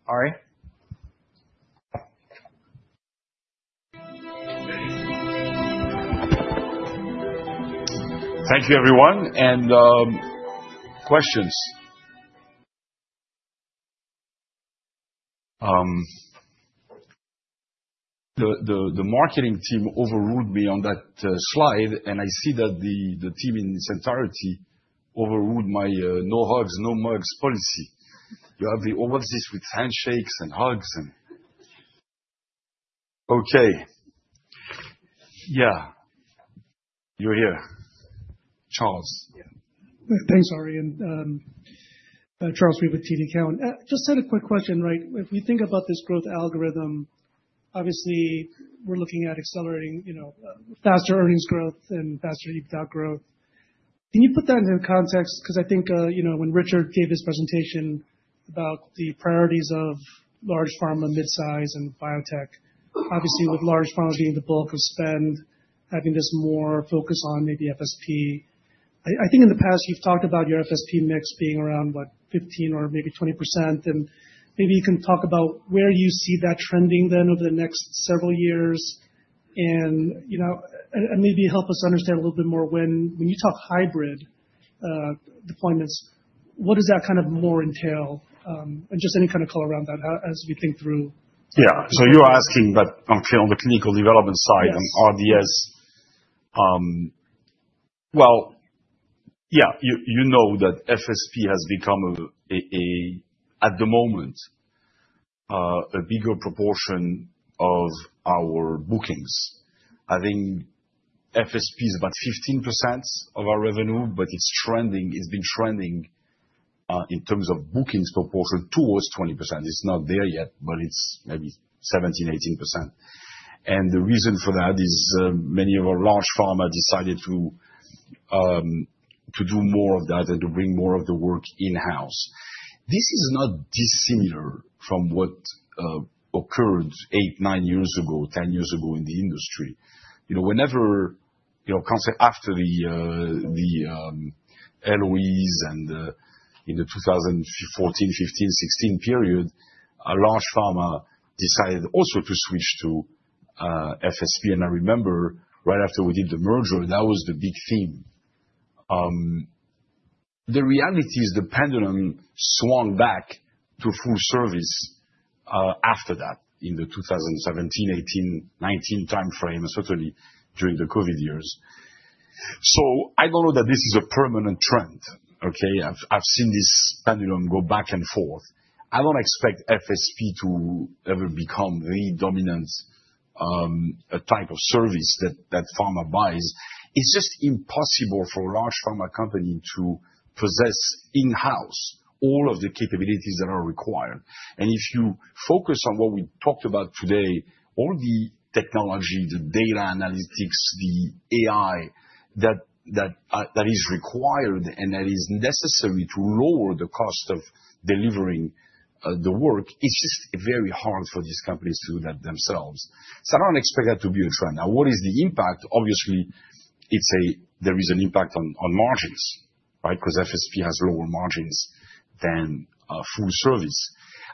Ari. Thank you, everyone. And questions. The marketing team overruled me on that slide, and I see that the team in its entirety overruled my no hugs, no mugs policy. You have the overseas with handshakes and hugs and. Okay. Yeah. You're here. Charles. Thanks, Ari. Charles, we have a TD Cowen. Just had a quick question, right? If we think about this growth algorithm, obviously, we're looking at accelerating faster earnings growth and faster EBITDA growth. Can you put that into context? Because I think when Richard gave his presentation about the priorities of large pharma, mid-size, and biotech, obviously, with large pharma being the bulk of spend, having this more focus on maybe FSP. I think in the past, you've talked about your FSP mix being around, what, 15% or maybe 20%. And maybe you can talk about where you see that trending then over the next several years. And maybe help us understand a little bit more when you talk hybrid deployments, what does that kind of more entail? And just any kind of color around that as we think through. Yeah. So, you're asking about the clinical development side and R&DS. Well, yeah, you know that FSP has become, at the moment, a bigger proportion of our bookings. I think FSP is about 15% of our revenue, but it's trending. It's been trending in terms of bookings proportion towards 20%. It's not there yet, but it's maybe 17%-18%. And the reason for that is many of our large pharma decided to do more of that and to bring more of the work in-house. This is not dissimilar from what occurred eight, nine years ago, 10 years ago in the industry. Whenever, after the LOEs and in the 2014, 2015, 2016 period, a large pharma decided also to switch to FSP. And I remember right after we did the merger, that was the big theme. The reality is the pendulum swung back to full service after that in the 2017, 2018, 2019 timeframe, especially during the COVID years. So I don't know that this is a permanent trend. Okay? I've seen this pendulum go back and forth. I don't expect FSP to ever become a dominant type of service that pharma buys. It's just impossible for a large pharma company to possess in-house all of the capabilities that are required. And if you focus on what we talked about today, all the technology, the data analytics, the AI that is required and that is necessary to lower the cost of delivering the work, it's just very hard for these companies to do that themselves. So I don't expect that to be a trend. Now, what is the impact? Obviously, there is an impact on margins, right? Because FSP has lower margins than full service.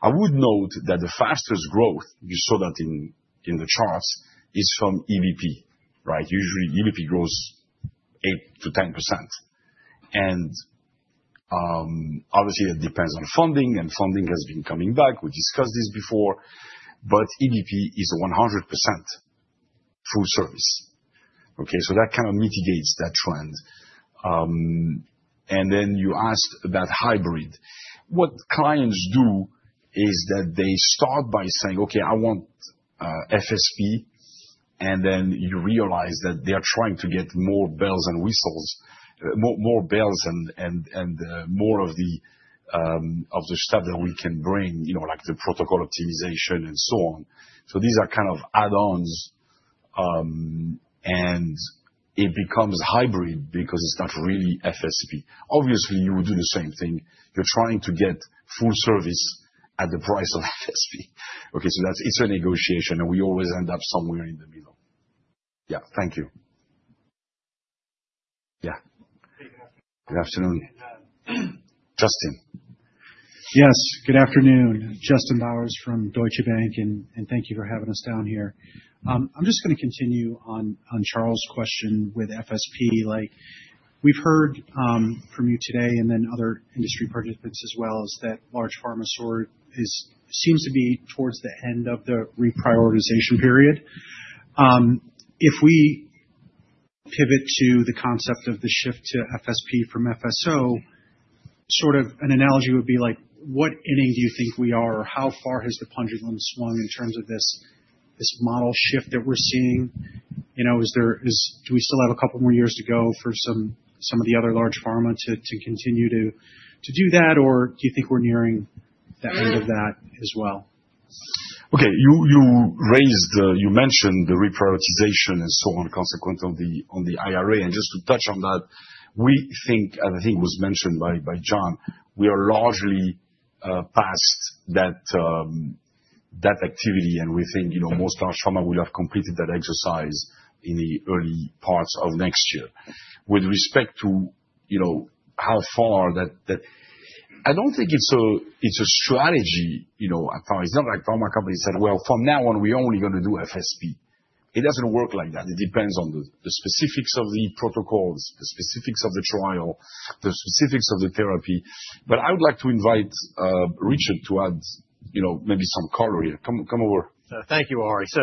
I would note that the fastest growth, you saw that in the charts, is from EBP, right? Usually, EBP grows 8%-10%. And obviously, that depends on funding, and funding has been coming back. We discussed this before, but EBP is 100% full service. Okay? So that kind of mitigates that trend, and then you asked about hybrid. What clients do is that they start by saying, "Okay, I want FSP," and then you realize that they are trying to get more bells and whistles, more bells and more of the stuff that we can bring, like the protocol optimization and so on, so these are kind of add-ons, and it becomes hybrid because it's not really FSP. Obviously, you would do the same thing. You're trying to get full service at the price of FSP. Okay? So it's a negotiation, and we always end up somewhere in the middle. Yeah. Thank you. Yeah. Good afternoon. Justin. Yes. Good afternoon. Justin Bowers from Deutsche Bank, and thank you for having us down here. I'm just going to continue on Charles' question with FSP. We've heard from you today and then other industry participants as well that large pharma sort of seems to be towards the end of the reprioritization period. If we pivot to the concept of the shift to FSP from FSO, sort of an analogy would be like, what inning do you think we are? How far has the pendulum swung in terms of this model shift that we're seeing? Do we still have a couple more years to go for some of the other large pharma to continue to do that, or do you think we're nearing the end of that as well? Okay. You mentioned the reprioritization and so on consequent on the IRA, and just to touch on that, we think, and I think was mentioned by John, we are largely past that activity, and we think most large pharma will have completed that exercise in the early parts of next year. With respect to how far that, I don't think it's a strategy. It's not like pharma companies said, "Well, from now on, we're only going to do FSP." It depends on the specifics of the protocols, the specifics of the trial, the specifics of the therapy, but I would like to invite Richard to add maybe some color here. Come over. Thank you, Ari. So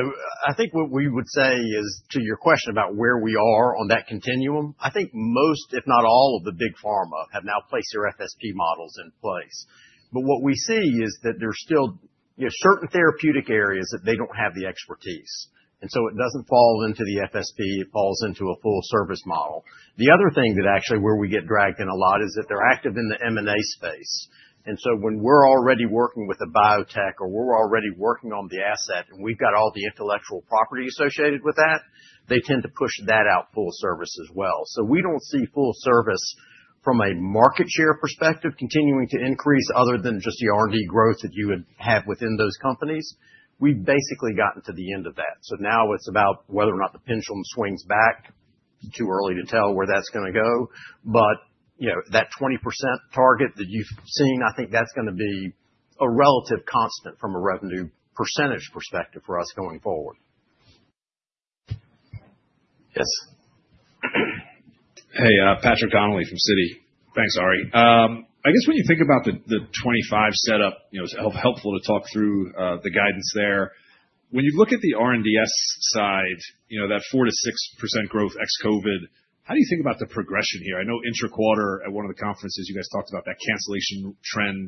I think what we would say is to your question about where we are on that continuum, I think most, if not all, of the big pharma have now placed their FSP models in place. But what we see is that there's still certain therapeutic areas that they don't have the expertise. And so it doesn't fall into the FSP. It falls into a full service model. The other thing that actually where we get dragged in a lot is that they're active in the M&A space. And so when we're already working with a biotech or we're already working on the asset and we've got all the intellectual property associated with that, they tend to push that out full service as well. So we don't see full service from a market share perspective continuing to increase other than just the R&D growth that you would have within those companies. We've basically gotten to the end of that. So now it's about whether or not the pendulum swings back. Too early to tell where that's going to go. But that 20% target that you've seen, I think that's going to be a relative constant from a revenue percentage perspective for us going forward. Yes. Hey, Patrick Donnelly from Citi. Thanks, Ari. I guess when you think about the 2025 setup, it was helpful to talk through the guidance there. When you look at the R&DS side, that 4% to 6% growth ex-COVID, how do you think about the progression here? I know intra-quarter at one of the conferences, you guys talked about that cancellation trend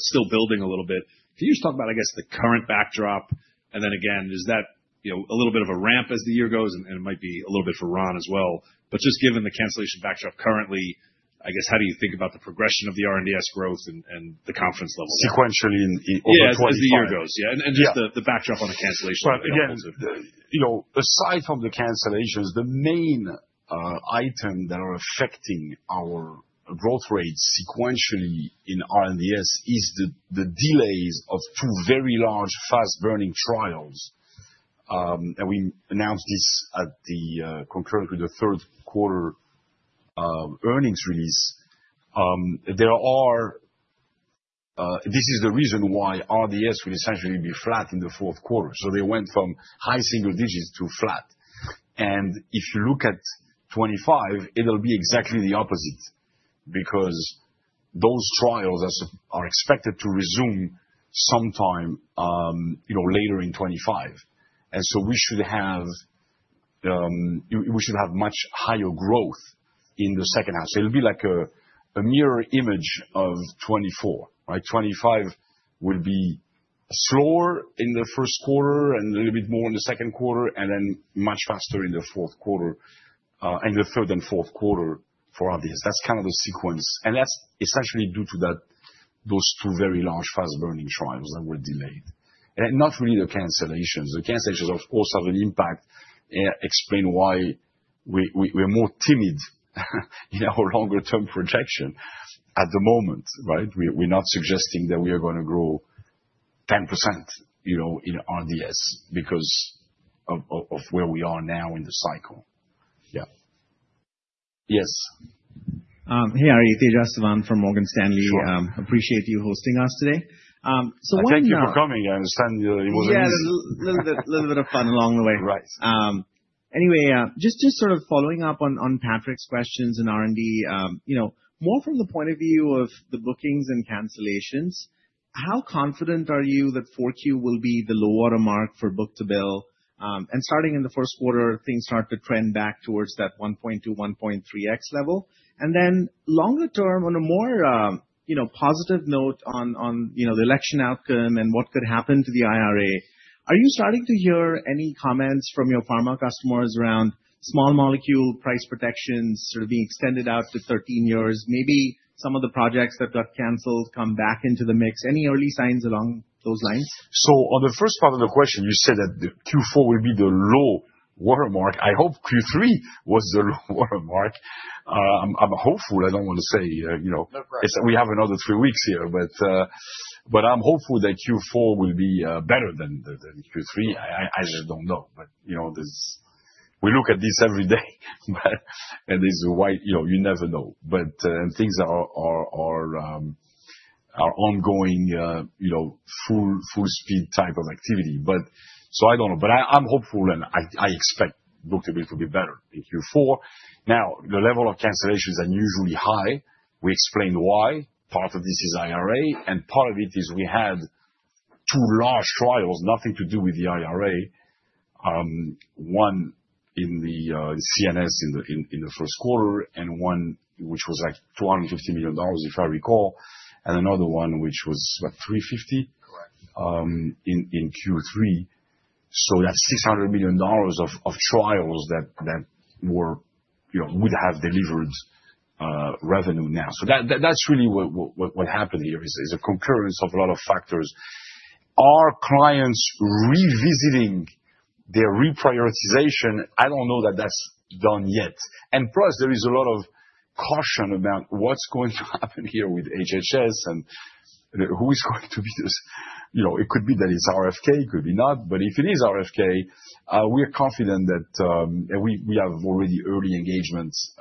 still building a little bit. Can you just talk about, I guess, the current backdrop? And then again, is that a little bit of a ramp as the year goes? And it might be a little bit for Ron as well. But just given the cancellation backdrop currently, I guess, how do you think about the progression of the R&DS growth and the consensus level sequentially over 2025? As the year goes. Yeah. And just the backdrop on the cancellation levels. Aside from the cancellations, the main item that are affecting our growth rate sequentially in R&DS is the delays of two very large fast-burning trials. And we announced this in conjunction with the third-quarter earnings release. This is the reason why R&DS will essentially be flat in the fourth quarter. So they went from high single digits to flat. If you look at 2025, it'll be exactly the opposite because those trials are expected to resume sometime later in 2025. And so we should have much higher growth in the second half. So it'll be like a mirror image of 2024. 2025 will be slower in the first quarter and a little bit more in the second quarter, and then much faster in the fourth quarter, and the third and fourth quarter for R&DS. That's kind of the sequence. And that's essentially due to those two very large fast-burning trials that were delayed. And not really the cancellations. The cancellations, of course, have an impact and explain why we're more timid in our longer-term projection at the moment, right? We're not suggesting that we are going to grow 10% in R&DS because of where we are now in the cycle. Yeah. Yes. Hey, Ari. Tejas Savant from Morgan Stanley. Appreciate you hosting us today. So one thing. Thank you for coming. I understand it was a little bit of fun along the way. Right. Anyway, just sort of following up on Patrick's questions in R&D, more from the point of view of the bookings and cancellations, how confident are you that 4Q will be the low watermark for book to bill? And starting in the first quarter, things start to trend back towards that 1.2, 1.3x level. And then longer term, on a more positive note on the election outcome and what could happen to the IRA, are you starting to hear any comments from your pharma customers around small molecule price protections sort of being extended out to 13 years? Maybe some of the projects that got canceled come back into the mix. Any early signs along those lines? On the first part of the question, you said that Q4 will be the low watermark. I hope Q3 was the low watermark. I'm hopeful. I don't want to say we have another three weeks here, but I'm hopeful that Q4 will be better than Q3. I just don't know. But we look at this every day, and you never know. And things are ongoing full-speed type of activity. So I don't know. But I'm hopeful, and I expect book to bill to be better in Q4. Now, the level of cancellations is unusually high. We explained why. Part of this is IRA, and part of it is we had two large trials, nothing to do with the IRA. One in the CNS in the first quarter and one which was like $250 million, if I recall, and another one which was about $350 million in Q3. So that's $600 million of trials that would have delivered revenue now. So that's really what happened here is a concurrence of a lot of factors. Are clients revisiting their reprioritization? I don't know that that's done yet. And plus, there is a lot of caution about what's going to happen here with HHS and who is going to be this. It could be that it's RFK, it could be not. But if it is RFK, we're confident that we have already early engagements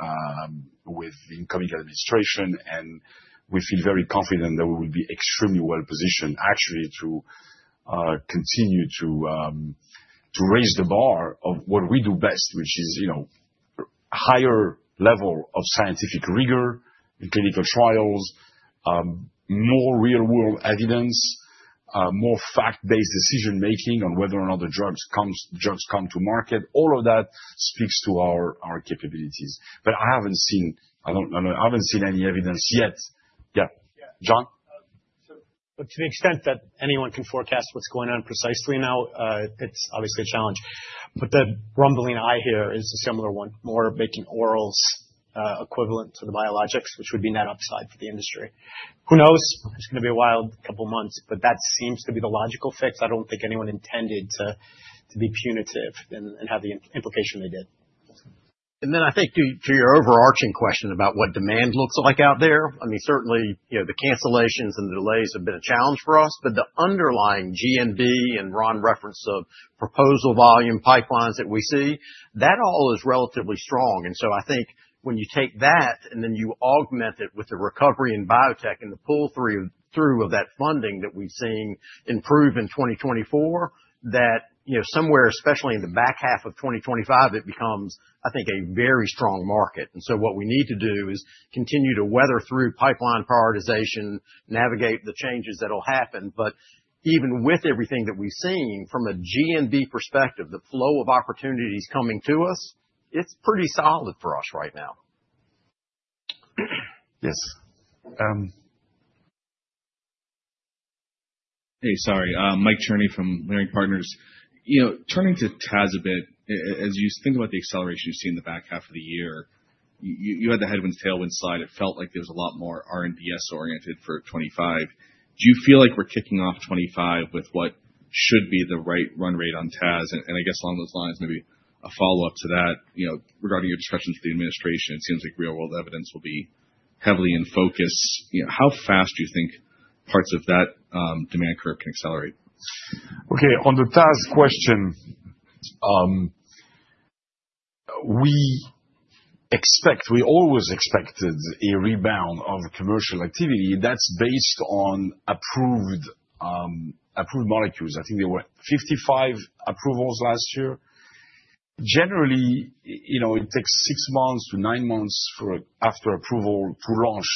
with incoming administration, and we feel very confident that we will be extremely well positioned, actually, to continue to raise the bar of what we do best, which is a higher level of scientific rigor in clinical trials, more real-world evidence, more fact-based decision-making on whether or not the drugs come to market. All of that speaks to our capabilities. But I haven't seen any evidence yet. Yeah. John? To the extent that anyone can forecast what's going on precisely now, it's obviously a challenge. But the rumor mill, I hear, is a similar one, more making orals equivalent to the biologics, which would be net upside for the industry. Who knows? It's going to be a wild couple of months, but that seems to be the logical fix. I don't think anyone intended to be punitive and have the implication they did. And then I think to your overarching question about what demand looks like out there, I mean, certainly the cancellations and the delays have been a challenge for us, but the underlying NNB and Ron's reference of proposal volume pipelines that we see, that all is relatively strong. And so I think when you take that and then you augment it with the recovery in biotech and the pull through of that funding that we've seen improve in 2024, that somewhere, especially in the back half of 2025, it becomes, I think, a very strong market. And so what we need to do is continue to weather through pipeline prioritization, navigate the changes that will happen. But even with everything that we've seen from a NNB perspective, the flow of opportunities coming to us, it's pretty solid for us right now. Yes. Hey, sorry. Mike Cherny from Leerink Partners. Turning to TAS a bit, as you think about the acceleration you've seen in the back half of the year, you had the headwinds, tailwinds slide. It felt like there was a lot more R&DS oriented for 2025. Do you feel like we're kicking off '25 with what should be the right run rate on TAS? And I guess along those lines, maybe a follow-up to that regarding your discussions with the administration. It seems like real-world evidence will be heavily in focus. How fast do you think parts of that demand curve can accelerate? Okay. On the TAS question, we expect. We always expected a rebound of commercial activity that's based on approved molecules. I think there were 55 approvals last year. Generally, it takes six months to nine months after approval to launch.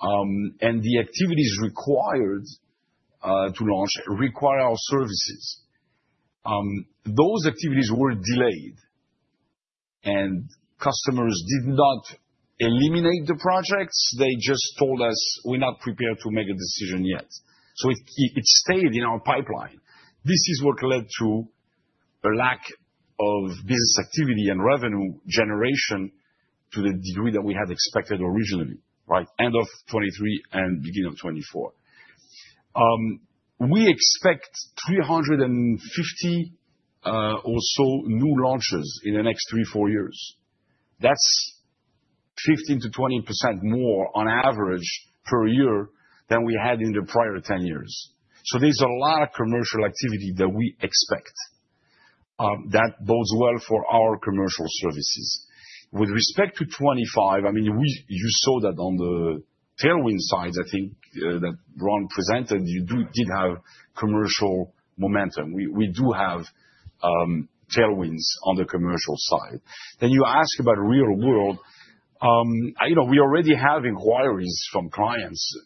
And the activities required to launch require our services. Those activities were delayed, and customers did not eliminate the projects. They just told us, "We're not prepared to make a decision yet." So it stayed in our pipeline. This is what led to a lack of business activity and revenue generation to the degree that we had expected originally, right, end of 2023 and beginning of 2024. We expect 350 or so new launches in the next three, four years. That's 15%-20% more on average per year than we had in the prior 10 years. So there's a lot of commercial activity that we expect that bodes well for our commercial services. With respect to 2025, I mean, you saw that on the tailwind side, I think, that Ron presented, you did have commercial momentum. We do have tailwinds on the commercial side. Then you ask about real-world, we already have inquiries from clients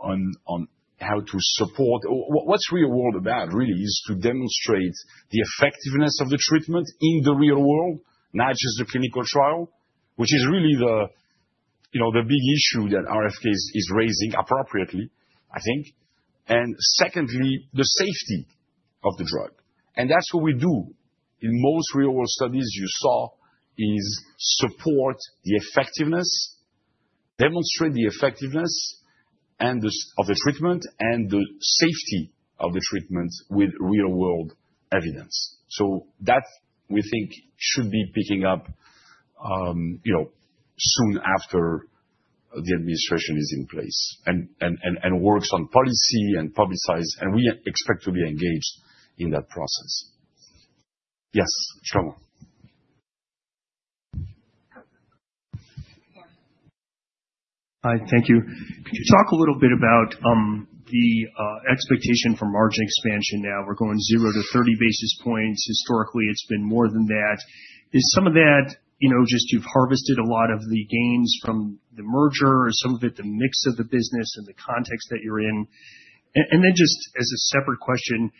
on how to support. What's real-world about, really, is to demonstrate the effectiveness of the treatment in the real world, not just the clinical trial, which is really the big issue that RFK is raising appropriately, I think. And secondly, the safety of the drug. And that's what we do. In most real-world studies, you saw is support the effectiveness, demonstrate the effectiveness of the treatment and the safety of the treatment with real-world evidence. So that, we think, should be picking up soon after the administration is in place and works on policy and publicize, and we expect to be engaged in that process. Yes. Come on. Hi. Thank you. Could you talk a little bit about the expectation for margin expansion now? We're going 0 to 30 basis points. Historically, it's been more than that. Is some of that just you've harvested a lot of the gains from the merger? Is some of it the mix of the business and the context that you're in? And then just as a separate question,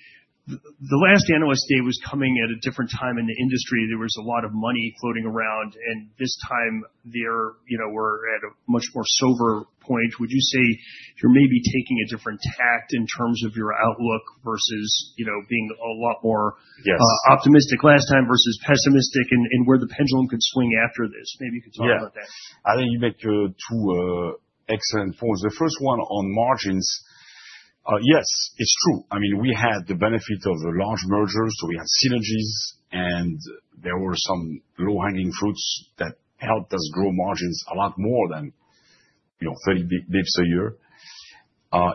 the last analyst day was coming at a different time in the industry. There was a lot of money floating around, and this time we're at a much more sober point. Would you say you're maybe taking a different tack in terms of your outlook versus being a lot more optimistic last time versus pessimistic and where the pendulum could swing after this? Maybe you could talk about that. Yeah. I think you make two excellent points. The first one on margins, yes, it's true. I mean, we had the benefit of a large merger, so we had synergies, and there were some low-hanging fruits that helped us grow margins a lot more than 30 basis points a year.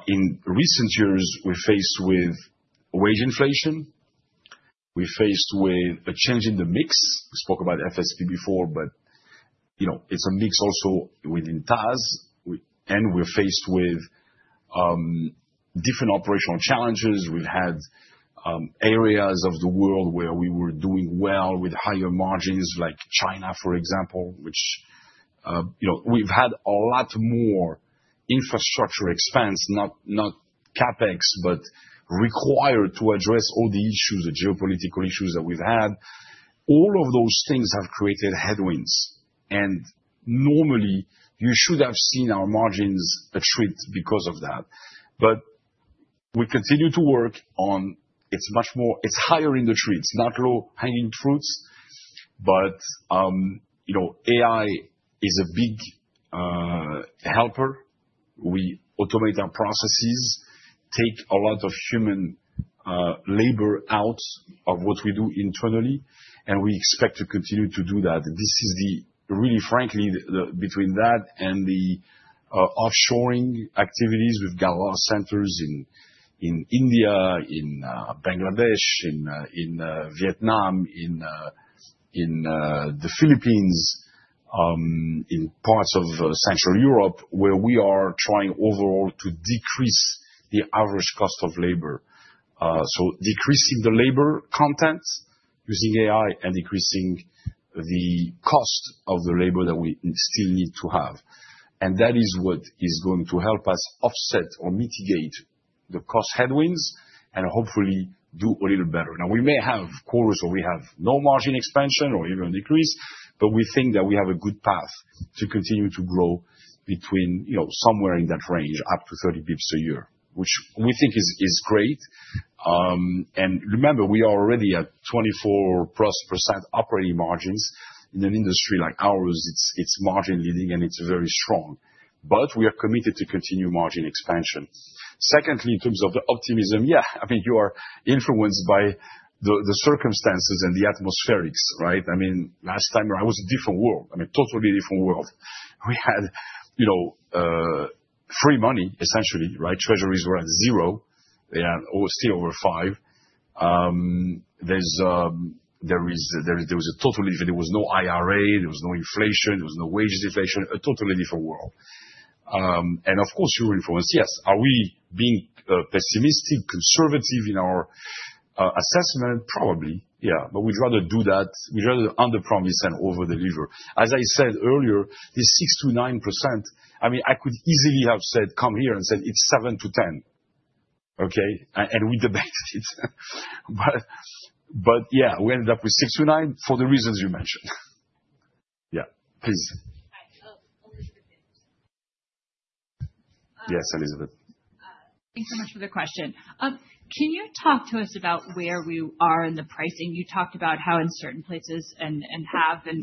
In recent years, we're faced with wage inflation. We're faced with a change in the mix. We spoke about FSP before, but it's a mix also within TAS, and we're faced with different operational challenges. We've had areas of the world where we were doing well with higher margins, like China, for example, which we've had a lot more infrastructure expense, not CapEx, but required to address all the issues, the geopolitical issues that we've had. All of those things have created headwinds. And normally, you should have seen our margins erode because of that. But we continue to work on it. It's higher in the tree. It's not low-hanging fruits, but AI is a big helper. We automate our processes, take a lot of human labor out of what we do internally, and we expect to continue to do that. This is really, frankly, between that and the offshoring activities. We've got a lot of centers in India, in Bangladesh, in Vietnam, in the Philippines, in parts of Central Europe, where we are trying overall to decrease the average cost of labor. So decreasing the labor content using AI and increasing the cost of the labor that we still need to have. And that is what is going to help us offset or mitigate the cost headwinds and hopefully do a little better. Now, we may have CROs where we have no margin expansion or even decrease, but we think that we have a good path to continue to grow between somewhere in that range, up to 30 basis points a year, which we think is great. And remember, we are already at 24-plus% operating margins. In an industry like ours, it's margin-leading and it's very strong. But we are committed to continue margin expansion. Secondly, in terms of the optimism, yeah, I mean, you are influenced by the circumstances and the atmospherics, right? I mean, last time, it was a different world. I mean, totally different world. We had free money, essentially, right? Treasuries were at zero. They are still over five. There was a total difference. There was no IRA. There was no inflation. There was no wages inflation. A totally different world. And of course, you're influenced. Yes. Are we being pessimistic, conservative in our assessment? Probably, yeah. But we'd rather do that. We'd rather underpromise than overdeliver. As I said earlier, this 6%-9%, I mean, I could easily have said, "Come here," and said, "It's 7%-10%." Okay? And we debated it. But yeah, we ended up with 6%-9% for the reasons you mentioned. Yeah. Please. Yes, Elizabeth. Thanks so much for the question. Can you talk to us about where we are in the pricing? You talked about how in certain places and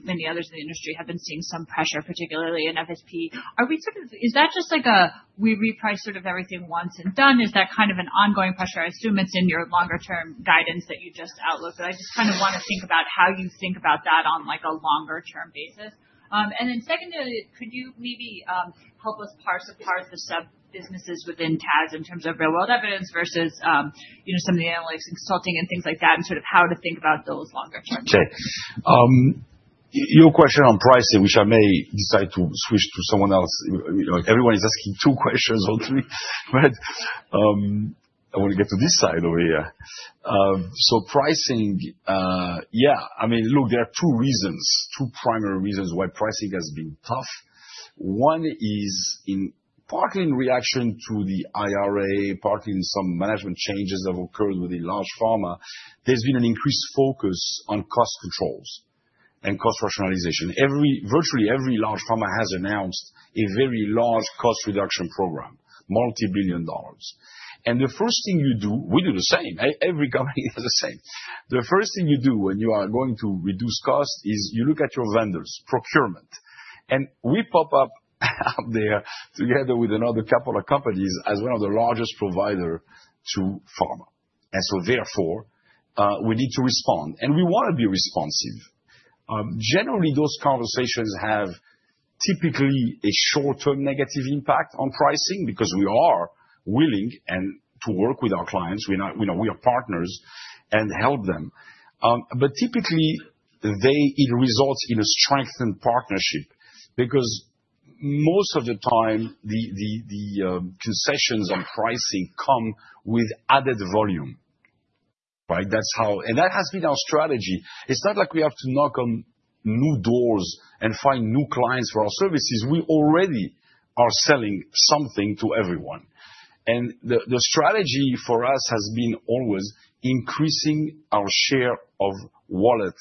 many others in the industry have been seeing some pressure, particularly in FSP. Is that just like a, "We reprice sort of everything once and done"? Is that kind of an ongoing pressure? I assume it's in your longer-term guidance that you just outlooked. But I just kind of want to think about how you think about that on a longer-term basis. And then secondly, could you maybe help us parse apart the sub-businesses within TAS in terms of real-world evidence versus some of the analytics and consulting and things like that and sort of how to think about those longer-term? Okay. Your question on pricing, which I may decide to switch to someone else. Everyone is asking two questions or three, but I want to get to this side over here. So, pricing, yeah. I mean, look, there are two reasons, two primary reasons why pricing has been tough. One is partly in reaction to the IRA, partly in some management changes that have occurred within large pharma. There's been an increased focus on cost controls and cost rationalization. Virtually every large pharma has announced a very large cost reduction program, multi-billion dollars. And the first thing you do, we do the same. Every company does the same. The first thing you do when you are going to reduce cost is you look at your vendors, procurement. And we pop up there together with another couple of companies as one of the largest providers to pharma. And so therefore, we need to respond. And we want to be responsive. Generally, those conversations have typically a short-term negative impact on pricing because we are willing to work with our clients. We are partners and help them. But typically, it results in a strengthened partnership because most of the time, the concessions on pricing come with added volume, right? And that has been our strategy. It's not like we have to knock on new doors and find new clients for our services. We already are selling something to everyone. And the strategy for us has been always increasing our share of wallet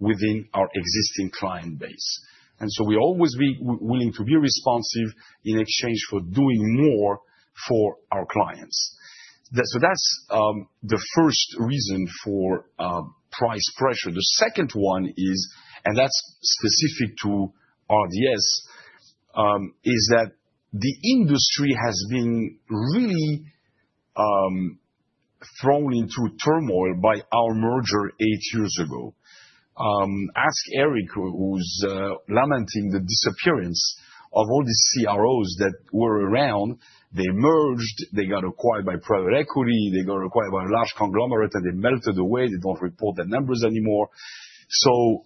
within our existing client base. And so we're always willing to be responsive in exchange for doing more for our clients. So that's the first reason for price pressure. The second one is, and that's specific to R&DS, is that the industry has been really thrown into turmoil by our merger eight years ago. Ask Eric, who's lamenting the disappearance of all these CROs that were around. They merged. They got acquired by private equity. They got acquired by a large conglomerate, and they melted away. They don't report the numbers anymore. So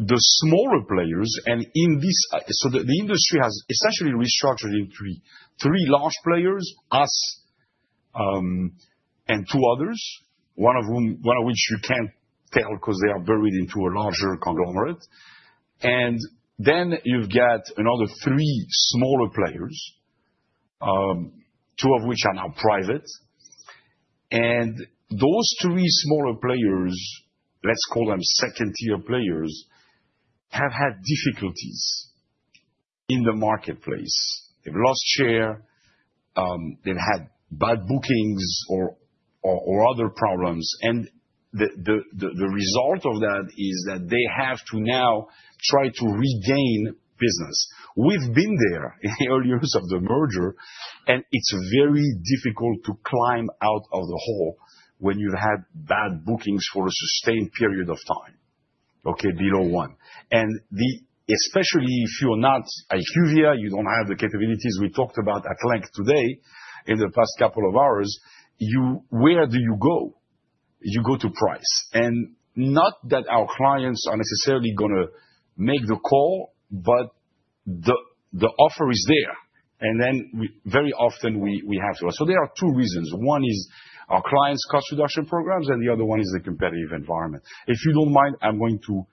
the smaller players, the industry has essentially restructured into three large players, us and two others, one of which you can't tell because they are buried into a larger conglomerate. And then you've got another three smaller players, two of which are now private. And those three smaller players, let's call them second-tier players, have had difficulties in the marketplace. They've lost share. They've had bad bookings or other problems. And the result of that is that they have to now try to regain business. We've been there in the early years of the merger, and it's very difficult to climb out of the hole when you've had bad bookings for a sustained period of time, okay, below one. And especially if you're not IQVIA, you don't have the capabilities we talked about at length today in the past couple of hours. Where do you go? You go to price. And not that our clients are necessarily going to make the call, but the offer is there. And then very often, we have to. So there are two reasons. One is our clients' cost reduction programs, and the other one is the competitive environment. If you don't mind, I'm going to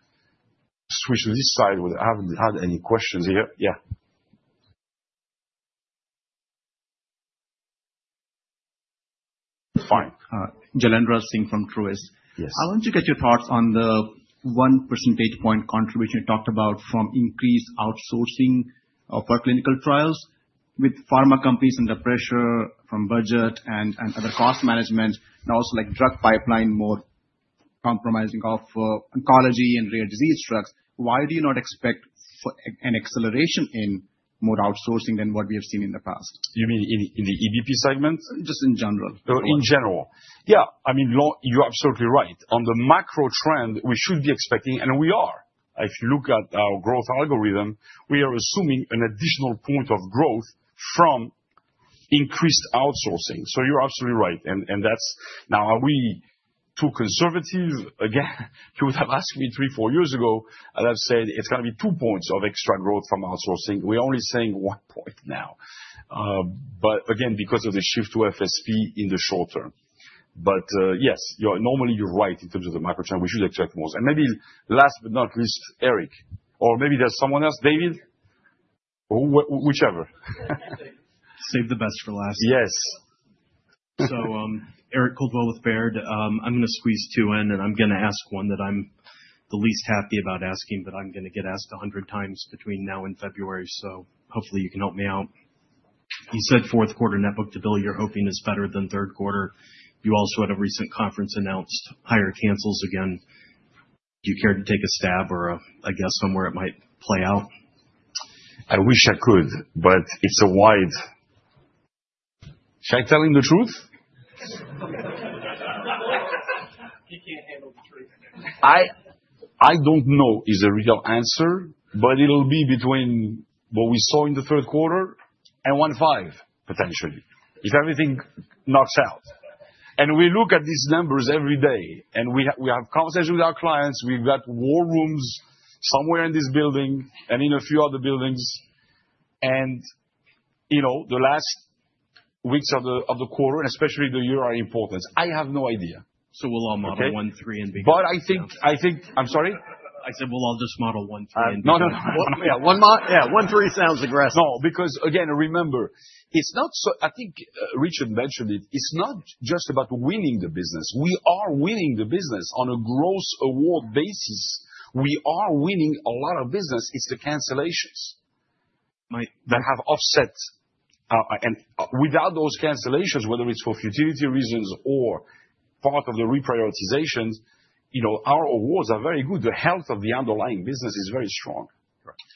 switch to this side where I haven't had any questions here. Yeah. Fine. Jailendra Singh from Truist. I wanted to get your thoughts on the one percentage point contribution you talked about from increased outsourcing for clinical trials with pharma companies and the pressure from budget and other cost management, and also drug pipeline more compromising of oncology and rare disease drugs. Why do you not expect an acceleration in more outsourcing than what we have seen in the past? You mean in the R&DS segment? Just in general. In general. Yeah. I mean, you're absolutely right. On the macro trend, we should be expecting, and we are. If you look at our growth algorithm, we are assuming an additional point of growth from increased outsourcing. So you're absolutely right. And now, are we too conservative? Again, you would have asked me three, four years ago, and I've said it's going to be two points of extra growth from outsourcing. We're only seeing one point now. But again, because of the shift to FSP in the short term. But yes, normally, you're right in terms of the macro trend. We should expect more. And maybe last but not least, Eric, or maybe there's someone else, David, whichever. Save the best for last. Yes. So Eric Coldwell with Baird. I'm going to squeeze two in, and I'm going to ask one that I'm the least happy about asking, but I'm going to get asked 100 times between now and February. So hopefully, you can help me out. You said fourth quarter net book-to-bill. You're hoping it's better than third quarter. You also had a recent conference announced higher cancels again. Do you care to take a stab or a guess on where it might play out? I wish I could, but it's a wide. Shall I tell him the truth? He can't handle the truth. I don't know is the real answer, but it'll be between what we saw in the third quarter and 1.5, potentially, if everything knocks out. We look at these numbers every day, and we have conversations with our clients. We've got war rooms somewhere in this building and in a few other buildings. The last weeks of the quarter, and especially the year, are important. I have no idea. We'll all model 1.3 and beat it. I think. I'm sorry? I said we'll all just model 1.3 and beat it. No, no, no. Yeah, 1.3 sounds aggressive. No, because again, remember, it's not so I think Richard mentioned it. It's not just about winning the business. We are winning the business on a gross award basis. We are winning a lot of business. It's the cancellations that have offset. Without those cancellations, whether it's for futility reasons or part of the reprioritizations, our awards are very good. The health of the underlying business is very strong.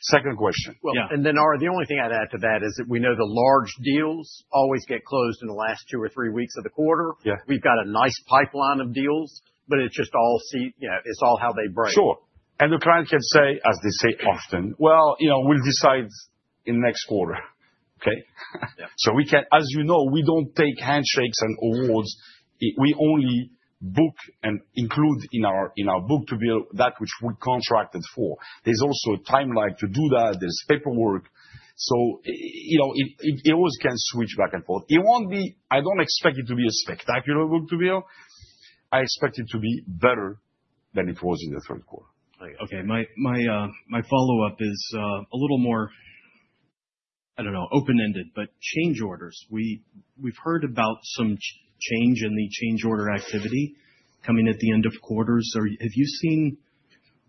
Second question. Well, and then the only thing I'd add to that is that we know the large deals always get closed in the last two or three weeks of the quarter. We've got a nice pipeline of deals, but it's just all how they break. Sure. And the client can say, as they say often, "Well, we'll decide in next quarter." Okay? So as you know, we don't take handshakes and awards. We only book and include in our book to bill that which we contracted for. There's also a timeline to do that. There's paperwork, so it always can switch back and forth. I don't expect it to be a spectacular book to bill. I expect it to be better than it was in the third quarter. Okay. My follow-up is a little more, I don't know, open-ended, but change orders. We've heard about some change in the change order activity coming at the end of quarters. So have you seen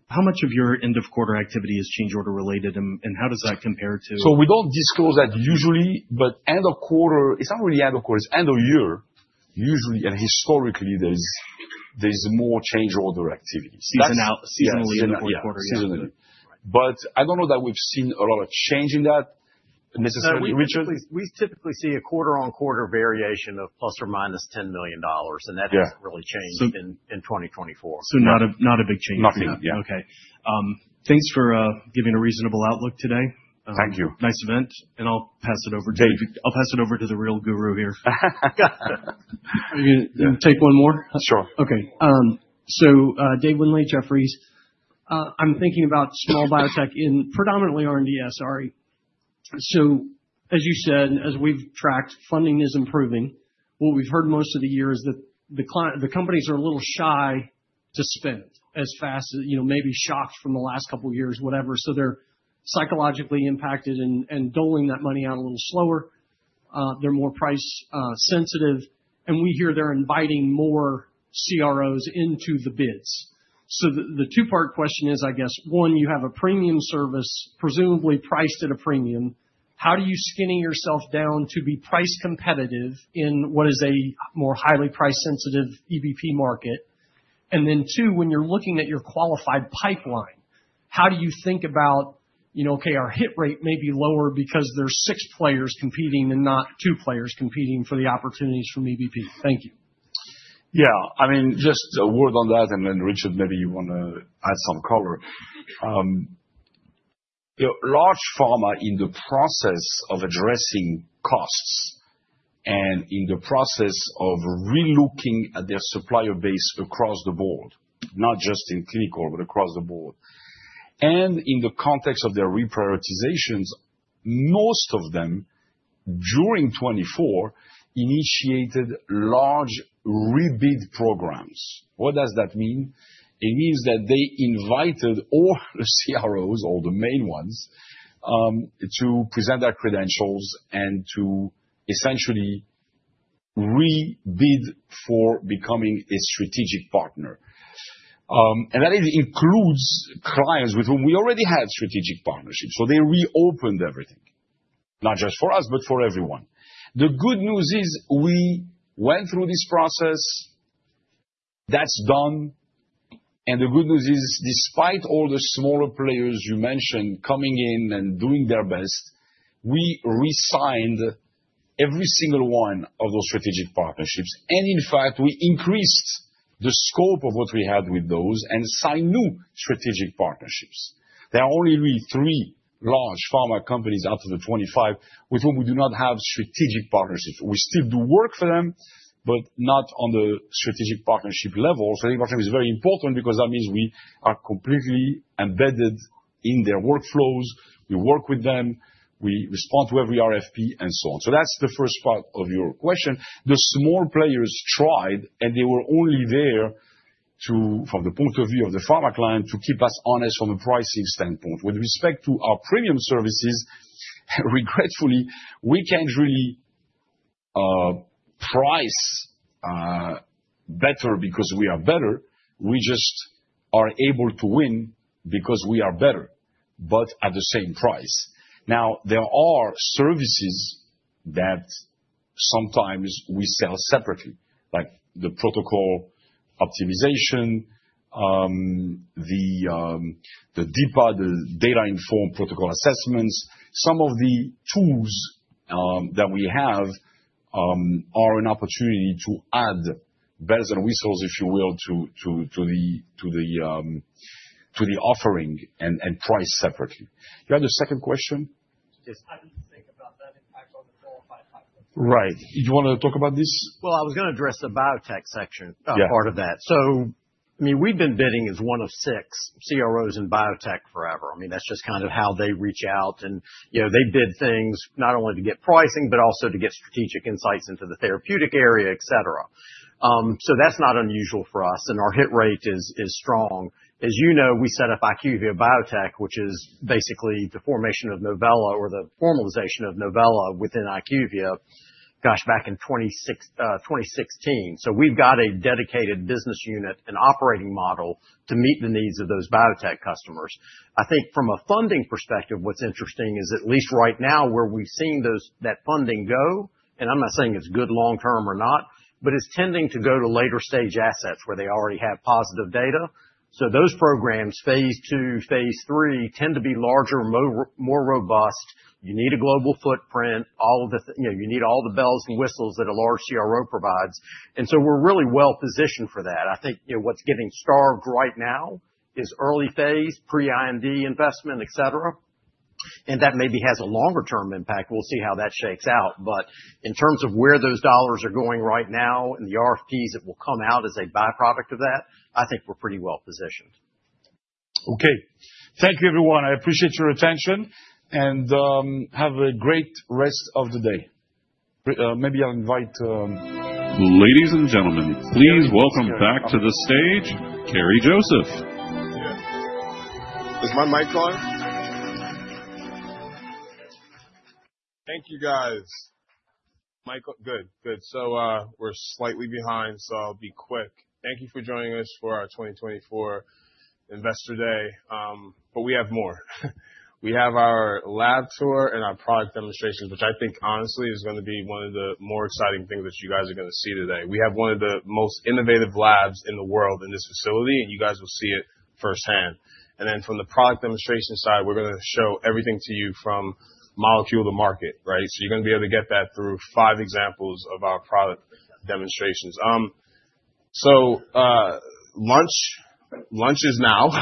how much of your end-of-quarter activity is change order related, and how does that compare to? So we don't disclose that usually, but end of quarter, it's not really end of quarter. It's end of year. Usually, and historically, there's more change order activity. Seasonally, in the fourth quarter. Yeah. Seasonally. But I don't know that we've seen a lot of change in that necessarily. Richard? We typically see a quarter-on-quarter variation of plus or minus $10 million, and that hasn't really changed in 2024. So not a big change yet. Nothing. Yeah. Okay. Thanks for giving a reasonable outlook today. Thank you. Nice event. I'll pass it over to David. I'll pass it over to the real guru here. You're going to take one more? Sure. Okay. So David Windley, Jefferies. I'm thinking about small biotech in predominantly R&DS. So as you said, as we've tracked, funding is improving. What we've heard most of the year is that the companies are a little shy to spend as fast, maybe shocked from the last couple of years, whatever. So they're psychologically impacted and doling that money out a little slower. They're more price-sensitive. And we hear they're inviting more CROs into the bids. So the two-part question is, I guess, one, you have a premium service, presumably priced at a premium. How do you skinny yourself down to be price-competitive in what is a more highly price-sensitive FSP market? And then two, when you're looking at your qualified pipeline, how do you think about, okay, our hit rate may be lower because there's six players competing and not two players competing for the opportunities from EBP? Thank you. Yeah. I mean, just a word on that. And then Richard, maybe you want to add some color. Large pharma in the process of addressing costs and in the process of re-looking at their supplier base across the board, not just in clinical, but across the board. And in the context of their reprioritizations, most of them during 2024 initiated large re-bid programs. What does that mean? It means that they invited all the CROs, all the main ones, to present their credentials and to essentially re-bid for becoming a strategic partner. And that includes clients with whom we already had strategic partnerships. So they reopened everything, not just for us, but for everyone. The good news is we went through this process. That's done. And the good news is, despite all the smaller players you mentioned coming in and doing their best, we re-signed every single one of those strategic partnerships. And in fact, we increased the scope of what we had with those and signed new strategic partnerships. There are only really three large pharma companies out of the 25 with whom we do not have strategic partnerships. We still do work for them, but not on the strategic partnership level. Strategic partnership is very important because that means we are completely embedded in their workflows. We work with them. We respond to every RFP and so on. So that's the first part of your question. The small players tried, and they were only there from the point of view of the pharma client to keep us honest from a pricing standpoint. With respect to our premium services, regretfully, we can't really price better because we are better. We just are able to win because we are better, but at the same price. Now, there are services that sometimes we sell separately, like the protocol optimization, the DPA, the data-informed protocol assessments. Some of the tools that we have are an opportunity to add bells and whistles, if you will, to the offering and price separately. You had a second question? Yes. How do you think about that impact on the qualified pipeline? Right. You want to talk about this? Well, I was going to address the biotech section, part of that. So I mean, we've been bidding as one of six CROs in biotech forever. I mean, that's just kind of how they reach out. And they bid things not only to get pricing, but also to get strategic insights into the therapeutic area, etc. So that's not unusual for us. And our hit rate is strong. As you know, we set up IQVIA Biotech, which is basically the formation of Novella or the formalization of Novella within IQVIA, gosh, back in 2016. So we've got a dedicated business unit, an operating model to meet the needs of those biotech customers. I think from a funding perspective, what's interesting is at least right now where we've seen that funding go, and I'm not saying it's good long-term or not, but it's tending to go to later-stage assets where they already have positive data. So those programs, phase two, phase three, tend to be larger, more robust. You need a global footprint. You need all the bells and whistles that a large CRO provides, and so we're really well-positioned for that. I think what's getting starved right now is early phase, pre-IND investment, etc., and that maybe has a longer-term impact. We'll see how that shakes out, but in terms of where those dollars are going right now and the RFPs that will come out as a byproduct of that, I think we're pretty well-positioned. Okay. Thank you, everyone. I appreciate your attention and have a great rest of the day. Maybe I'll invite. Ladies and gentlemen, please welcome back to the stage, Kerri Joseph. Is my mic on? Thank you, guys. Good. Good, so we're slightly behind, so I'll be quick. Thank you for joining us for our 2024 Investor Day, but we have more. We have our lab tour and our product demonstrations, which I think, honestly, is going to be one of the more exciting things that you guys are going to see today. We have one of the most innovative labs in the world in this facility, and you guys will see it firsthand, and then from the product demonstration side, we're going to show everything to you from molecule to market, right? So you're going to be able to get that through five examples of our product demonstrations, so lunch is now.